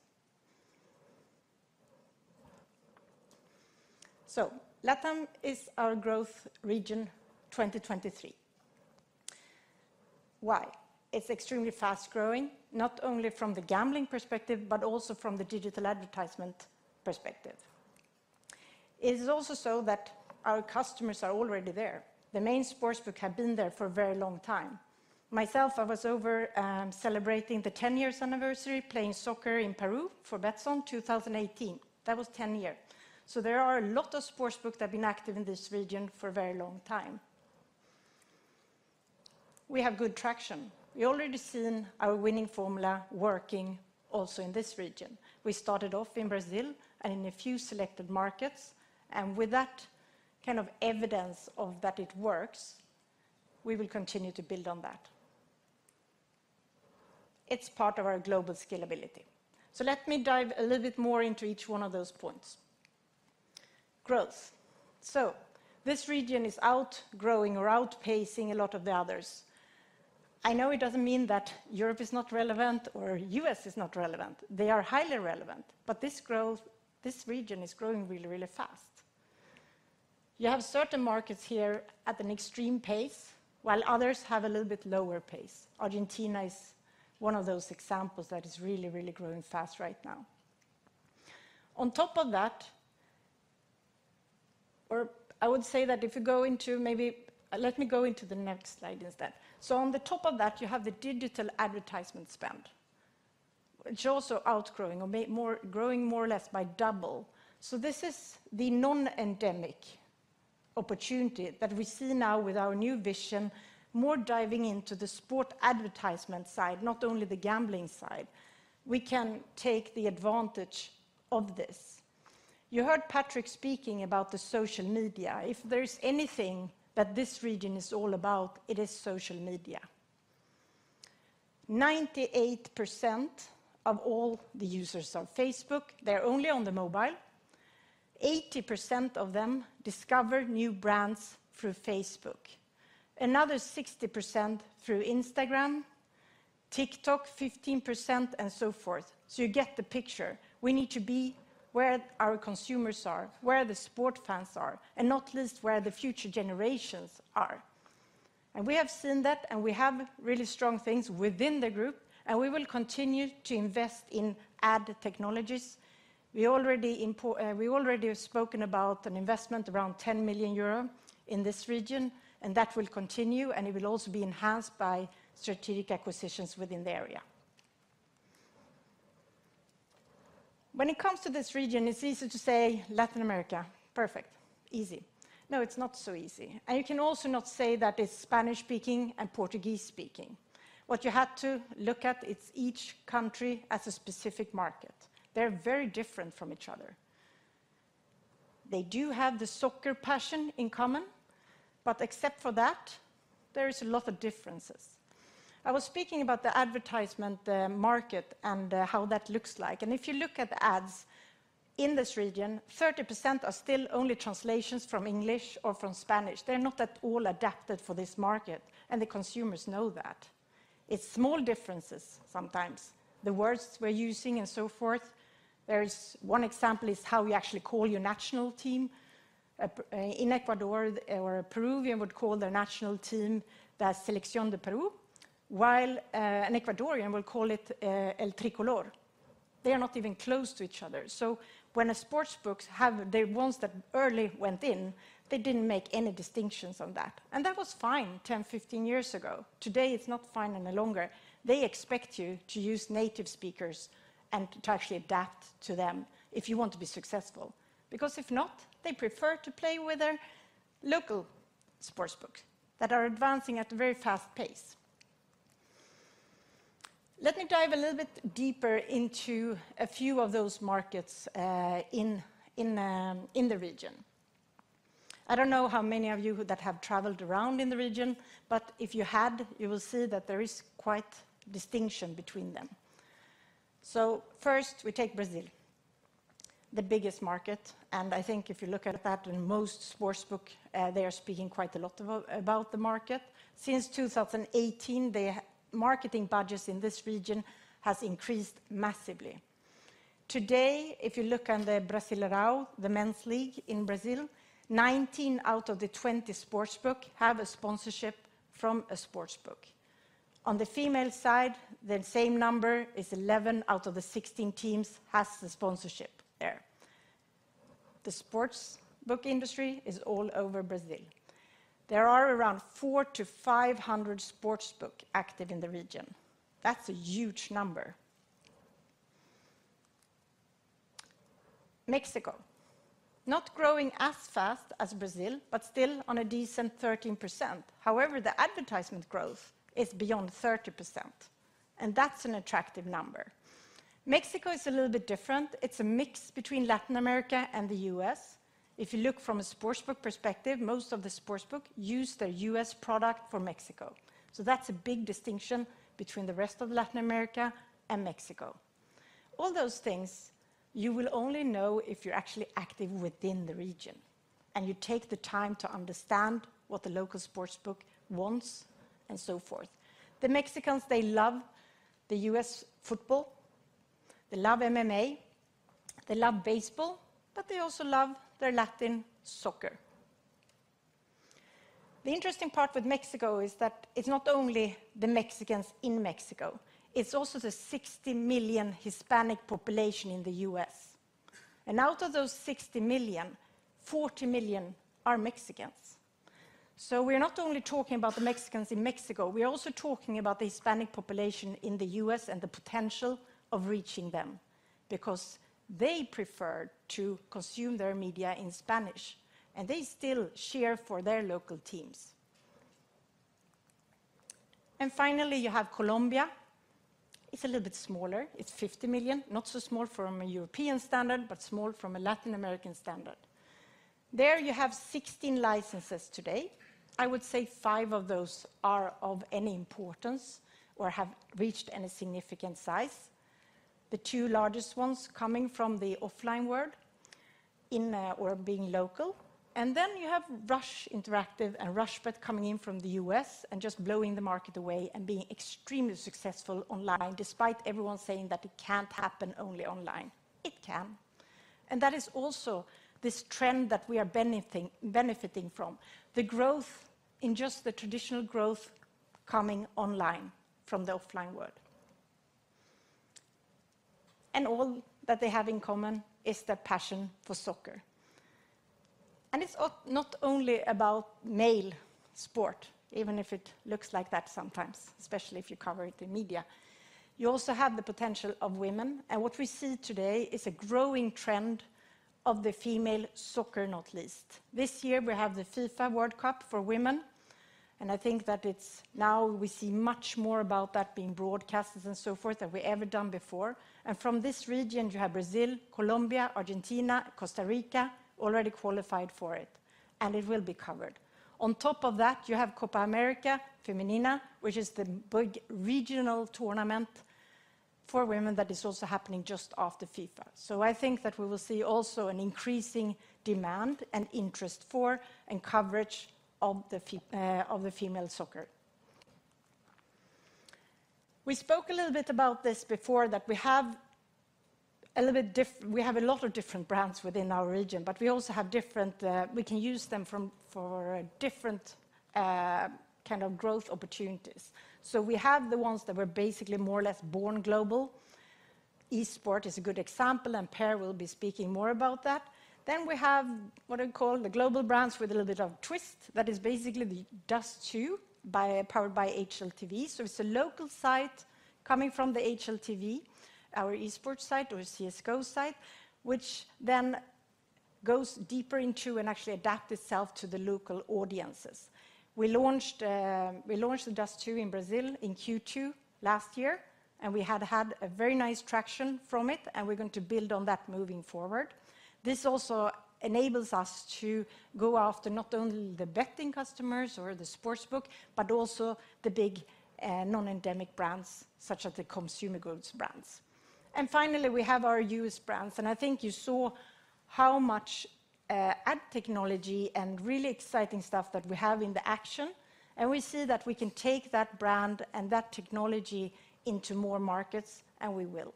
LATAM is our growth region 2023. Why? It's extremely fast-growing, not only from the gambling perspective, but also from the digital advertisement perspective. It is also so that our customers are already there. The main sportsbook have been there for a very long time. Myself, I was over celebrating the 10 years anniversary playing soccer in Peru for Betsson 2018. That was 10 year. There are a lot of sports books that have been active in this region for a very long time. We have good traction. We already seen our winning formula working also in this region. We started off in Brazil and in a few selected markets, and with that kind of evidence of that it works, we will continue to build on that. It's part of our global scalability. Let me dive a little bit more into each one of those points. Growth. This region is outgrowing or outpacing a lot of the others. I know it doesn't mean that Europe is not relevant or US is not relevant. They are highly relevant, but this region is growing really, really fast. You have certain markets here at an extreme pace, while others have a little bit lower pace. Argentina is one of those examples that is really, really growing fast right now. On top of that, or I would say that if you go into Let me go into the next slide instead. On the top of that, you have the digital advertisement spend. It's also outgrowing or growing more or less by double. This is the non-endemic opportunity that we see now with our new vision, more diving into the sport advertisement side, not only the gambling side. We can take the advantage of this. You heard Patrick speaking about the social media. If there is anything that this region is all about, it is social media. 98% of all the users of Facebook, they're only on the mobile. 80% of them discover new brands through Facebook. Another 60% through Instagram, TikTok 15%, and so forth. You get the picture. We need to be where our consumers are, where the sport fans are, and not least where the future generations are. We have seen that, and we have really strong things within the group, and we will continue to invest in ad technologies. We already have spoken about an investment around 10 million euro in this region, and that will continue, and it will also be enhanced by strategic acquisitions within the area. When it comes to this region, it's easy to say Latin America, perfect, easy. No, it's not so easy. You can also not say that it's Spanish-speaking and Portuguese-speaking. What you have to look at it's each country as a specific market. They're very different from each other. They do have the soccer passion in common. Except for that, there is a lot of differences. I was speaking about the advertisement market and how that looks like. If you look at ads in this region, 30% are still only translations from English or from Spanish. They're not at all adapted for this market, and the consumers know that. It's small differences sometimes, the words we're using and so forth. There's one example is how we actually call your national team. In Ecuador or Peruvian would call their national team the Selección de Perú, while an Ecuadorian will call it El Tricolor. They are not even close to each other. When a sportsbooks have the ones that early went in, they didn't make any distinctions on that. That was fine 10, 15 years ago. Today, it's not fine any longer. They expect you to use native speakers and to actually adapt to them if you want to be successful. Because if not, they prefer to play with their local sportsbook that are advancing at a very fast pace. Let me dive a little bit deeper into a few of those markets in the region. I don't know how many of you that have traveled around in the region, but if you had, you will see that there is quite distinction between them. First, we take Brazil, the biggest market. I think if you look at that in most sportsbook, they are speaking quite a lot about the market. Since 2018, their marketing budgets in this region has increased massively. Today, if you look on the Brasileirão, the men's league in Brazil, 19 out of the 20 sportsbook have a sponsorship from a sportsbook. On the female side, the same number is 11 out of the 16 teams has the sponsorship there. The sportsbook industry is all over Brazil. There are around 400-500 sports book active in the region. That's a huge number. Mexico, not growing as fast as Brazil, but still on a decent 13%. However, the advertisement growth is beyond 30%, and that's an attractive number. Mexico is a little bit different. It's a mix between Latin America and the U.S. If you look from a sportsbook perspective, most of the sports book use the U.S. product for Mexico. That's a big distinction between the rest of Latin America and Mexico. All those things you will only know if you're actually active within the region and you take the time to understand what the local sports book wants and so forth. The Mexicans, they love the US football, they love MMA, they love baseball, but they also love their Latin soccer. The interesting part with Mexico is that it's not only the Mexicans in Mexico, it's also the 60 million Hispanic population in the US. Out of those 60 million, 40 million are Mexicans. We're not only talking about the Mexicans in Mexico, we're also talking about the Hispanic population in the US and the potential of reaching them because they prefer to consume their media in Spanish, and they still cheer for their local teams. Finally, you have Colombia. It's a little bit smaller. It's 50 million, not so small from a European standard, but small from a Latin American standard. There you have 16 licenses today. I would say 5 of those are of any importance or have reached any significant size. The 2 largest ones coming from the offline world in or being local. You have Rush Interactive and RushBet coming in from the U.S. and just blowing the market away and being extremely successful online despite everyone saying that it can't happen only online. It can. That is also this trend that we are benefiting from, the growth in just the traditional growth coming online from the offline world. All that they have in common is the passion for soccer. It's not only about male sport, even if it looks like that sometimes, especially if you cover it in media. You also have the potential of women, and what we see today is a growing trend of the female soccer, not least. This year we have the FIFA World Cup for women, and I think that it's now we see much more about that being broadcasted and so forth than we ever done before. From this region, you have Brazil, Colombia, Argentina, Costa Rica already qualified for it, and it will be covered. On top of that, you have Copa América Femenina, which is the big regional tournament for women that is also happening just after FIFA. I think that we will see also an increasing demand and interest for and coverage of the female soccer. We spoke a little bit about this before that we have a lot of different brands within our region, but we also have different, we can use them from, for different, kind of growth opportunities. We have the ones that were basically more or less born global. Esports is a good example, and Per will be speaking more about that. We have what I call the global brands with a little bit of twist that is basically the Dust2, powered by HLTV. It's a local site coming from the HLTV, our esports site or CSGO site, which then goes deeper into and actually adapt itself to the local audiences. We launched Dust2 in Brazil in Q2 last year, and we have had a very nice traction from it, and we're going to build on that moving forward. This also enables us to go after not only the betting customers or the sportsbook, but also the big non-endemic brands such as the consumer goods brands. Finally, we have our used brands, and I think you saw how much ad technology and really exciting stuff that we have in the Action, and we see that we can take that brand and that technology into more markets, and we will.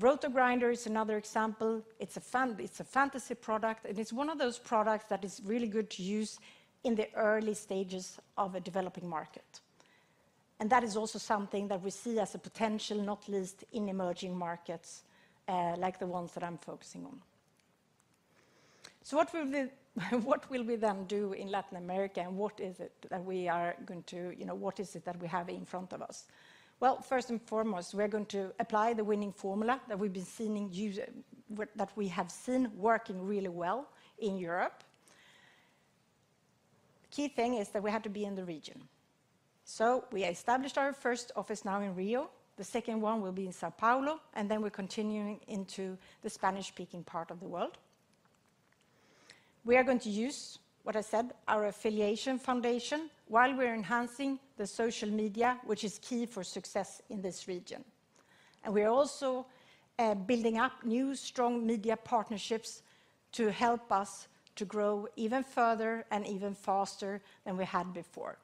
RotoGrinders is another example. It's a fantasy product, and it's one of those products that is really good to use in the early stages of a developing market. That is also something that we see as a potential, not least in emerging markets, like the ones that I'm focusing on. What will we, what will we then do in Latin America, and what is it that we are going to, you know, what is it that we have in front of us? First and foremost, we're going to apply the winning formula that we've been seeing that we have seen working really well in Europe. Key thing is that we have to be in the region. We established our first office now in Rio. The second one will be in São Paulo, and then we're continuing into the Spanish-speaking part of the world. We are going to use, what I said, our affiliation foundation while we're enhancing the social media, which is key for success in this region. We are also building up new strong media partnerships to help us to grow even further and even faster than we had before.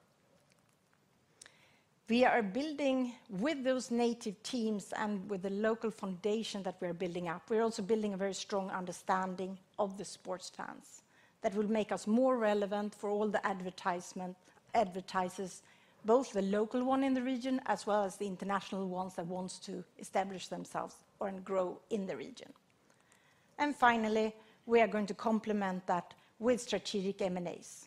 We are building with those native teams and with the local foundation that we're building up. We're also building a very strong understanding of the sports fans that will make us more relevant for all the advertisers, both the local one in the region, as well as the international ones that wants to establish themselves and grow in the region. Finally, we are going to complement that with strategic M&As.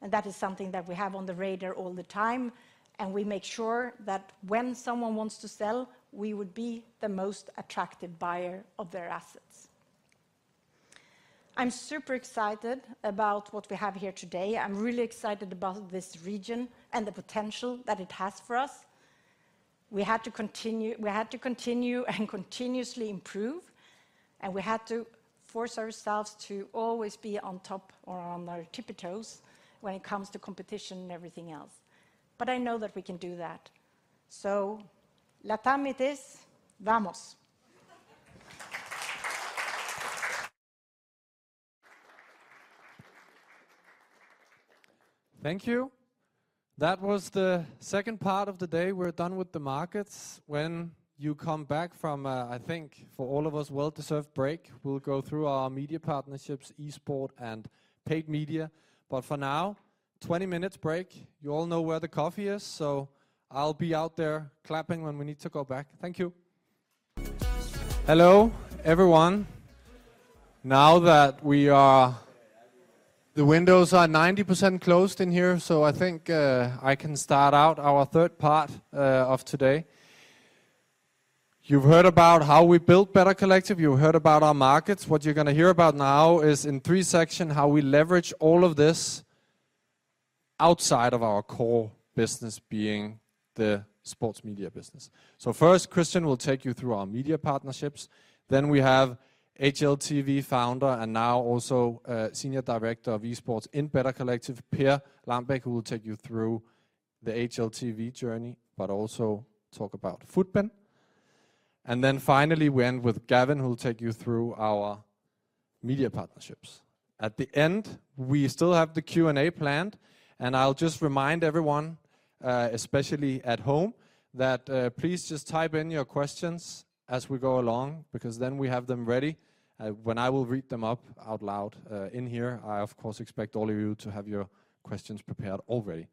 That is something that we have on the radar all the time, and we make sure that when someone wants to sell, we would be the most attractive buyer of their assets. I'm super excited about what we have here today. I'm really excited about this region and the potential that it has for us. We had to continue and continuously improve, and we had to force ourselves to always be on top or on our tippy toes when it comes to competition and everything else. I know that we can do that. Latam, it is vamos. Thank you. That was the second part of the day. We're done with the markets. When you come back from a, I think, for all of us, well-deserved break, we'll go through our media partnerships, esports and paid media. For now, 20 minutes break. You all know where the coffee is, I'll be out there clapping when we need to go back. Thank you. Hello, everyone. The windows are 90% closed in here, I think I can start out our third part of today. You've heard about how we built Better Collective, you heard about our markets. What you're gonna hear about now is in 3 section, how we leverage all of this outside of our core business being the sports media business. First, Christian will take you through our media partnerships. We have HLTV founder and now also senior director of esports in Better Collective, Per Lambæk, who will take you through the HLTV journey, but also talk about FUTBIN. Finally, we end with Gavin, who will take you through our media partnerships. At the end, we still have the Q&A planned. I'll just remind everyone, especially at home, that please just type in your questions as we go along because then we have them ready when I will read them up out loud in here. I of course expect all of you to have your questions prepared already.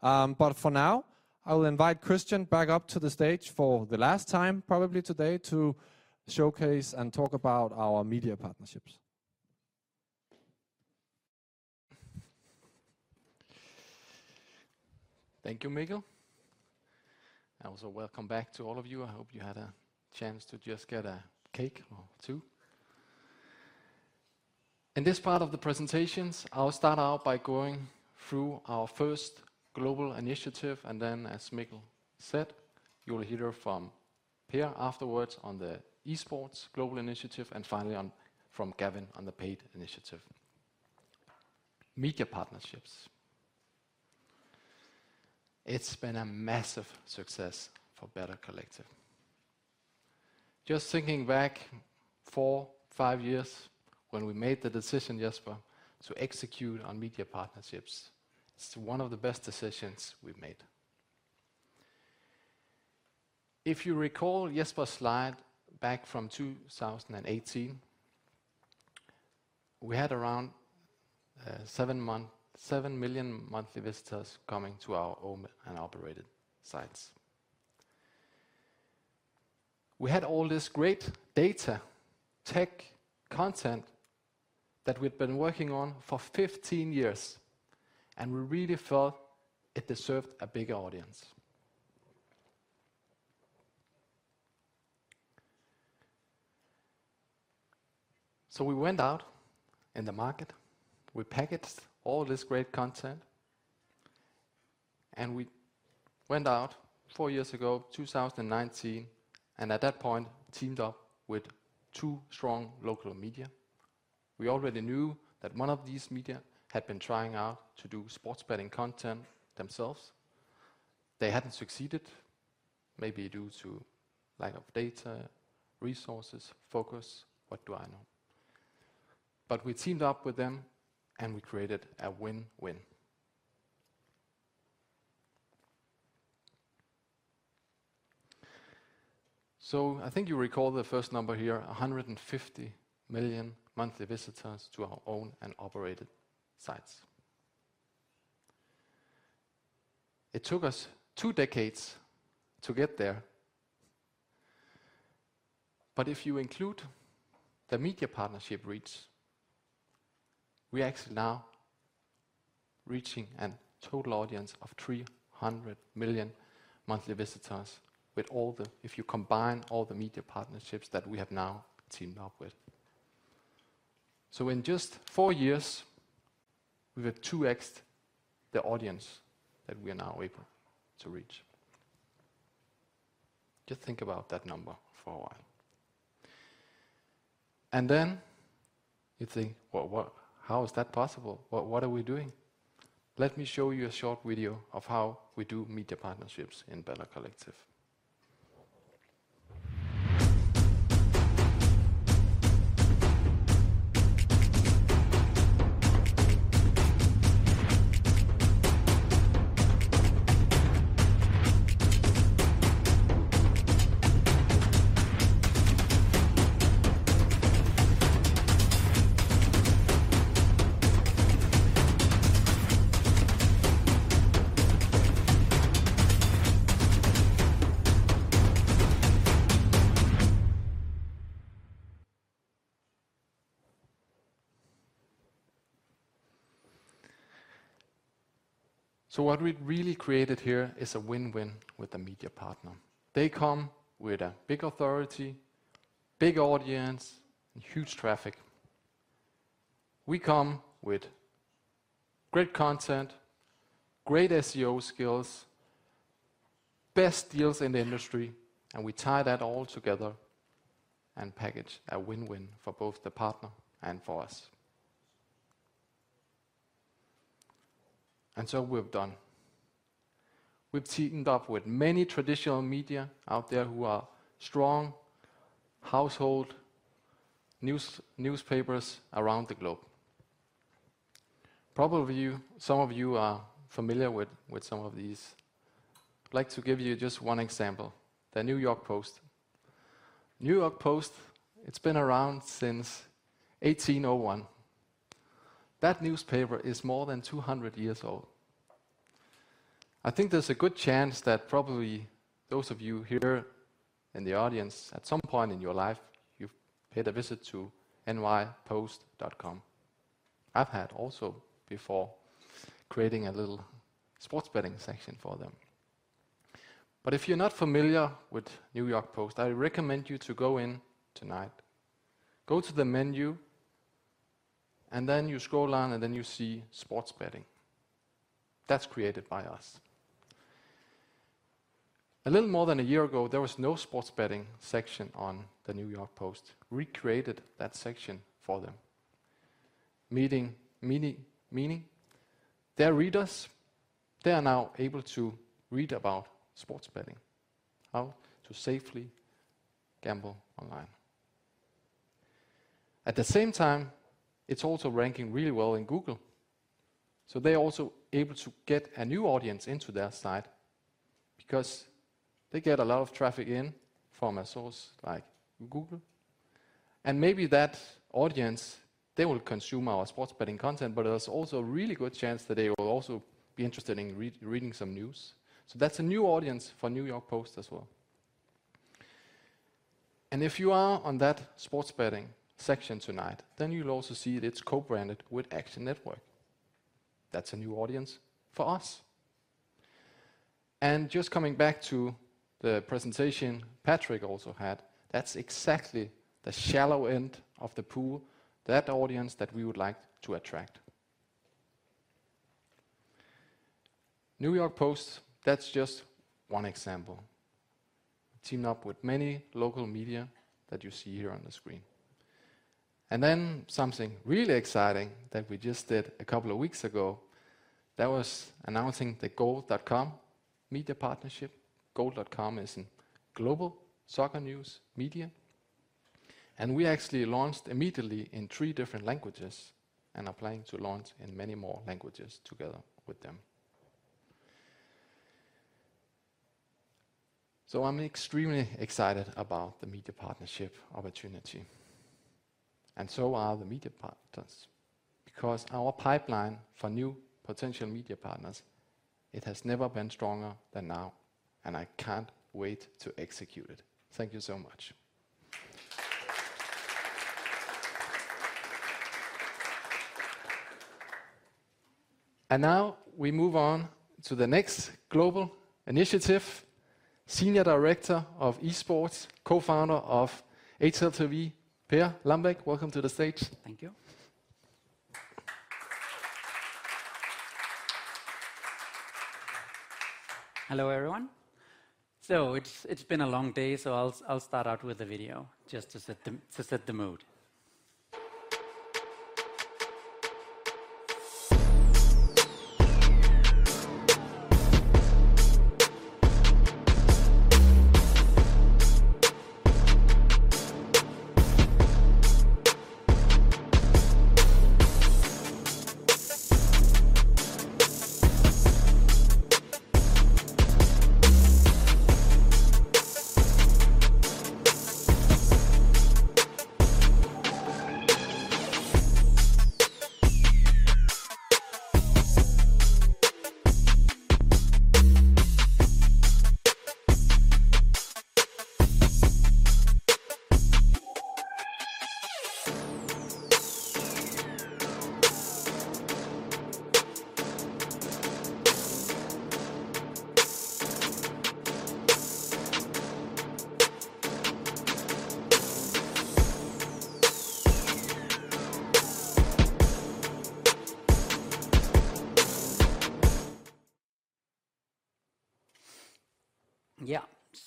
For now, I will invite Christian back up to the stage for the last time probably today to showcase and talk about our media partnerships. Thank you, Mikkel. Also welcome back to all of you. I hope you had a chance to just get a cake or two. In this part of the presentations, I'll start out by going through our first global initiative, and then as Mikkel said, you will hear from Per afterwards on the esports global initiative and finally from Gavin on the paid initiative. Media partnerships. It's been a massive success for Better Collective. Just thinking back 4, 5 years when we made the decision, Jesper, to execute on media partnerships, it's one of the best decisions we've made. If you recall Jesper's slide back from 2018, we had around 7 million monthly visitors coming to our owned-and-operated sites. We had all this great data, tech, content that we'd been working on for 15 years, and we really felt it deserved a bigger audience. We went out in the market, we packaged all this great content, and we went out 4 years ago, 2019, and at that point, teamed up with two strong local media. We already knew that one of these media had been trying out to do sports betting content themselves. They hadn't succeeded, maybe due to lack of data, resources, focus. What do I know? We teamed up with them, and we created a win-win. I think you recall the first number here, 150 million monthly visitors to our owned-and-operated sites. It took us two decades to get there. If you include the media partnership reach, we're actually now reaching a total audience of 300 million monthly visitors if you combine all the media partnerships that we have now teamed up with. In just 4 years, we have 2X'd the audience that we are now able to reach. Just think about that number for a while. You think, "Well, how is that possible? What are we doing?" Let me show you a short video of how we do media partnerships in Better Collective. What we've really created here is a win-win with the media partner. They come with a big authority, big audience, and huge traffic. We come with great content, great SEO skills, best deals in the industry, and we tie that all together and package a win-win for both the partner and for us. We're done. We've teamed up with many traditional media out there who are strong household newspapers around the globe. Probably some of you are familiar with some of these. I'd like to give you just one example, the New York Post. New York Post, it's been around since 1801. That newspaper is more than 200 years old. I think there's a good chance that probably those of you here in the audience, at some point in your life, you've paid a visit to nypost.com. I've had also before creating a little sports betting section for them. If you're not familiar with New York Post, I recommend you to go in tonight, go to the menu, and then you scroll down, and then you see Sports Betting. That's created by us. A little more than a year ago, there was no sports betting section on the New York Post. We created that section for them, meaning their readers, they are now able to read about sports betting, how to safely gamble online. At the same time, it's also ranking really well in Google. They're also able to get a new audience into their site because they get a lot of traffic in from a source like Google. Maybe that audience, they will consume our sports betting content. There's also a really good chance that they will also be interested in reading some news. That's a new audience for New York Post as well. If you are on that sports betting section tonight, then you'll also see that it's co-branded with Action Network. That's a new audience for us. Just coming back to the presentation Patrick also had, that's exactly the shallow end of the pool, that audience that we would like to attract. New York Post, that's just one example. Teamed up with many local media that you see here on the screen. Something really exciting that we just did a couple of weeks ago, that was announcing the Goal.com media partnership. Goal.com is a global soccer news media. We actually launched immediately in 3 different languages and are planning to launch in many more languages together with them. I'm extremely excited about the media partnership opportunity, and so are the media partners. Our pipeline for new potential media partners, it has never been stronger than now, and I can't wait to execute it. Thank you so much. Now we move on to the next global initiative, Senior Director of Esports, Co-founder of HLTV, Per Lambæk, welcome to the stage. Thank you. Hello, everyone. It's been a long day, so I'll start out with a video just to set the mood.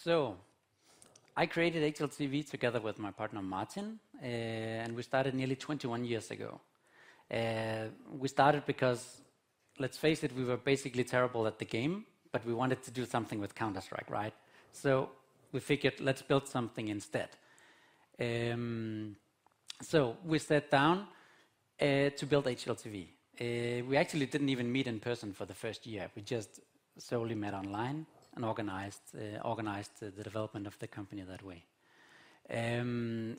Yeah. I created HLTV together with my partner, Martin. We started nearly 21 years ago. We started because, let's face it, we were basically terrible at the game, we wanted to do something with Counter-Strike, right? We figured, let's build something instead. We sat down to build HLTV. We actually didn't even meet in person for the first year. We just solely met online and organized the development of the company that way.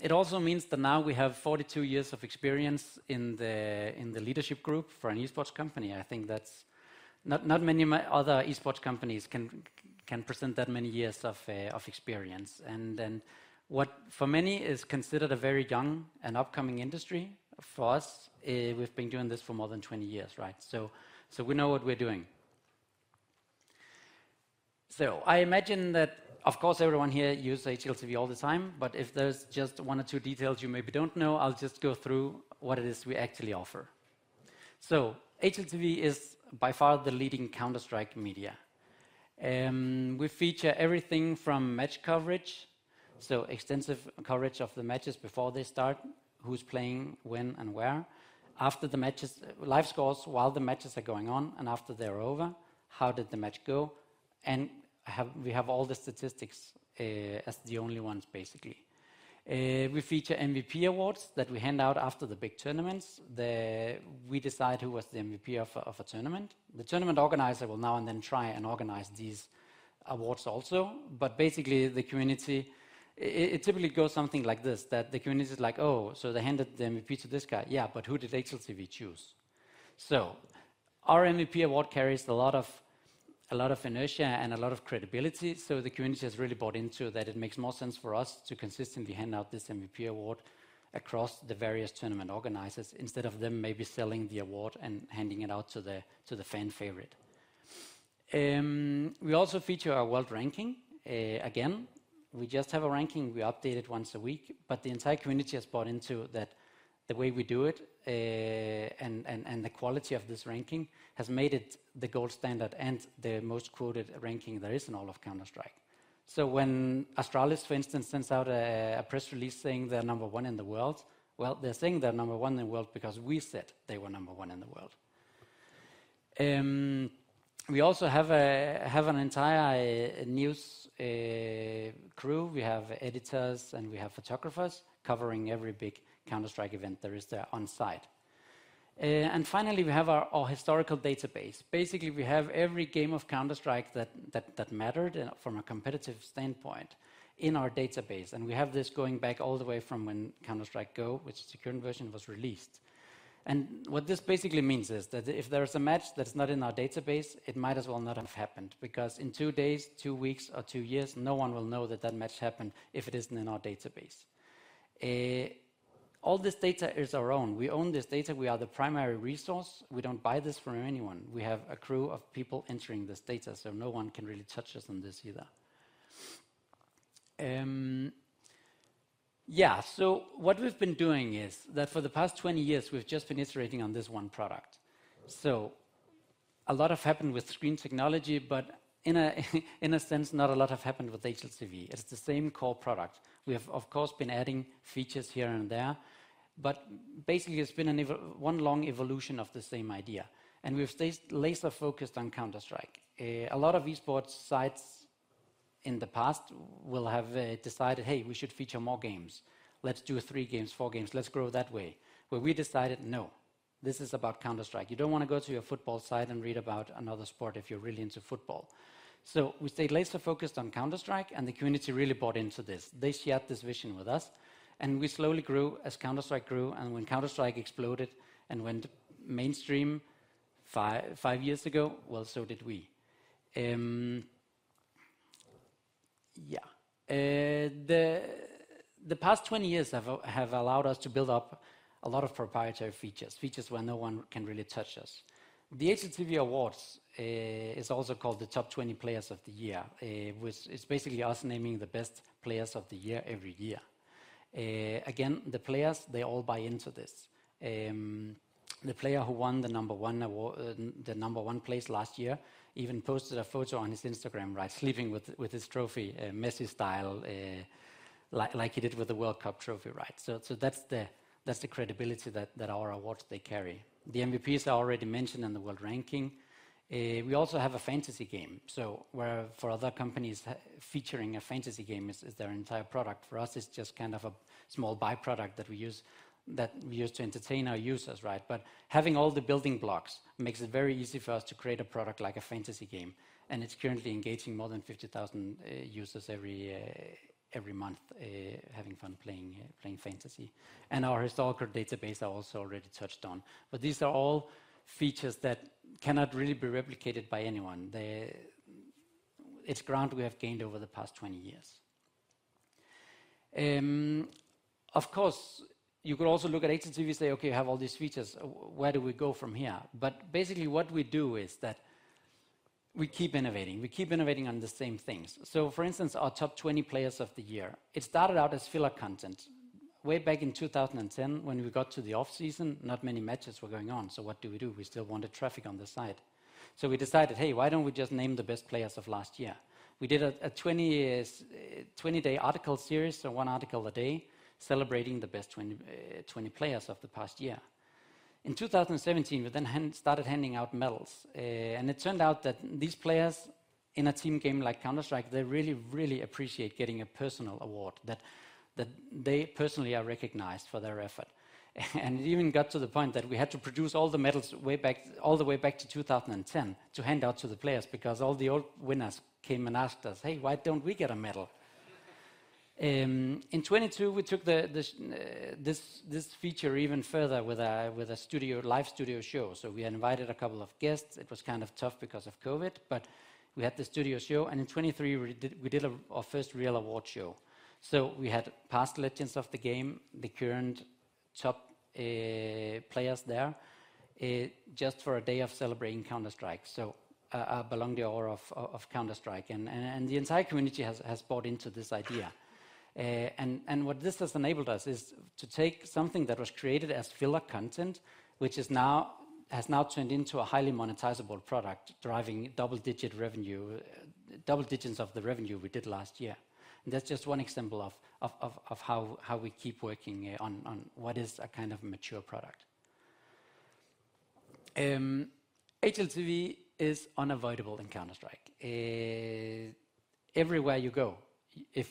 It also means that now we have 42 years of experience in the leadership group for an esports company. I think that's not many of my other esports companies can present that many years of experience. Then what for many is considered a very young and upcoming industry, for us, we've been doing this for more than 20 years, right? We know what we're doing. I imagine that, of course, everyone here uses HLTV all the time, but if there's just one or two details you maybe don't know, I'll just go through what it is we actually offer. HLTV is by far the leading Counter-Strike media. We feature everything from match coverage, so extensive coverage of the matches before they start, who's playing when and where. After the matches, live scores while the matches are going on and after they're over, how did the match go? we have all the statistics as the only ones basically. We feature MVP awards that we hand out after the big tournaments. We decide who was the MVP of a tournament. The tournament organizer will now and then try and organize these awards also, but basically the community, it typically goes something like this, that the community is like, "Oh, so they handed the MVP to this guy. Yeah, but who did HLTV choose?" Our MVP award carries a lot of inertia and a lot of credibility, so the community has really bought into that it makes more sense for us to consistently hand out this MVP award across the various tournament organizers instead of them maybe selling the award and handing it out to the fan favorite. We also feature our world ranking. Again, we just have a ranking, we update it once a week, but the entire community has bought into that the way we do it, and the quality of this ranking has made it the gold standard and the most quoted ranking there is in all of Counter-Strike. When Astralis, for instance, sends out a press release saying they're number one in the world, well, they're saying they're number one in the world because we said they were number one in the world. We also have an entire news crew. We have editors, and we have photographers covering every big Counter-Strike event there is there on-site. Finally, we have our historical database. Basically, we have every game of Counter-Strike that mattered from a competitive standpoint in our database, and we have this going back all the way from when Counter-Strike GO, which is the current version, was released. What this basically means is that if there is a match that's not in our database, it might as well not have happened, because in 2 days, 2 weeks, or 2 years, no one will know that that match happened if it isn't in our database. All this data is our own. We own this data. We are the primary resource. We don't buy this from anyone. We have a crew of people entering this data, so no one can really touch us on this either. Yeah. What we've been doing is that for the past 20 years, we've just been iterating on this 1 product. A lot have happened with screen technology, but in a sense, not a lot have happened with HLTV. It's the same core product. We have, of course, been adding features here and there, but basically, it's been one long evolution of the same idea, and we've stayed laser-focused on Counter-Strike. A lot of esports sites in the past will have decided, "Hey, we should feature more games. Let's do three games, four games. Let's grow that way." We decided, no, this is about Counter-Strike. You don't want to go to a football site and read about another sport if you're really into football. We stayed laser-focused on Counter-Strike, and the community really bought into this. They shared this vision with us, we slowly grew as Counter-Strike grew, and when Counter-Strike exploded and went mainstream five years ago, well, so did we. The past 20 years have allowed us to build up a lot of proprietary features where no one can really touch us. The HLTV Awards is also called the Top 20 Players of the Year. Which is basically us naming the best players of the year every year. Again, the players, they all buy into this. The player who won the number one award, the number one place last year even posted a photo on his Instagram, right, sleeping with his trophy, Messi style, like he did with the World Cup trophy, right? That's the credibility that our awards, they carry. The MVPs I already mentioned in the world ranking. We also have a fantasy game. Where for other companies featuring a fantasy game is their entire product, for us, it's just kind of a small by-product that we use, that we use to entertain our users, right? Having all the building blocks makes it very easy for us to create a product like a fantasy game, and it's currently engaging more than 50,000 users every month having fun playing fantasy. Our historical database I also already touched on. These are all features that cannot really be replicated by anyone. It's ground we have gained over the past 20 years. Of course, you could also look at HLTV and say, "Okay, you have all these features. Where do we go from here?" Basically, what we do is that we keep innovating. We keep innovating on the same things. For instance, our top 20 players of the year, it started out as filler content. Way back in 2010, when we got to the off-season, not many matches were going on. What do we do? We still wanted traffic on the site. We decided, "Hey, why don't we just name the best players of last year?" We did a 20-day article series, so one article a day celebrating the best 20 players of the past year. In 2017, we started handing out medals, and it turned out that these players in a team game like Counter-Strike, they really appreciate getting a personal award that they personally are recognized for their effort. It even got to the point that we had to produce all the way back to 2010 to hand out to the players because all the old winners came and asked us, "Hey, why don't we get a medal?" In 2022, we took this feature even further with a live studio show. We invited a couple of guests. It was kind of tough because of COVID, but we had the studio show, and in 2023, we did our first real award show. We had past legends of the game, the current top players there, just for a day of celebrating Counter-Strike. Belonging the aura of Counter-Strike and the entire community has bought into this idea. What this has enabled us is to take something that was created as filler content, which has now turned into a highly monetizable product, driving double-digit revenue, double digits of the revenue we did last year. That's just 1 example of how we keep working on what is a kind of mature product. HLTV is unavoidable in Counter-Strike. Everywhere you go, if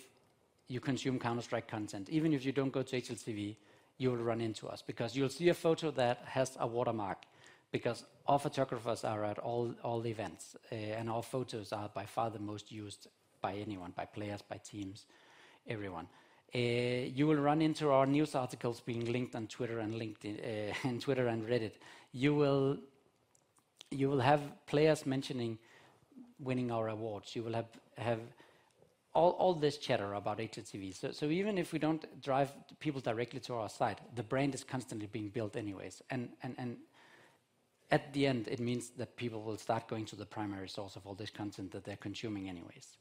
you consume Counter-Strike content, even if you don't go to HLTV, you'll run into us because you'll see a photo that has a watermark because our photographers are at all events, and our photos are by far the most used by anyone, by players, by teams, everyone. You will run into our news articles being linked on Twitter and LinkedIn, and Twitter and Reddit. You will have players mentioning winning our awards. You will have all this chatter about HLTV. Even if we don't drive people directly to our site, the brand is constantly being built anyways. At the end, it means that people will start going to the primary source of all this content that they're consuming anyways.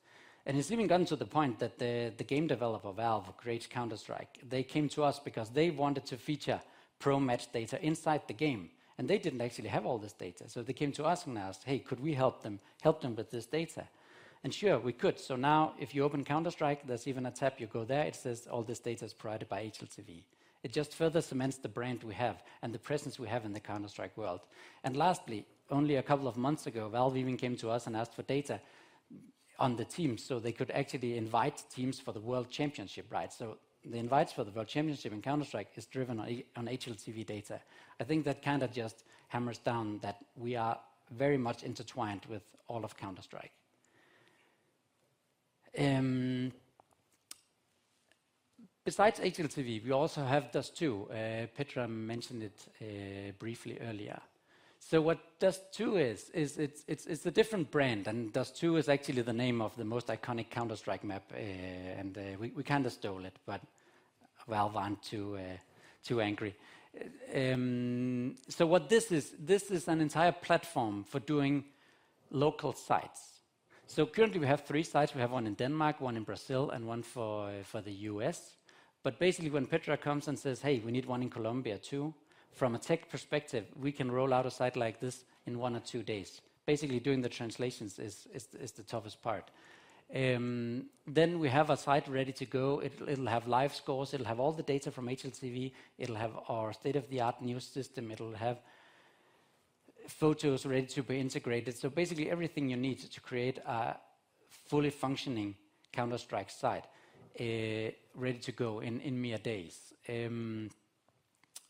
It's even gotten to the point that the game developer, Valve, who creates Counter-Strike, they came to us because they wanted to feature pro match data inside the game, and they didn't actually have all this data. They came to us and asked, hey, could we help them with this data? Sure, we could. Now if you open Counter-Strike, there's even a tab, you go there, it says, "All this data is provided by HLTV." It just further cements the brand we have and the presence we have in the Counter-Strike world. Lastly, only a couple of months ago, Valve even came to us and asked for data on the teams, so they could actually invite teams for the world championship, right? The invites for the world championship in Counter-Strike is driven on HLTV data. I think that kinda just hammers down that we are very much intertwined with all of Counter-Strike. Besides HLTV, we also have Dust2. Petra mentioned it briefly earlier. What Dust2 is, it's a different brand, and Dust2 is actually the name of the most iconic Counter-Strike map, and we kinda stole it, but Valve aren't too angry. What this is, this is an entire platform for doing local sites. Currently we have 3 sites. We have 1 in Denmark, 1 in Brazil, and 1 for the U.S. Basically when Petra comes and says, "Hey, we need 1 in Colombia too," from a tech perspective, we can roll out a site like this in 1 or 2 days. Basically doing the translations is the toughest part. We have a site ready to go. It'll have live scores, it'll have all the data from HLTV, it'll have our state-of-the-art news system, it'll have photos ready to be integrated. Basically everything you need to create a fully functioning Counter-Strike site, ready to go in mere days.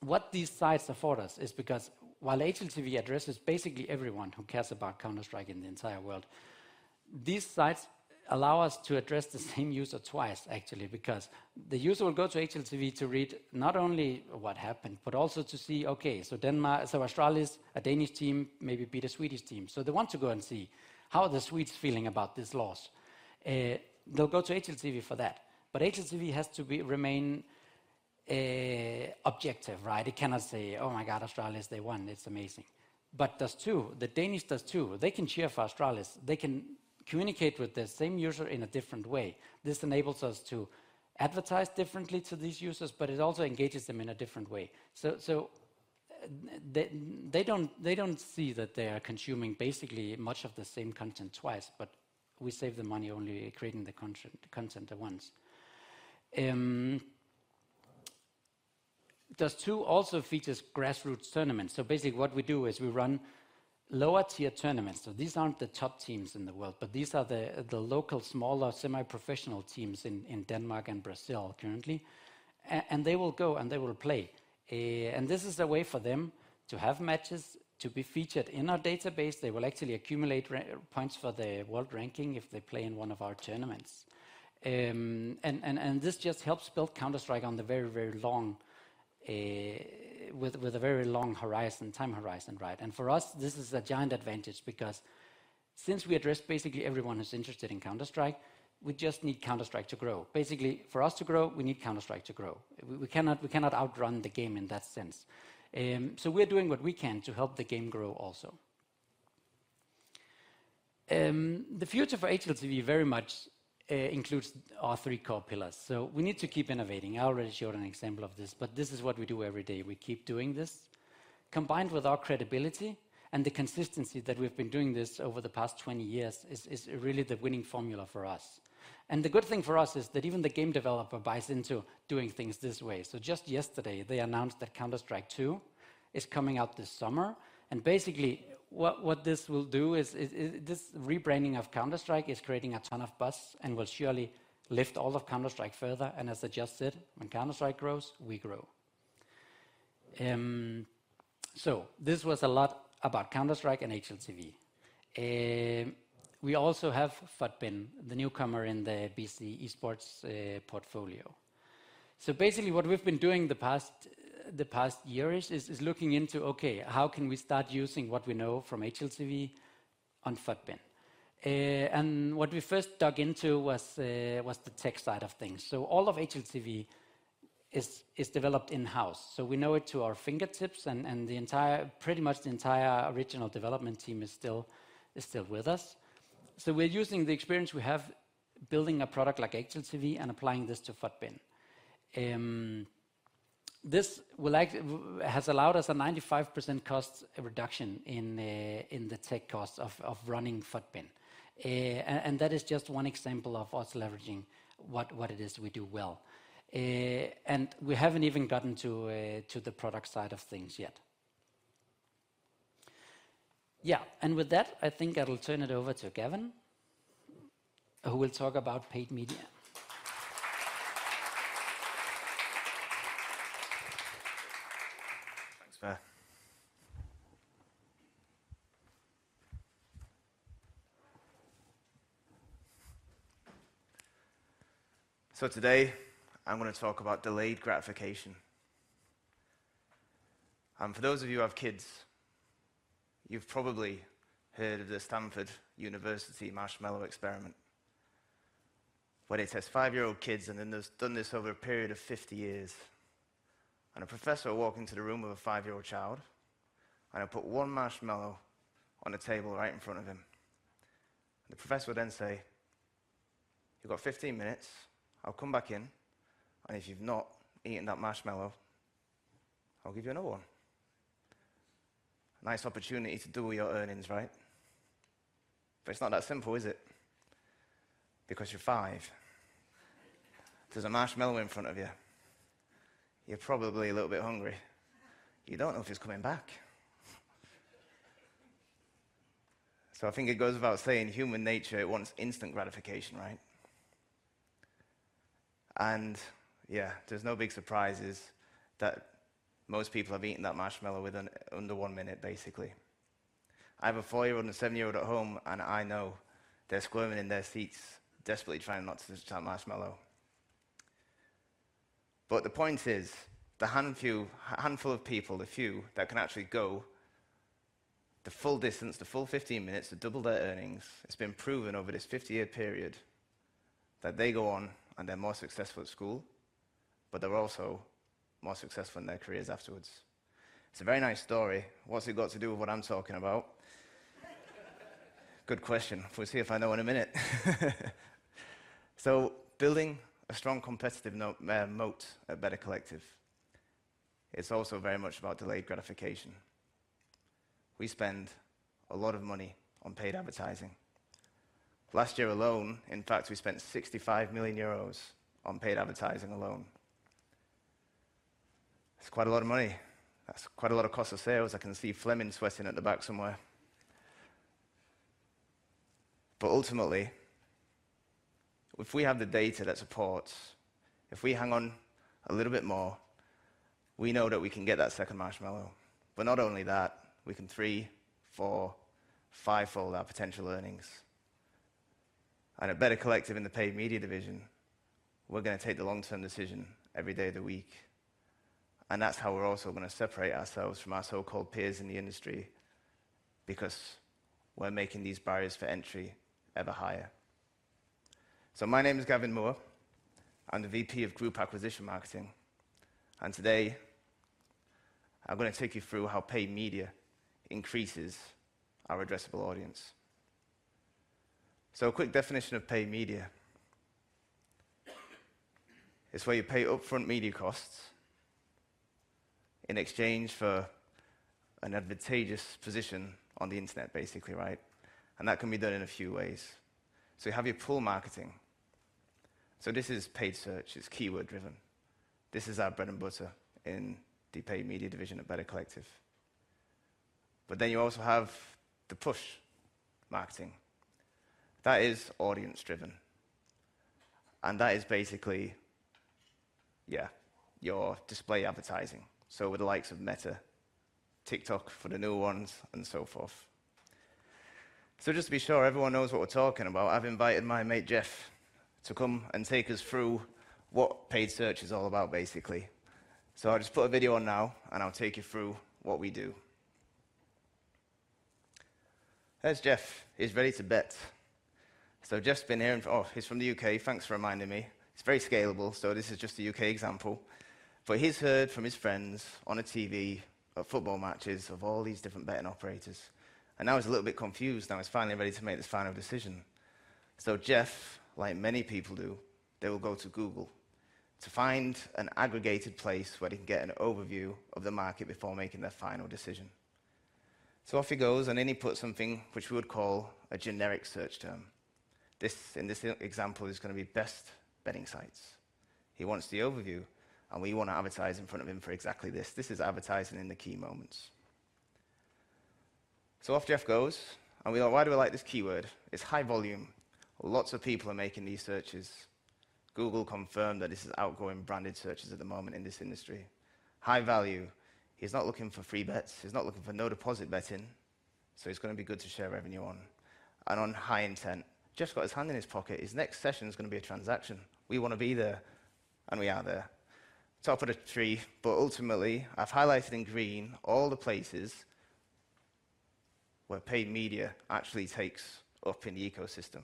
What these sites afford us is because while HLTV addresses basically everyone who cares about Counter-Strike in the entire world, these sites allow us to address the same user twice actually, because the user will go to HLTV to read not only what happened, but also to see, okay, so Astralis, a Danish team, maybe beat a Swedish team, so they want to go and see how are the Swedes feeling about this loss. They'll go to HLTV for that, but HLTV has to remain objective, right? It cannot say, "Oh my god, Astralis, they won. It's amazing." Dust2, the Danish Dust2, they can cheer for Astralis. They can communicate with the same user in a different way. This enables us to advertise differently to these users, but it also engages them in a different way. They don't see that they are consuming basically much of the same content twice, but we save the money only creating the content once. Dust2 also features grassroots tournaments. Basically what we do is we run lower tier tournaments. These aren't the top teams in the world, but these are the local, smaller, semi-professional teams in Denmark and Brazil currently. They will go and they will play. This is a way for them to have matches, to be featured in our database. They will actually accumulate points for the world ranking if they play in one of our tournaments. This just helps build Counter-Strike on the very long, with a very long horizon, time horizon, right? For us, this is a giant advantage because since we address basically everyone who's interested in Counter-Strike, we just need Counter-Strike to grow. Basically, for us to grow, we need Counter-Strike to grow. We cannot outrun the game in that sense. We're doing what we can to help the game grow also. The future for HLTV very much includes our three core pillars. We need to keep innovating. I already showed an example of this, but this is what we do every day. We keep doing this. Combined with our credibility and the consistency that we've been doing this over the past 20 years is really the winning formula for us. The good thing for us is that even the game developer buys into doing things this way. Just yesterday they announced that Counter-Strike 2 is coming out this summer, and basically what this will do is this rebranding of Counter-Strike is creating a ton of buzz and will surely lift all of Counter-Strike further, and as I just said, when Counter-Strike grows, we grow. This was a lot about Counter-Strike and HLTV. We also have FUTBIN, the newcomer in the BC Esports portfolio. Basically what we've been doing the past the past year is looking into, okay, how can we start using what we know from HLTV on FUTBIN? What we first dug into was the tech side of things. All of HLTV is developed in-house, so we know it to our fingertips and the entire, pretty much the entire original development team is still with us. We're using the experience we have building a product like HLTV and applying this to FUTBIN. This has allowed us a 95% cost reduction in the tech costs of running FUTBIN. And that is just one example of us leveraging what it is we do well. We haven't even gotten to the product side of things yet. With that, I think I will turn it over to Gavin, who will talk about paid media. Thanks, Per. Today I'm gonna talk about delayed gratification. For those of you who have kids, you've probably heard of the Stanford University marshmallow experiment, where they test 5-year-old kids, and then they've done this over a period of 50 years. A professor will walk into the room with a 5-year-old child, and he'll put 1 marshmallow on the table right in front of him. The professor will then say, "You've got 15 minutes. I'll come back in, and if you've not eaten that marshmallow, I'll give you another 1." Nice opportunity to double your earnings, right? It's not that simple, is it? You're 5. There's a marshmallow in front of you. You're probably a little bit hungry. You don't know if it's coming back. I think it goes without saying, human nature wants instant gratification, right? Yeah, there's no big surprises that most people have eaten that marshmallow within under 1 minute, basically. I have a 4-year-old and a 7-year-old at home, I know they're squirming in their seats desperately trying not to touch that marshmallow. The point is, the handful of people, the few that can actually go the full distance, the full 15 minutes to double their earnings, it's been proven over this 50-year period that they go on and they're more successful at school, they're also more successful in their careers afterwards. It's a very nice story. What's it got to do with what I'm talking about? Good question. We'll see if I know in a minute. Building a strong competitive moat at Better Collective, it's also very much about delayed gratification. We spend a lot of money on paid advertising. Last year alone, in fact, we spent 65 million euros on paid advertising alone. It's quite a lot of money. That's quite a lot of cost of sales. I can see Flemming sweating at the back somewhere. Ultimately, if we have the data that supports, if we hang on a little bit more, we know that we can get that second marshmallow. Not only that, we can three, four, five-fold our potential earnings. At Better Collective in the paid media division, we're gonna take the long-term decision every day of the week, and that's how we're also gonna separate ourselves from our so-called peers in the industry, because we're making these barriers for entry ever higher. My name is Gavin Moore. I'm the VP of Group Acquisition Marketing, and today I'm gonna take you through how paid media increases our addressable audience. A quick definition of paid media. It's where you pay upfront media costs in exchange for an advantageous position on the internet, basically, right? That can be done in a few ways. You have your pull marketing. This is paid search. It's keyword driven. This is our bread and butter in the paid media division at Better Collective. You also have the push marketing. That is audience driven, and that is basically, yeah, your display advertising, so with the likes of Meta, TikTok for the new ones and so forth. Just to be sure everyone knows what we're talking about, I've invited my mate Jeff to come and take us through what paid search is all about, basically. I'll just put a video on now, and I'll take you through what we do. There's Jeff. He's ready to bet. Jeff's been hearing... Oh, he's from the U.K. Thanks for reminding me. He's very scalable, so this is just a U.K. example. He's heard from his friends on the TV of football matches, of all these different betting operators, and now he's a little bit confused. Now he's finally ready to make this final decision. Jeff, like many people do, they will go to Google to find an aggregated place where they can get an overview of the market before making their final decision. Off he goes, and then he puts something which we would call a generic search term. This, in this example, is gonna be best betting sites. He wants the overview, and we wanna advertise in front of him for exactly this. This is advertising in the key moments. Off Jeff goes, and we go, "Why do we like this keyword?" It's high volume. Lots of people are making these searches. Google confirmed that this is outgoing branded searches at the moment in this industry. High value. He's not looking for free bets. He's not looking for no deposit betting, so it's gonna be good to share revenue on. On high intent. Jeff's got his hand in his pocket. His next session is gonna be a transaction. We wanna be there, and we are there. Top of the tree. Ultimately, I've highlighted in green all the places where paid media actually takes up in the ecosystem.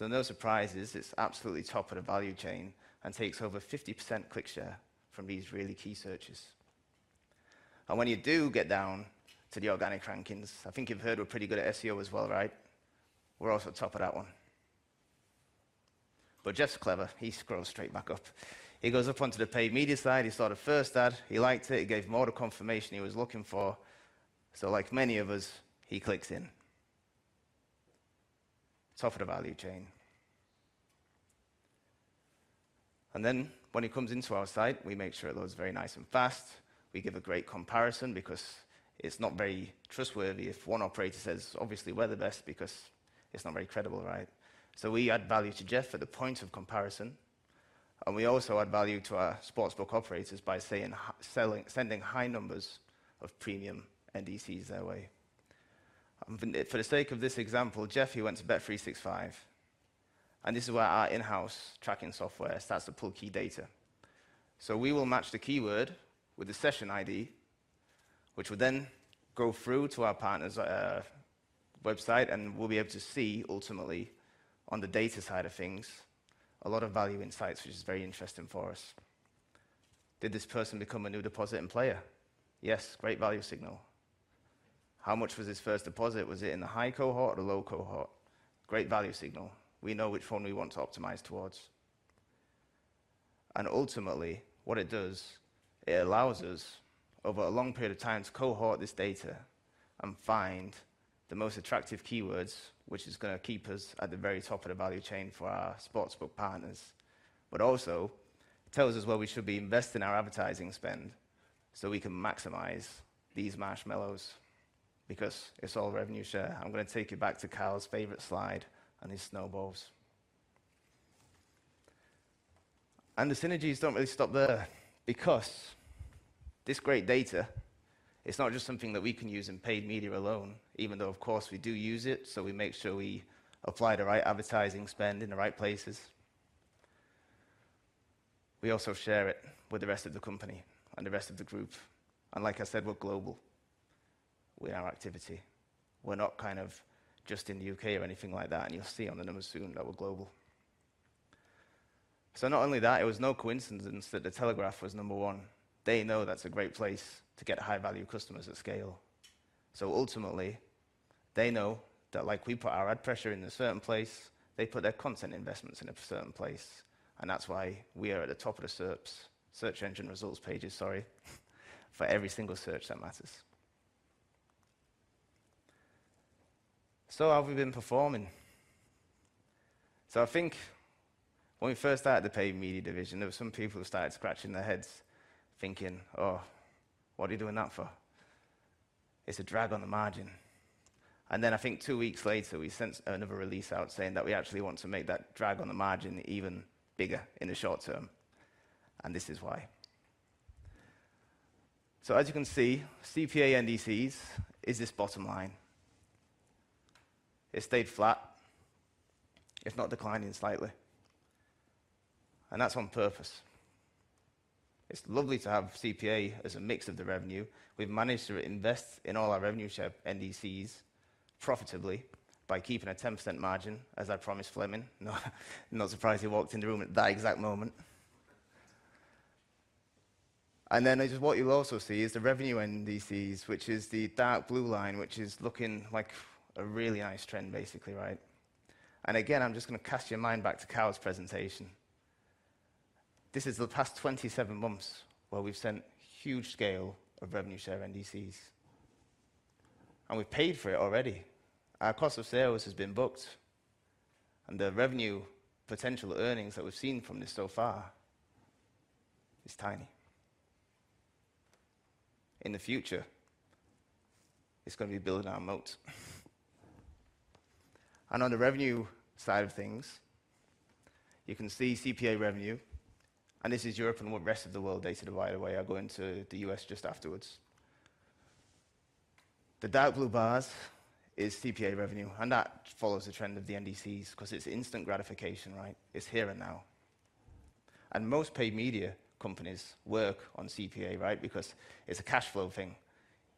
No surprises, it's absolutely top of the value chain and takes over 50% click share from these really key searches. When you do get down to the organic rankings, I think you've heard we're pretty good at SEO as well, right? We're also top of that one. Jeff's clever. He scrolls straight back up. He goes up onto the paid media side. He saw the first ad. He liked it. It gave him all the confirmation he was looking for. Like many of us, he clicks in. Top of the value chain. When he comes into our site, we make sure it loads very nice and fast. We give a great comparison because it's not very trustworthy if one operator says, "Obviously, we're the best," because it's not very credible, right? We add value to Jeff for the point of comparison, and we also add value to our sportsbook operators by sending high numbers of premium NDCs their way. For the sake of this example, Jeff, he went to bet365. This is where our in-house tracking software starts to pull key data. We will match the keyword with the session ID, which will then go through to our partner's website, and we'll be able to see ultimately on the data side of things a lot of value insights, which is very interesting for us. Did this person become a new depositing player? Yes. Great value signal. How much was his first deposit? Was it in the high cohort or the low cohort? Great value signal. We know which one we want to optimize towards. Ultimately, what it does, it allows us over a long period of time to cohort this data and find the most attractive keywords, which is gonna keep us at the very top of the value chain for our sportsbook partners. Also tells us where we should be investing our advertising spend, so we can maximize these marshmallows because it's all revenue share. I'm going to take you back to Carl's favorite slide and his snowballs. The synergies don't really stop there because this great data, it's not just something that we can use in paid media alone, even though of course we do use it, so we make sure we apply the right advertising spend in the right places. We also share it with the rest of the company and the rest of the group. Like I said, we're global with our activity. We're not kind of just in the UK or anything like that, and you'll see on the numbers soon that we're global. Not only that, it was no coincidence that The Telegraph was number one. They know that's a great place to get high value customers at scale. Ultimately, they know that like we put our ad pressure in a certain place, they put their content investments in a certain place, and that's why we are at the top of the SERPs, search engine results pages, sorry, for every single search that matters. How have we been performing? I think when we first started the paid media division, there were some people who started scratching their heads thinking, "Oh, what are you doing that for? It's a drag on the margin." I think 2 weeks later, we sent another release out saying that we actually want to make that drag on the margin even bigger in the short term, and this is why. As you can see, CPA NDCs is this bottom line. It stayed flat, if not declining slightly, and that's on purpose. It's lovely to have CPA as a mix of the revenue. We've managed to invest in all our revenue share NDCs profitably by keeping a 10% margin, as I promised Flemming. Not surprised he walked in the room at that exact moment. What you'll also see is the revenue NDCs, which is the dark blue line, which is looking like a really nice trend, basically, right? I'm just gonna cast your mind back to Carl's presentation. This is the past 27 months where we've sent huge scale of revenue share NDCs, and we've paid for it already. Our cost of sales has been booked, and the revenue potential earnings that we've seen from this so far is tiny. In the future, it's gonna be building our moat. On the revenue side of things, you can see CPA revenue, and this is Europe and rest of the world data by the way. I'll go into the US just afterwards. The dark blue bars is CPA revenue, and that follows the trend of the NDCs 'cause it's instant gratification, right? It's here and now. Most paid media companies work on CPA, right? Because it's a cash flow thing.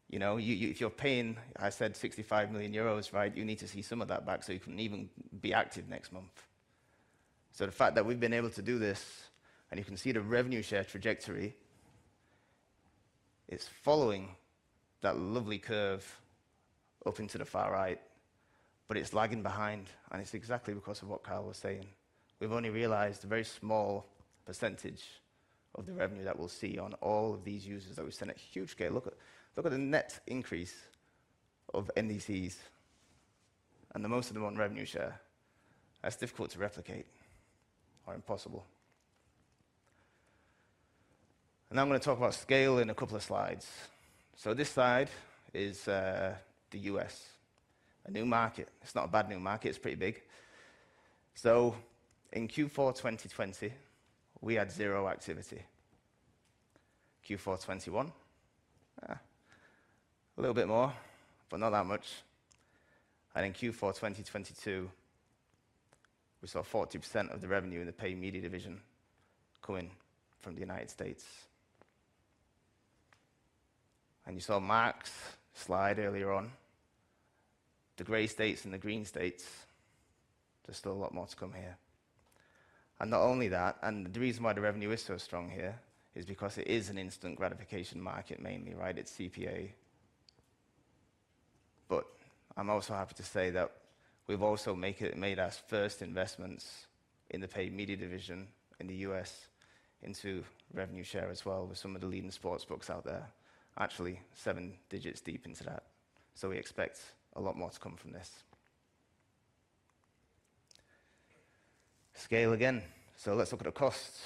You know, you, if you're paying, I said 65 million euros, right? You need to see some of that back so you can even be active next month. The fact that we've been able to do this, and you can see the revenue share trajectory, it's following that lovely curve up into the far right, but it's lagging behind, and it's exactly because of what Carl was saying. We've only realized a very small % of the revenue that we'll see on all of these users that we've sent at huge scale. Look at the net increase of NDCs and the most of them on revenue share. That's difficult to replicate or impossible. I'm gonna talk about scale in a couple of slides. This slide is the U.S., a new market. It's not a bad new market. It's pretty big. In Q4 2020, we had 0 activity. Q4 2021, a little bit more, but not that much. In Q4 2022, we saw 40% of the revenue in the paid media division coming from the United States. You saw Marc's slide earlier on, the gray states and the green states, there's still a lot more to come here. Not only that, the reason why the revenue is so strong here is because it is an instant gratification market mainly, right? It's CPA. I'm also happy to say that we've also made our first investments in the paid media division in the U.S. into revenue share as well with some of the leading sportsbooks out there, actually seven digits deep into that. We expect a lot more to come from this. Scale again. Let's look at the costs.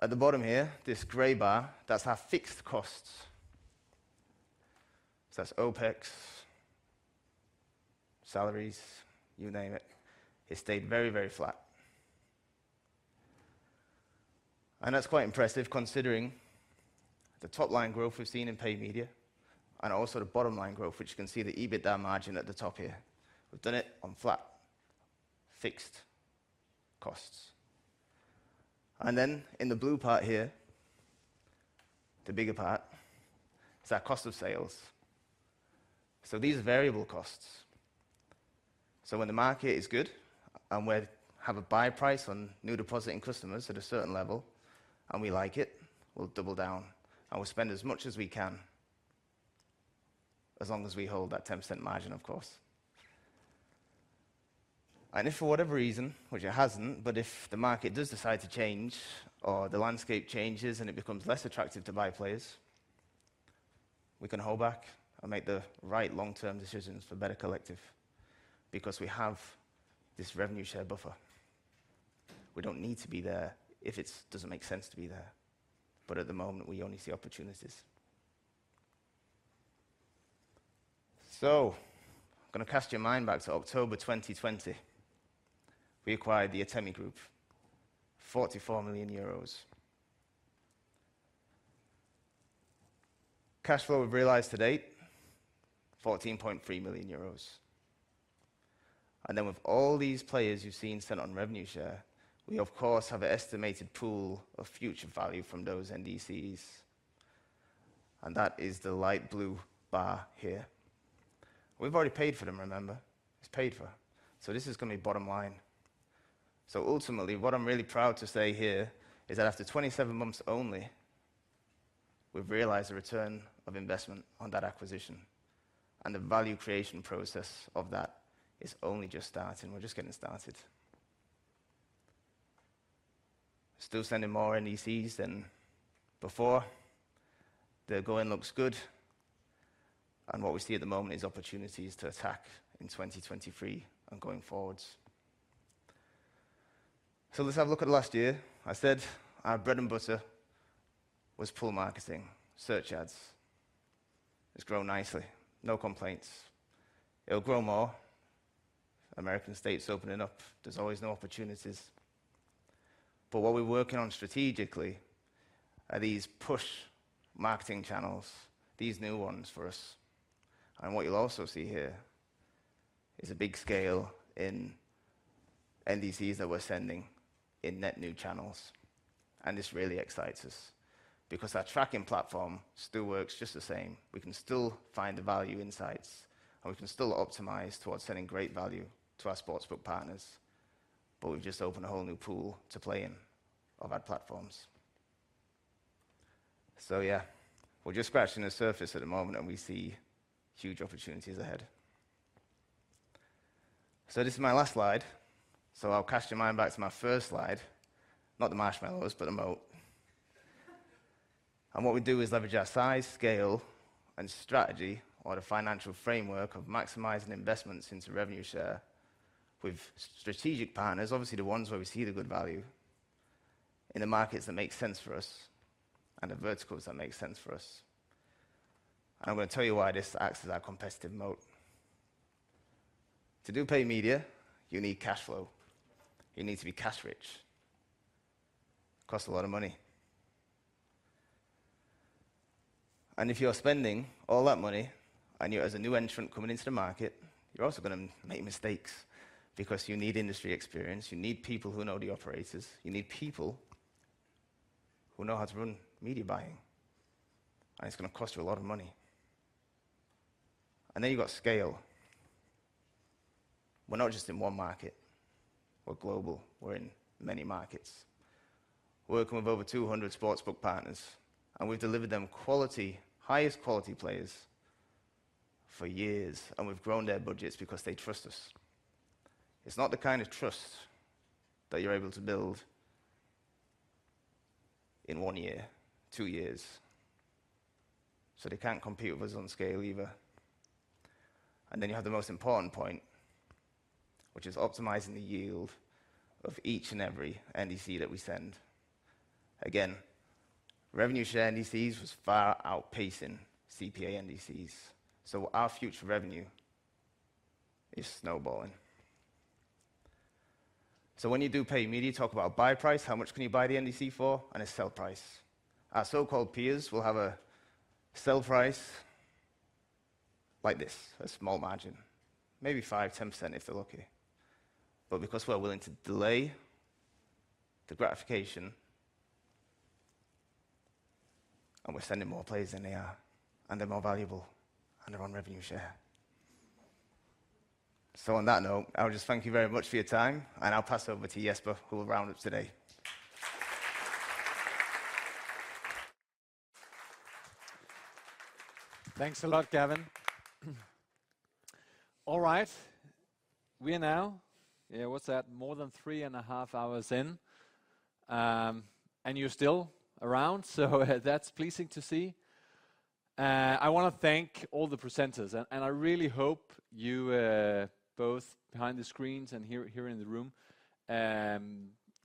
At the bottom here, this gray bar, that's our fixed costs. That's OpEx, salaries, you name it. It stayed very flat. That's quite impressive considering the top line growth we've seen in paid media and also the bottom line growth, which you can see the EBITDA margin at the top here. We've done it on flat fixed costs. Then in the blue part here, the bigger part, is our cost of sales. These are variable costs. When the market is good and we have a buy price on new depositing customers at a certain level, and we like it, we'll double down, and we'll spend as much as we can. As long as we hold that 10% margin, of course. If for whatever reason, which it hasn't, but if the market does decide to change or the landscape changes and it becomes less attractive to buy players, we can hold back and make the right long-term decisions for Better Collective because we have this revenue share buffer. We don't need to be there if it doesn't make sense to be there. At the moment, we only see opportunities. I'm gonna cast your mind back to October 2020. We acquired the Atemi Group, 44 million euros. Cashflow we've realized to date, 14.3 million euros. With all these players you've seen sent on revenue share, we of course have an estimated pool of future value from those NDCs, and that is the light blue bar here. We've already paid for them, remember. It's paid for. This is gonna be bottom line. Ultimately, what I'm really proud to say here is that after 27 months only, we've realized a return of investment on that acquisition, and the value creation process of that is only just starting. We're just getting started. Still sending more NDCs than before. The going looks good, and what we see at the moment is opportunities to attack in 2023 and going forwards. Let's have a look at last year. I said our bread and butter was pull marketing, search ads. It's grown nicely. No complaints. It'll grow more. American states opening up, there's always new opportunities. What we're working on strategically are these push marketing channels, these new ones for us. What you'll also see here is a big scale in NDCs that we're sending in net new channels, and this really excites us because our tracking platform still works just the same. We can still find the value insights, and we can still optimize towards sending great value to our sportsbook partners, but we've just opened a whole new pool to play in of ad platforms. Yeah, we're just scratching the surface at the moment, and we see huge opportunities ahead. This is my last slide. I'll cast your mind back to my first slide, not the marshmallows, but the moat. What we do is leverage our size, scale, and strategy or the financial framework of maximizing investments into revenue share with strategic partners, obviously the ones where we see the good value, in the markets that make sense for us and the verticals that make sense for us. I'm gonna tell you why this acts as our competitive moat. To do paid media, you need cashflow. You need to be cash rich. Costs a lot of money. If you're spending all that money and you're as a new entrant coming into the market, you're also gonna make mistakes because you need industry experience, you need people who know the operators, you need people who know how to run media buying, and it's gonna cost you a lot of money. Then you've got scale. We're not just in one market. We're global. We're in many markets, working with over 200 sportsbook partners, and we've delivered them quality, highest quality players for years, and we've grown their budgets because they trust us. It's not the kind of trust that you're able to build in one year, 2 years, so they can't compete with us on scale either. You have the most important point, which is optimizing the yield of each and every NDC that we send. Again, revenue share NDCs was far outpacing CPA NDCs, so our future revenue is snowballing. When you do paid media, talk about buy price, how much can you buy the NDC for, and a sell price. Our so-called peers will have a sell price like this, a small margin, maybe 5%, 10% if they're lucky. Because we're willing to delay the gratification, and we're sending more players than they are, and they're more valuable, and they're on revenue share. On that note, I'll just thank you very much for your time, and I'll pass over to Jesper who will round up today. Thanks a lot, Gavin. All right. We are now, what's that? More than three and a half hours in, and you're still around, so that's pleasing to see. I wanna thank all the presenters, and I really hope you both behind the screens and here in the room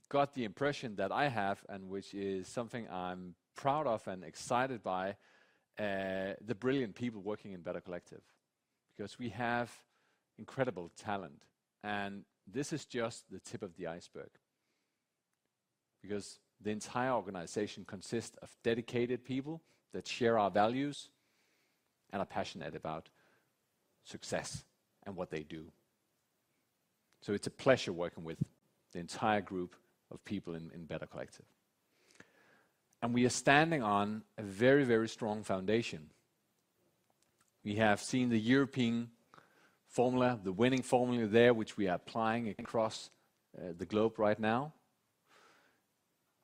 got the impression that I have, which is something I'm proud of and excited by the brilliant people working in Better Collective. We have incredible talent, and this is just the tip of the iceberg. The entire organization consists of dedicated people that share our values and are passionate about success and what they do. It's a pleasure working with the entire group of people in Better Collective. We are standing on a very, very strong foundation. We have seen the European formula, the winning formula there, which we are applying across the globe right now.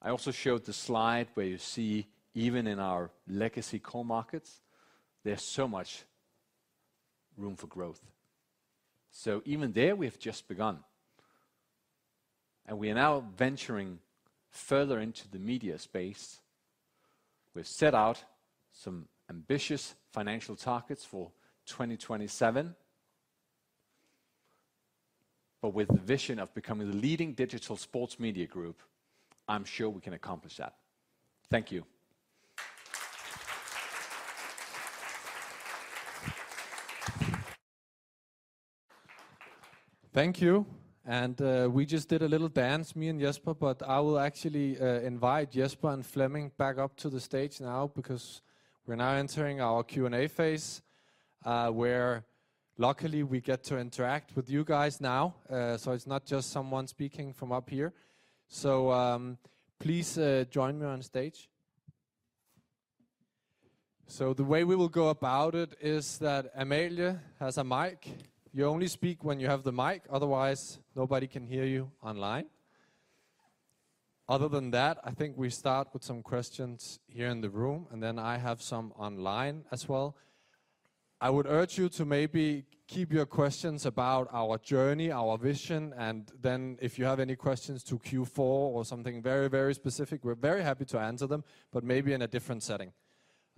I also showed the slide where you see even in our legacy core markets, there's so much room for growth. Even there we have just begun, and we are now venturing further into the media space. We've set out some ambitious financial targets for 2027. With the vision of becoming the leading digital sports media group, I'm sure we can accomplish that. Thank you. Thank you. We just did a little dance, me and Jesper, but I will actually invite Jesper and Flemming back up to the stage now because we're now entering our Q&A phase, where luckily we get to interact with you guys now. It's not just someone speaking from up here. Please join me on stage. The way we will go about it is that Amalie has a mic. You only speak when you have the mic, otherwise nobody can hear you online. Other than that, I think we start with some questions here in the room, and then I have some online as well. I would urge you to maybe keep your questions about our journey, our vision, and then if you have any questions to Q4 or something very, very specific, we're very happy to answer them, but maybe in a different setting.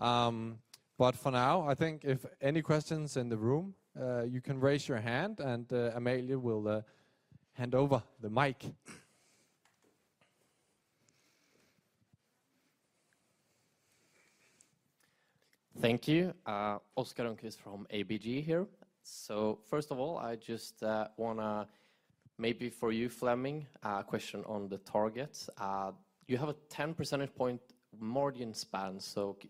For now, I think if any questions in the room, you can raise your hand, and Amalie will hand over the mic. Thank you. Oscar Rönnkvist from ABG here. First of all, I just wanna maybe for you, Flemming Pedersen, a question on the targets. You have a 10 percentage point margin span,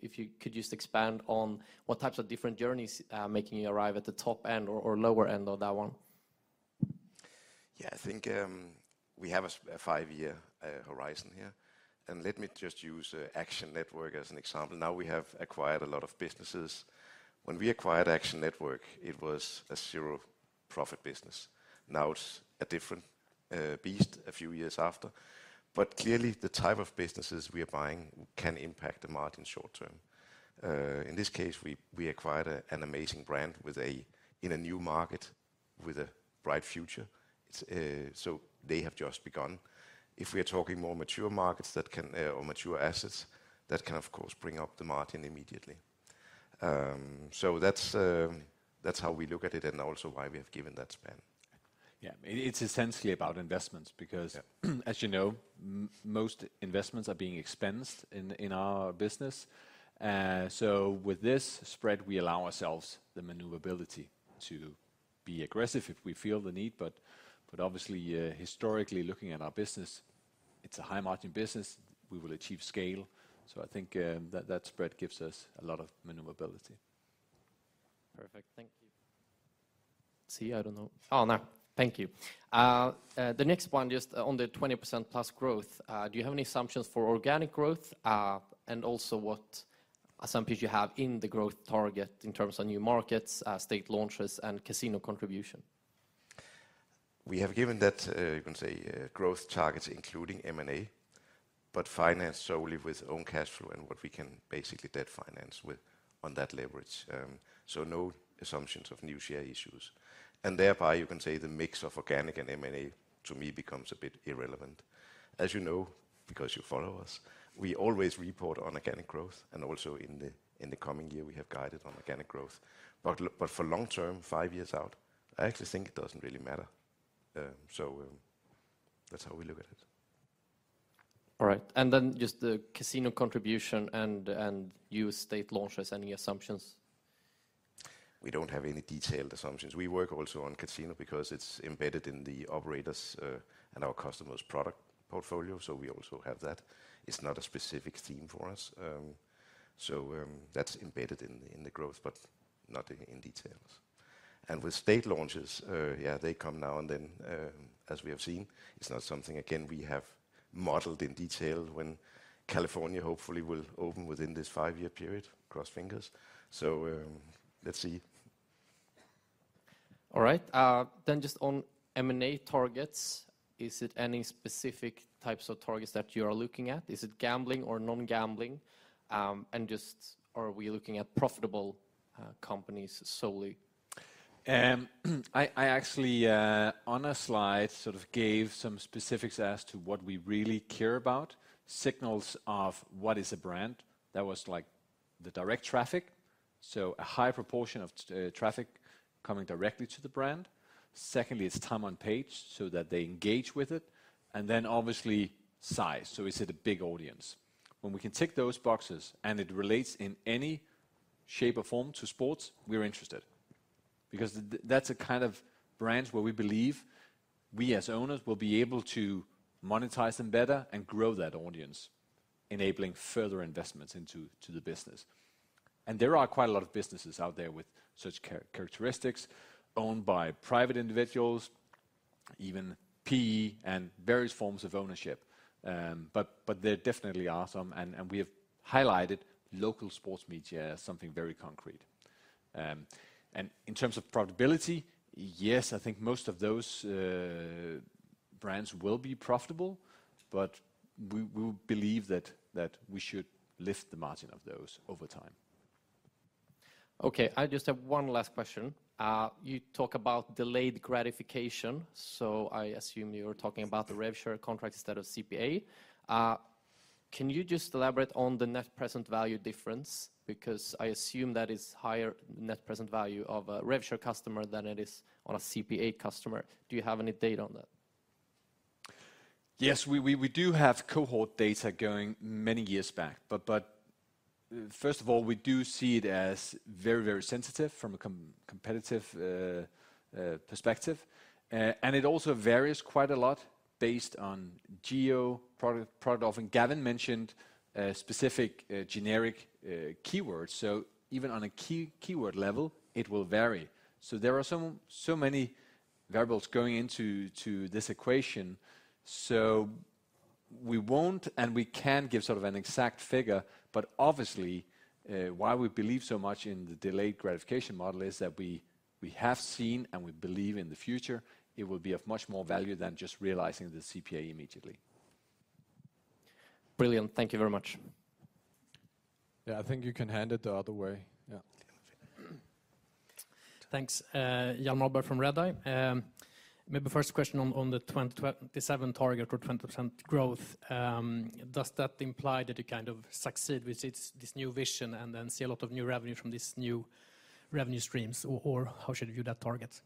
if you could just expand on what types of different journeys, making you arrive at the top end or lower end of that one? I think we have a 5-year horizon here, and let me just use Action Network as an example. Now we have acquired a lot of businesses. When we acquired Action Network, it was a 0-profit business. Now it's a different beast a few years after. Clearly the type of businesses we are buying can impact the margin short term. In this case, we acquired an amazing brand in a new market with a bright future. They have just begun. If we are talking more mature markets that can, or mature assets, that can of course bring up the margin immediately. That's how we look at it and also why we have given that span. Yeah. It's essentially about investments because- Yeah as you know, most investments are being expensed in our business. With this spread, we allow ourselves the maneuverability to be aggressive if we feel the need. Obviously, historically looking at our business, it's a high-margin business. We will achieve scale. I think that spread gives us a lot of maneuverability. Perfect. Thank you. See, I don't know. Oh, no. Thank you. The next one, just on the 20% plus growth, do you have any assumptions for organic growth? Also, what assumptions you have in the growth target in terms of new markets, state launches, and casino contribution? We have given that, you can say, growth targets including M&A, but financed solely with own cash flow and what we can basically debt finance with on that leverage. No assumptions of new share issues. Thereby, you can say the mix of organic and M&A to me becomes a bit irrelevant. As you know, because you follow us, we always report on organic growth and also in the, in the coming year, we have guided on organic growth. For long term, five years out, I actually think it doesn't really matter. That's how we look at it. All right. Just the casino contribution and U.S. state launches, any assumptions? We don't have any detailed assumptions. We work also on casino because it's embedded in the operators', and our customers' product portfolio, so we also have that. It's not a specific theme for us. That's embedded in the growth, but not in details. With state launches, yeah, they come now and then, as we have seen. It's not something again we have modeled in detail when California hopefully will open within this five-year period, cross fingers. Let's see. All right. Just on M&A targets, is it any specific types of targets that you are looking at? Is it gambling or non-gambling? Just are we looking at profitable, companies solely? I actually on a slide sort of gave some specifics as to what we really care about, signals of what is a brand that was like the direct traffic, so a high proportion of traffic coming directly to the brand. Secondly, it's time on page so that they engage with it, and then obviously size. Is it a big audience? When we can tick those boxes and it relates in any shape or form to sports, we're interested because that's a kind of brand where we believe we as owners will be able to monetize them better and grow that audience, enabling further investments into the business. There are quite a lot of businesses out there with such characteristics owned by private individuals, even PE and various forms of ownership. There definitely are some and we have highlighted local sports media as something very concrete. In terms of profitability, yes, I think most of those brands will be profitable, but we believe that we should lift the margin of those over time. Okay. I just have one last question. You talk about delayed gratification, so I assume you're talking about the rev share contract instead of CPA. Can you just elaborate on the net present value difference? I assume that is higher net present value of a rev share customer than it is on a CPA customer. Do you have any data on that? Yes. We do have cohort data going many years back. First of all, we do see it as very, very sensitive from a competitive perspective. It also varies quite a lot based on geo, product offering. Gavin mentioned specific generic keywords. Even on a keyword level it will vary. There are so many variables going into this equation, we won't, and we can't give sort of an exact figure. Obviously, why we believe so much in the delayed gratification model is that we have seen, and we believe in the future it will be of much more value than just realizing the CPA immediately. Brilliant. Thank you very much. Yeah. I think you can hand it the other way. Yeah. Thanks. Jan Albert from Redeye. Maybe first question on the 20% growth. Does that imply that you kind of succeed with this new vision and then see a lot of new revenue from these new revenue streams? Or how should we view that target?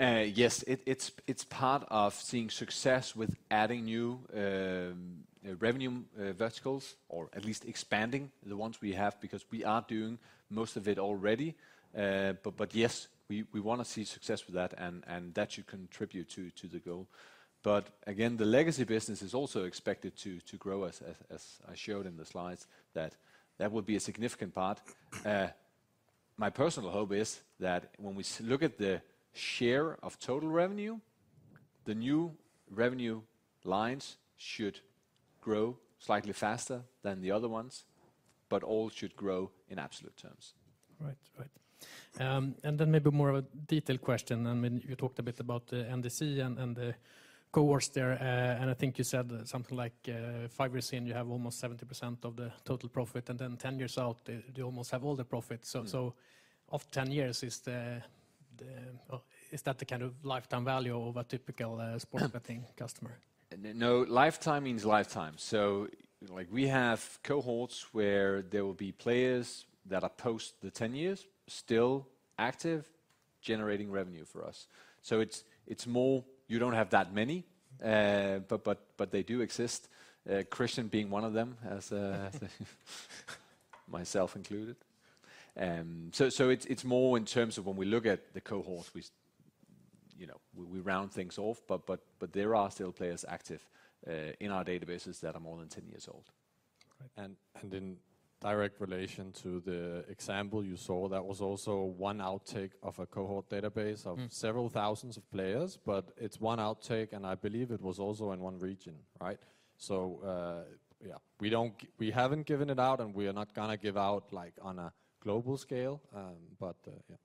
Yes. It's part of seeing success with adding new revenue verticals, or at least expanding the ones we have because we are doing most of it already. Yes, we wanna see success with that, and that should contribute to the goal. Again, the legacy business is also expected to grow as I showed in the slides, that would be a significant part. My personal hope is that when we look at the share of total revenue, the new revenue lines should grow slightly faster than the other ones, but all should grow in absolute terms. Right. Right. Maybe more of a detailed question. I mean, you talked a bit about the NDC and the cohorts there. I think you said something like, 5 years in, you have almost 70% of the total profit, and then 10 years out, you almost have all the profits. Of 10 years, is the... Is that the kind of lifetime value of a typical, sports betting customer? No, lifetime means lifetime. Like we have cohorts where there will be players that are post the 10 years, still active, generating revenue for us. It's more you don't have that many, but they do exist, Christian being one of them as myself included. It's more in terms of when we look at the cohorts, we, you know, we round things off, but there are still players active in our databases that are more than 10 years old. Right. In direct relation to the example you saw, that was also one outtake of a cohort database-. Mm of several thousands of players. It's one outtake, and I believe it was also in one region, right? Yeah, we haven't given it out, and we are not gonna give out like on a global scale. Yeah.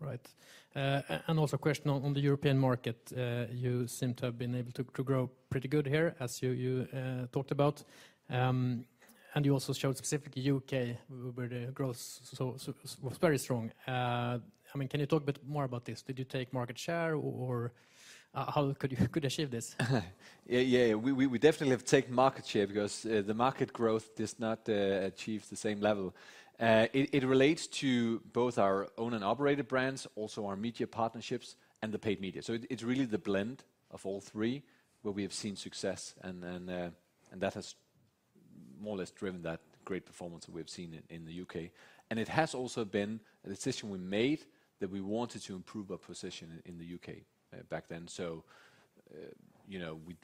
Right. And also a question on the European market. You seem to have been able to grow pretty good here as you talked about. You also showed specifically UK where the growth was very strong. I mean, can you talk a bit more about this? Did you take market share or how could you achieve this? We definitely have taken market share because the market growth does not achieve the same level. It relates to both our own and operated brands, also our media partnerships and the paid media. It's really the blend of all three where we have seen success and then, and that has more or less driven that great performance that we have seen in the UK. It has also been a decision we made that we wanted to improve our position in the UK back then.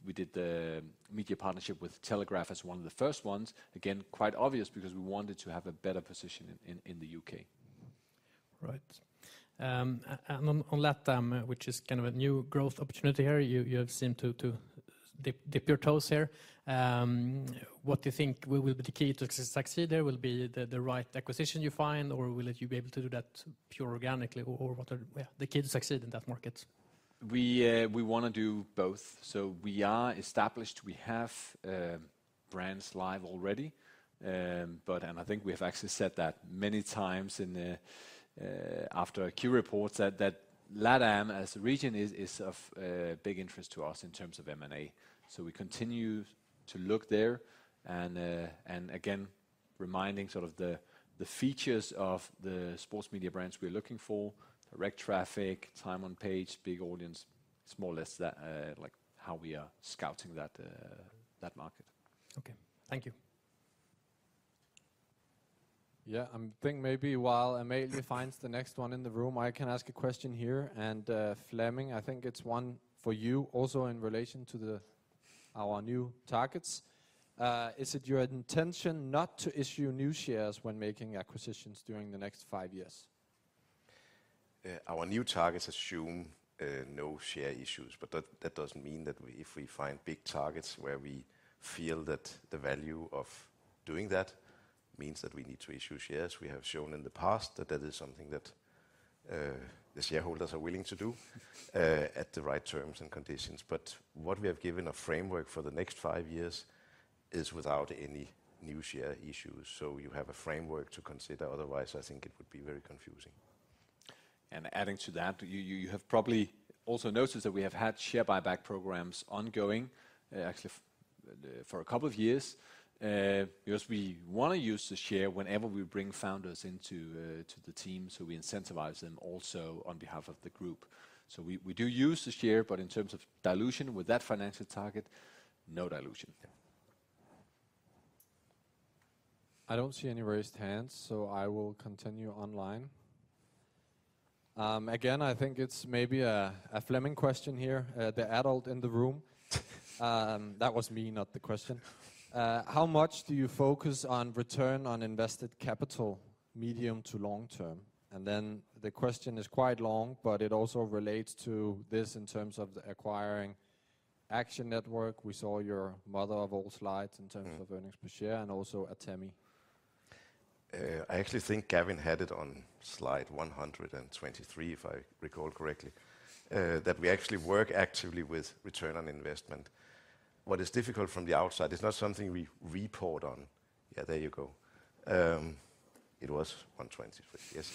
We did the media partnership with Telegraph as one of the first ones. Again, quite obvious because we wanted to have a better position in the UK. Right. On LatAm, which is kind of a new growth opportunity here, you have seemed to dip your toes here. What do you think will be the key to succeed there? Will it be the right acquisition you find, or will you be able to do that pure organically? What are, yeah, the key to succeed in that market? We wanna do both. We are established. We have brands live already. And I think we have actually said that many times in after Q reports that LatAm as a region is of big interest to us in terms of M&A. We continue to look there and again, reminding sort of the features of the sports media brands we're looking for. Direct traffic, time on page, big audience. It's more or less that like how we are scouting that market. Okay. Thank you. Yeah. I'm think maybe while Amalie finds the next one in the room, I can ask a question here. Flemming, I think it's one for you also in relation to our new targets. Is it your intention not to issue new shares when making acquisitions during the next five years? Our new targets assume no share issues, but that doesn't mean that if we find big targets where we feel that the value of doing that means that we need to issue shares. We have shown in the past that that is something that the shareholders are willing to do at the right terms and conditions. What we have given a framework for the next 5 years is without any new share issues, so you have a framework to consider, otherwise, I think it would be very confusing. Adding to that, you have probably also noticed that we have had share buyback programs ongoing, actually for a couple of years. Because we wanna use the share whenever we bring founders into to the team, so we incentivize them also on behalf of the group. We do use the share, but in terms of dilution with that financial target, no dilution. Yeah. I don't see any raised hands. I will continue online. Again, I think it's maybe a Flemming question here, the adult in the room. That was me, not the question. How much do you focus on return on invested capital, medium to long term? The question is quite long, but it also relates to this in terms of the acquiring Action Network. We saw your mother of all slides- Mm-hmm in terms of earnings per share and also Atemi. I actually think Gavin had it on slide 123, if I recall correctly. That we actually work actively with ROI. What is difficult from the outside, it's not something we report on. Yeah, there you go. It was 123. Yes.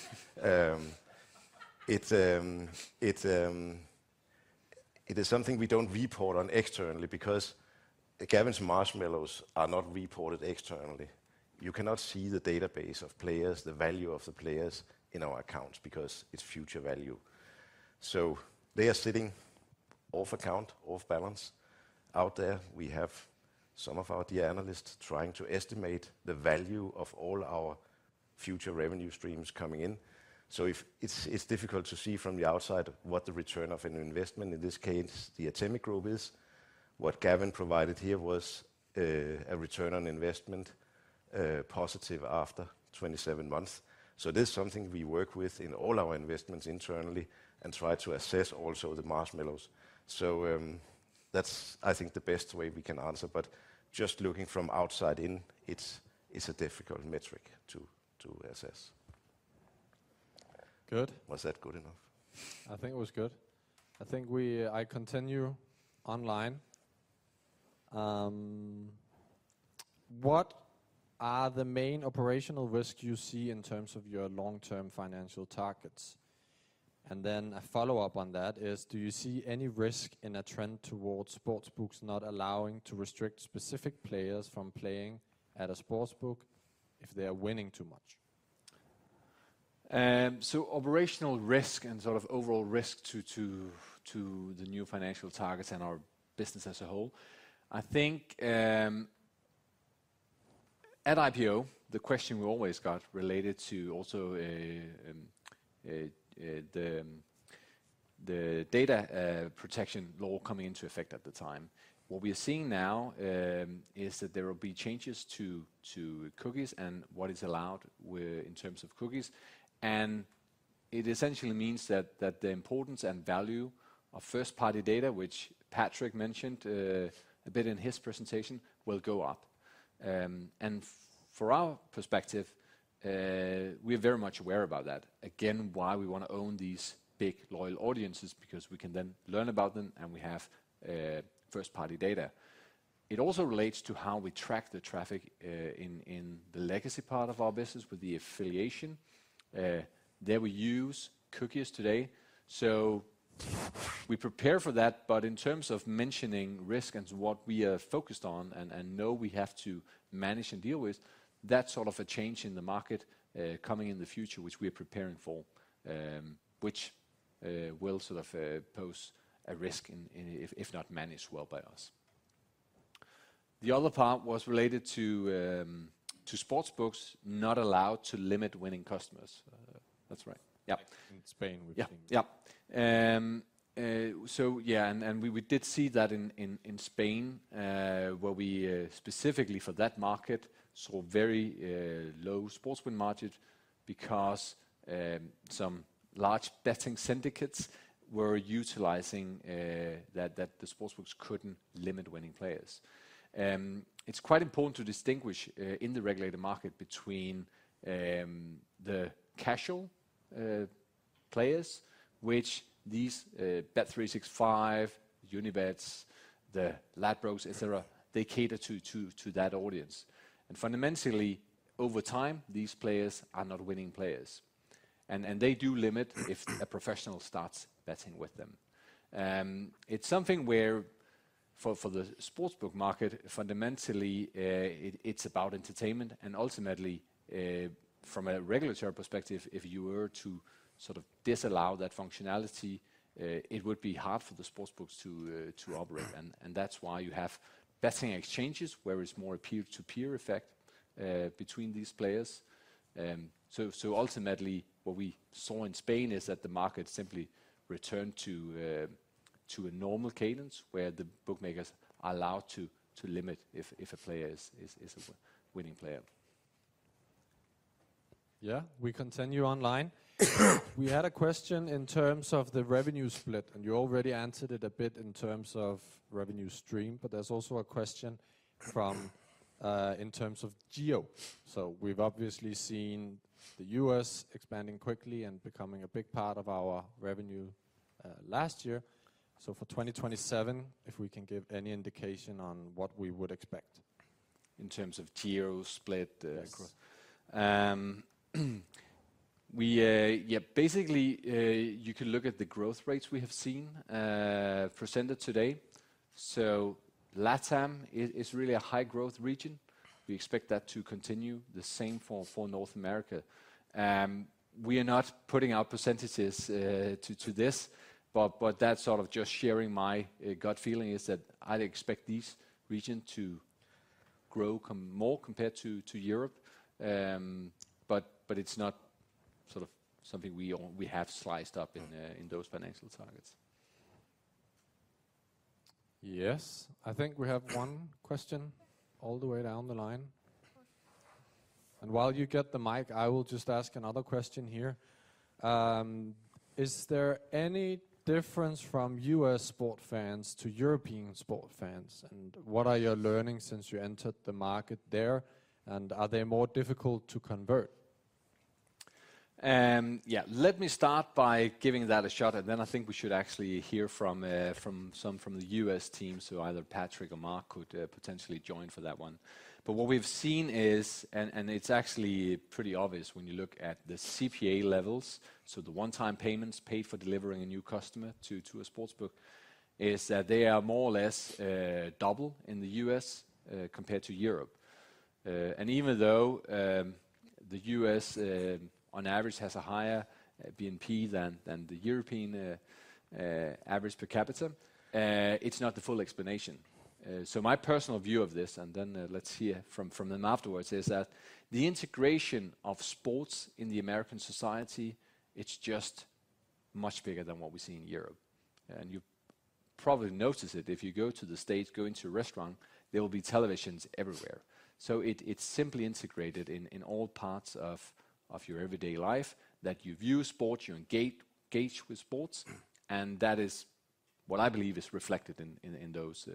It is something we don't report on externally because Gavin's marshmallows are not reported externally. You cannot see the database of players, the value of the players in our accounts because it's future value. They are sitting off account, off balance out there. We have some of our dear analysts trying to estimate the value of all our future revenue streams coming in. If it's difficult to see from the outside what the ROI, in this case, the Atemi Group is. What Gavin provided here was a return on investment positive after 27 months. It is something we work with in all our investments internally and try to assess also the marshmallows. That's, I think, the best way we can answer. Just looking from outside in, it's a difficult metric to assess. Good. Was that good enough? I think it was good. I continue online. What are the main operational risks you see in terms of your long-term financial targets? A follow-up on that is, do you see any risk in a trend towards sportsbooks not allowing to restrict specific players from playing at a sportsbook if they are winning too much? Operational risk and sort of overall risk to the new financial targets and our business as a whole. I think, at IPO, the question we always got related to also the data protection law coming into effect at the time. What we are seeing now is that there will be changes to cookies and what is allowed in terms of cookies. It essentially means that the importance and value of first-party data, which Patrick mentioned a bit in his presentation, will go up. For our perspective, we're very much aware about that. Again, why we wanna own these big loyal audiences, because we can then learn about them, and we have first-party data. It also relates to how we track the traffic in the legacy part of our business with the affiliation. There we use cookies today. We prepare for that. In terms of mentioning risk and what we are focused on and know we have to manage and deal with, that's sort of a change in the market coming in the future, which we are preparing for, which will sort of pose a risk if not managed well by us. The other part was related to sportsbooks not allowed to limit winning customers. That's right. Yeah. In Spain we've seen. Yeah. Yeah. We did see that in Spain, where we specifically for that market, saw very low sports betting margin because some large betting syndicates were utilizing that the sportsbooks couldn't limit winning players. It's quite important to distinguish in the regulated market between the casual players, which these bet365, Unibets, the Ladbrokes, et cetera, they cater to that audience. Fundamentally, over time, these players are not winning players. They do limit if a professional starts betting with them. It's something where for the sportsbook market, fundamentally, it's about entertainment and ultimately, from a regulatory perspective, if you were to sort of disallow that functionality, it would be hard for the sportsbooks to operate. That's why you have betting exchanges where it's more a peer-to-peer effect between these players. Ultimately, what we saw in Spain is that the market simply returned to a normal cadence where the bookmakers are allowed to limit if a player is a winning player. Yeah, we continue online. We had a question in terms of the revenue split, you already answered it a bit in terms of revenue stream, but there's also a question from in terms of geo. We've obviously seen the U.S. expanding quickly and becoming a big part of our revenue last year. For 2027, if we can give any indication on what we would expect in terms of geo split. Yes. We... Basically, you can look at the growth rates we have seen presented today. LATAM is really a high growth region. We expect that to continue. The same for North America. We are not putting out percentages to this, but that's sort of just sharing my gut feeling is that I'd expect these region to grow more compared to Europe. But it's not sort of something we have sliced up in those financial targets. Yes. I think we have 1 question all the way down the line. While you get the mic, I will just ask another question here. Is there any difference from U.S. sport fans to European sport fans, and what are you learning since you entered the market there, and are they more difficult to convert? Let me start by giving that a shot, and then I think we should actually hear from some from the U.S. team, so either Patrick or Mark could potentially join for that one. What we've seen is, and it's actually pretty obvious when you look at the CPA levels, so the one-time payments paid for delivering a new customer to a sportsbook, is that they are more or less double in the U.S. compared to Europe. And even though the U.S. on average has a higher GDP than the European average per capita, it's not the full explanation. My personal view of this, and then let's hear from them afterwards, is that the integration of sports in the American society, it's just much bigger than what we see in Europe. You probably notice it if you go to the States, go into a restaurant, there will be televisions everywhere. It's simply integrated in all parts of your everyday life that you view sports, you engage with sports, and that is what I believe is reflected in those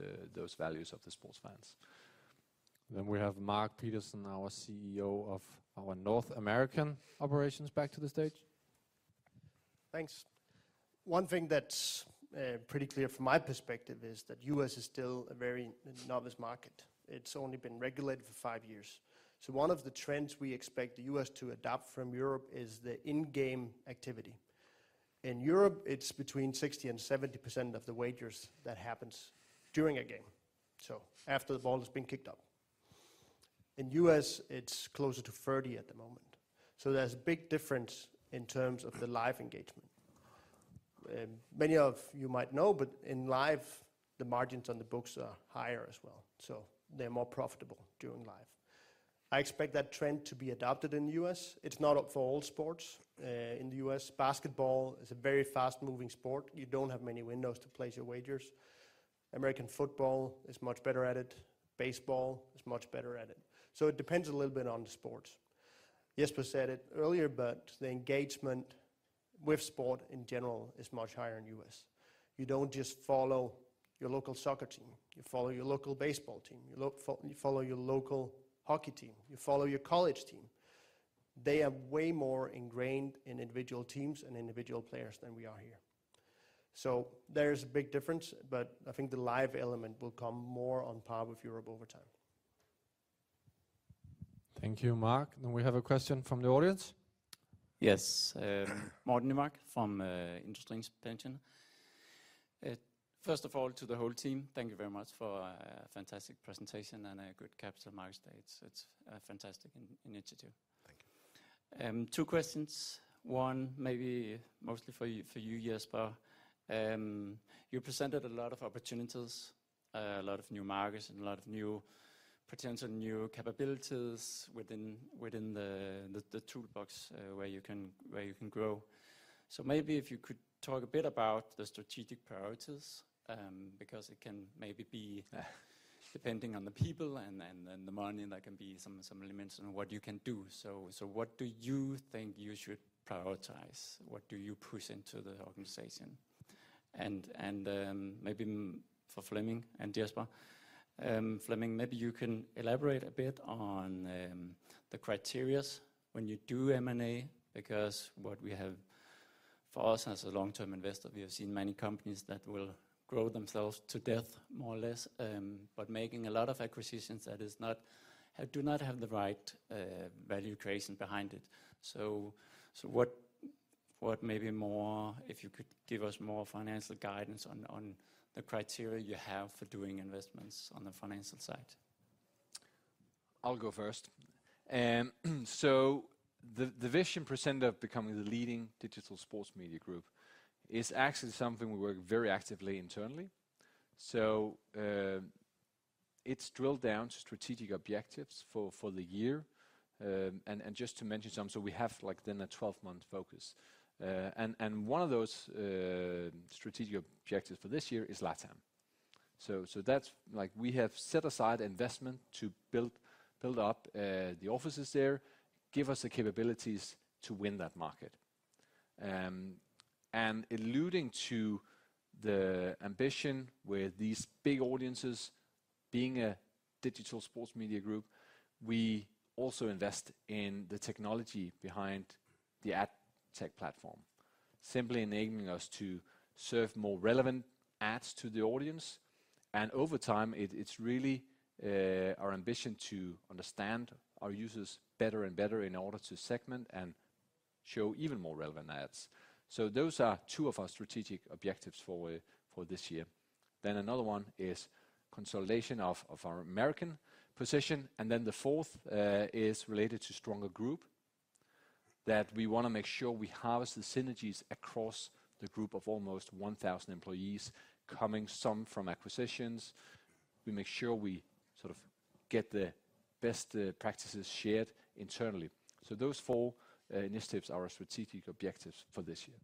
values of the sports fans. We have Marc Pedersen, our CEO of our North American operations back to the stage. Thanks. One thing that's pretty clear from my perspective is that U.S. is still a very novice market. It's only been regulated for five years. One of the trends we expect the U.S. to adopt from Europe is the in-game activity. In Europe, it's between 60% and 70% of the wagers that happens during a game, so after the ball has been kicked off. In U.S., it's closer to 30% at the moment. There's a big difference in terms of the live engagement. Many of you might know, but in live, the margins on the books are higher as well, so they're more profitable during live. I expect that trend to be adopted in the U.S. It's not up for all sports in the U.S. Basketball is a very fast-moving sport. You don't have many windows to place your wagers. American football is much better at it. Baseball is much better at it. It depends a little bit on the sports. Jesper said it earlier, the engagement with sport in general is much higher in the U.S. You don't just follow your local soccer team. You follow your local baseball team. You follow your local hockey team. You follow your college team. They are way more ingrained in individual teams and individual players than we are here. There's a big difference, I think the live element will come more on par with Europe over time. Thank you, Mark. We have a question from the audience. Yes. Morten Rask Nymark from Industriens Pension. First of all, to the whole team, thank you very much for a fantastic presentation and a good capital markets date. It's fantastic in its detail. Thank you. Two questions. One, maybe mostly for you, Jesper. You presented a lot of opportunities, a lot of new markets and a lot of new potential, new capabilities within the toolbox, where you can grow. Maybe if you could talk a bit about the strategic priorities, because it can maybe be depending on the people and the money, and there can be some limits on what you can do. What do you think you should prioritize? What do you push into the organization? Maybe for Flemming and Jesper. Flemming, maybe you can elaborate a bit on the criteria when you do M&A, because what we have for us as a long-term investor, we have seen many companies that will grow themselves to death more or less, but making a lot of acquisitions that do not have the right value creation behind it. What may be more, if you could give us more financial guidance on the criteria you have for doing investments on the financial side? I'll go first. The, the vision presented of becoming the leading digital sports media group is actually something we work very actively internally. It's drilled down to strategic objectives for the year. Just to mention some, we have like then a 12-month focus. One of those strategic objectives for this year is LATAM. That's like we have set aside investment to build up the offices there, give us the capabilities to win that market. Alluding to the ambition with these big audiences being a digital sports media group, we also invest in the technology behind the ad tech platform, simply enabling us to serve more relevant ads to the audience. Over time, it's really our ambition to understand our users better and better in order to segment and show even more relevant ads. Those are two of our strategic objectives for this year. Another one is consolidation of our American position, the fourth is related to stronger group, that we wanna make sure we harvest the synergies across the group of almost 1,000 employees, coming some from acquisitions. We make sure we sort of get the best practices shared internally. Those four initiatives are our strategic objectives for this year.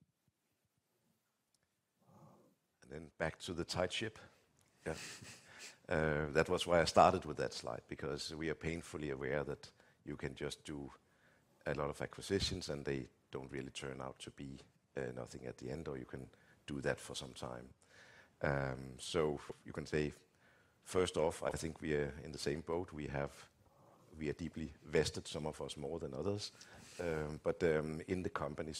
Back to the tight ship. Yeah. That was why I started with that slide, because we are painfully aware that you can just do a lot of acquisitions, and they don't really turn out to be nothing at the end, or you can do that for some time. You can say, first off, I think we are in the same boat. We are deeply vested, some of us more than others, but in the company.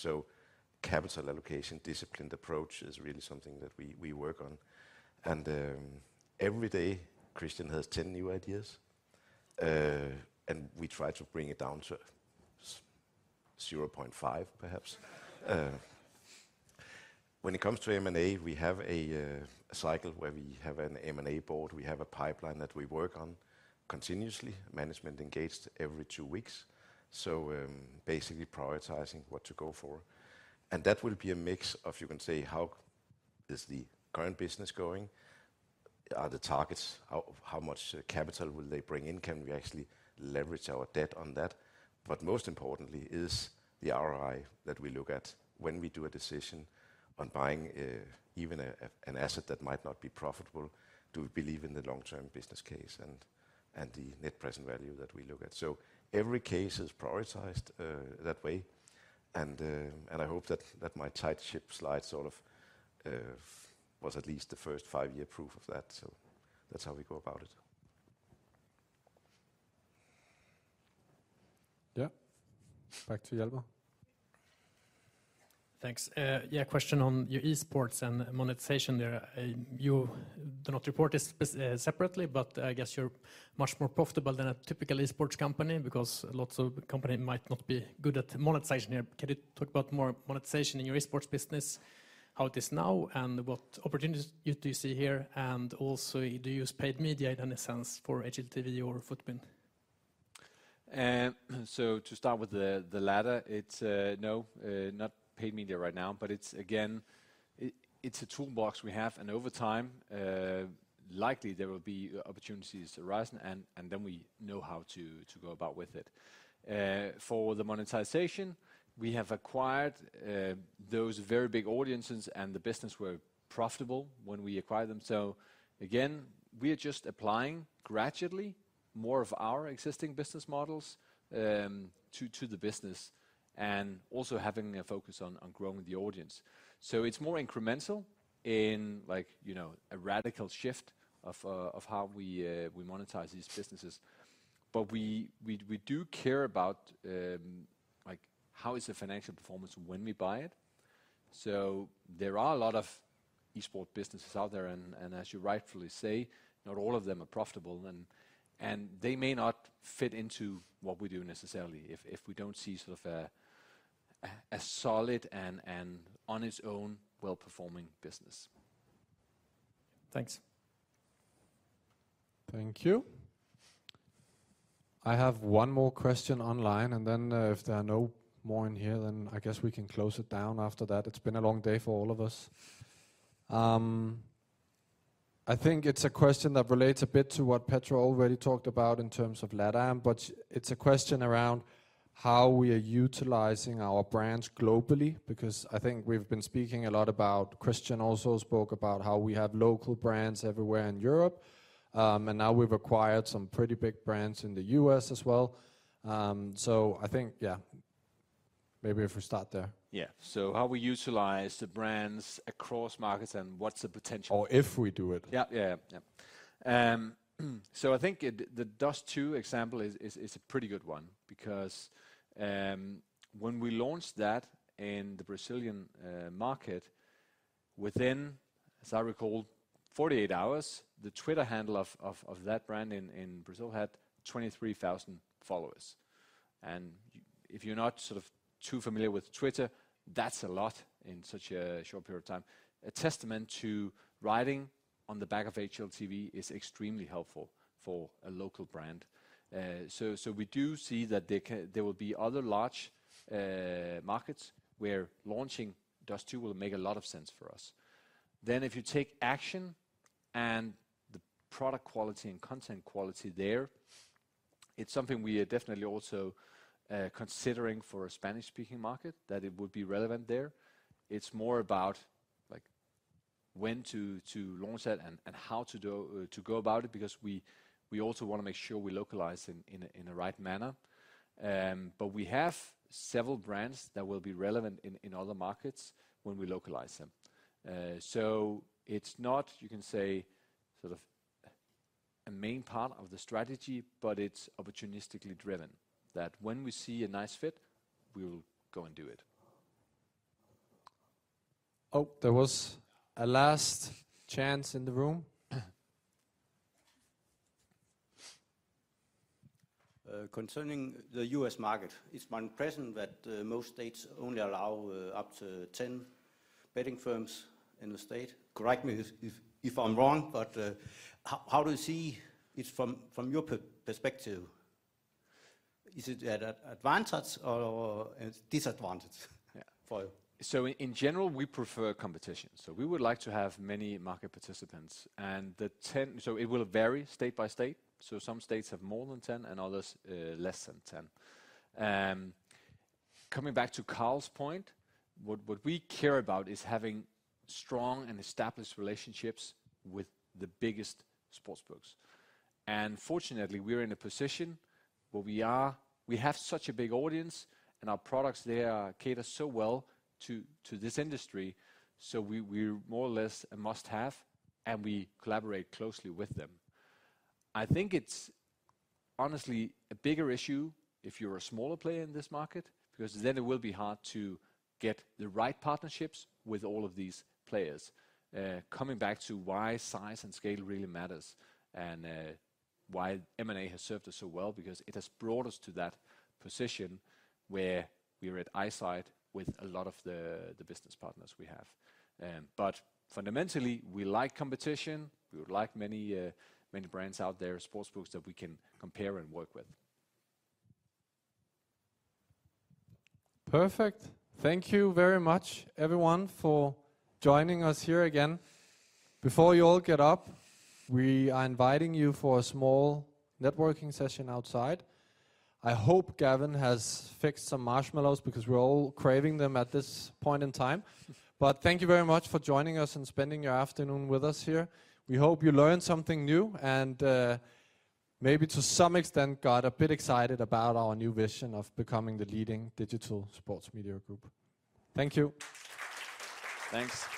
Capital allocation, disciplined approach is really something that we work on. Every day Christian has 10 new ideas, and we try to bring it down to 0.5, perhaps. When it comes to M&A, we have a cycle where we have an M&A board. We have a pipeline that we work on continuously. Management engaged every two weeks, so basically prioritizing what to go for. That will be a mix of, you can say, how is the current business going? Are the targets, how much capital will they bring in? Can we actually leverage our debt on that? Most importantly is the ROI that we look at when we do a decision on buying an asset that might not be profitable. Do we believe in the long-term business case and the net present value that we look at? Every case is prioritized that way. I hope that my tight ship slide sort of was at least the first five-year proof of that. That's how we go about it. Yeah. Back to Hjalmar. Thanks. Yeah, question on your esports and monetization there. You do not report it separately, but I guess you're much more profitable than a typical esports company because lots of company might not be good at monetization. Can you talk about more monetization in your esports business, how it is now, and what opportunities do you see here? Also, do you use paid media in a sense for HLTV or FUTBIN? To start with the latter, it's no, not paid media right now, but it's again, it's a toolbox we have, and over time, likely there will be opportunities arising and then we know how to go about with it. For the monetization, we have acquired, those very big audiences, and the business were profitable when we acquired them. Again, we are just applying gradually more of our existing business models to the business and also having a focus on growing the audience. It's more incremental in like, you know, a radical shift of how we monetize these businesses. We do care about like how is the financial performance when we buy it. There are a lot of esports businesses out there and as you rightfully say, not all of them are profitable and they may not fit into what we do necessarily if we don't see sort of a solid and on its own well-performing business. Thanks. Thank you. I have one more question online, and then, if there are no more in here, then I guess we can close it down after that. It's been a long day for all of us. I think it's a question that relates a bit to what Petra already talked about in terms of LATAM, but it's a question around how we are utilizing our brands globally, because I think we've been speaking a lot about Christian also spoke about how we have local brands everywhere in Europe, and now we've acquired some pretty big brands in the US as well. I think, yeah, maybe if we start there. Yeah. how we utilize the brands across markets and what's the potential- If we do it. Yeah, yeah. Yeah. I think the Dust2 example is a pretty good one because when we launched that in the Brazilian market, within, as I recall, 48 hours, the Twitter handle of that brand in Brazil had 23,000 followers. If you're not sort of too familiar with Twitter, that's a lot in such a short period of time. A testament to riding on the back of HLTV is extremely helpful for a local brand. We do see that there will be other large markets where launching Dust2 will make a lot of sense for us. If you take Action Network product quality and content quality there, it's something we are definitely also considering for a Spanish-speaking market, that it would be relevant there. It's more about, like, when to launch that and how to go about it because we also wanna make sure we localize in a right manner. We have several brands that will be relevant in other markets when we localize them. It's not, you can say, sort of a main part of the strategy, but it's opportunistically driven, that when we see a nice fit, we will go and do it. Oh, there was a last chance in the room. concerning the U.S. market, it's my impression that, most states only allow, up to ten betting firms in the state. Correct me if I'm wrong, but, how do you see it from your perspective? Is it at a advantage or a disadvantage? Yeah for you? In general, we prefer competition, so we would like to have many market participants. It will vary state by state, so some states have more than 10 and others, less than 10. Coming back to Carl's point, what we care about is having strong and established relationships with the biggest sportsbooks. Fortunately, we're in a position where we have such a big audience, and our products, they cater so well to this industry, so we're more or less a must-have, and we collaborate closely with them. I think it's honestly a bigger issue if you're a smaller player in this market because then it will be hard to get the right partnerships with all of these players. Coming back to why size and scale really matters and, why M&A has served us so well because it has brought us to that position where we're at eyesight with a lot of the business partners we have. Fundamentally, we like competition. We would like many brands out there, sportsbooks that we can compare and work with. Perfect. Thank you very much, everyone, for joining us here again. Before you all get up, we are inviting you for a small networking session outside. I hope Gavin has fixed some marshmallows because we're all craving them at this point in time. Thank you very much for joining us and spending your afternoon with us here. We hope you learned something new and maybe to some extent got a bit excited about our new vision of becoming the leading digital sports media group. Thank you. Thanks.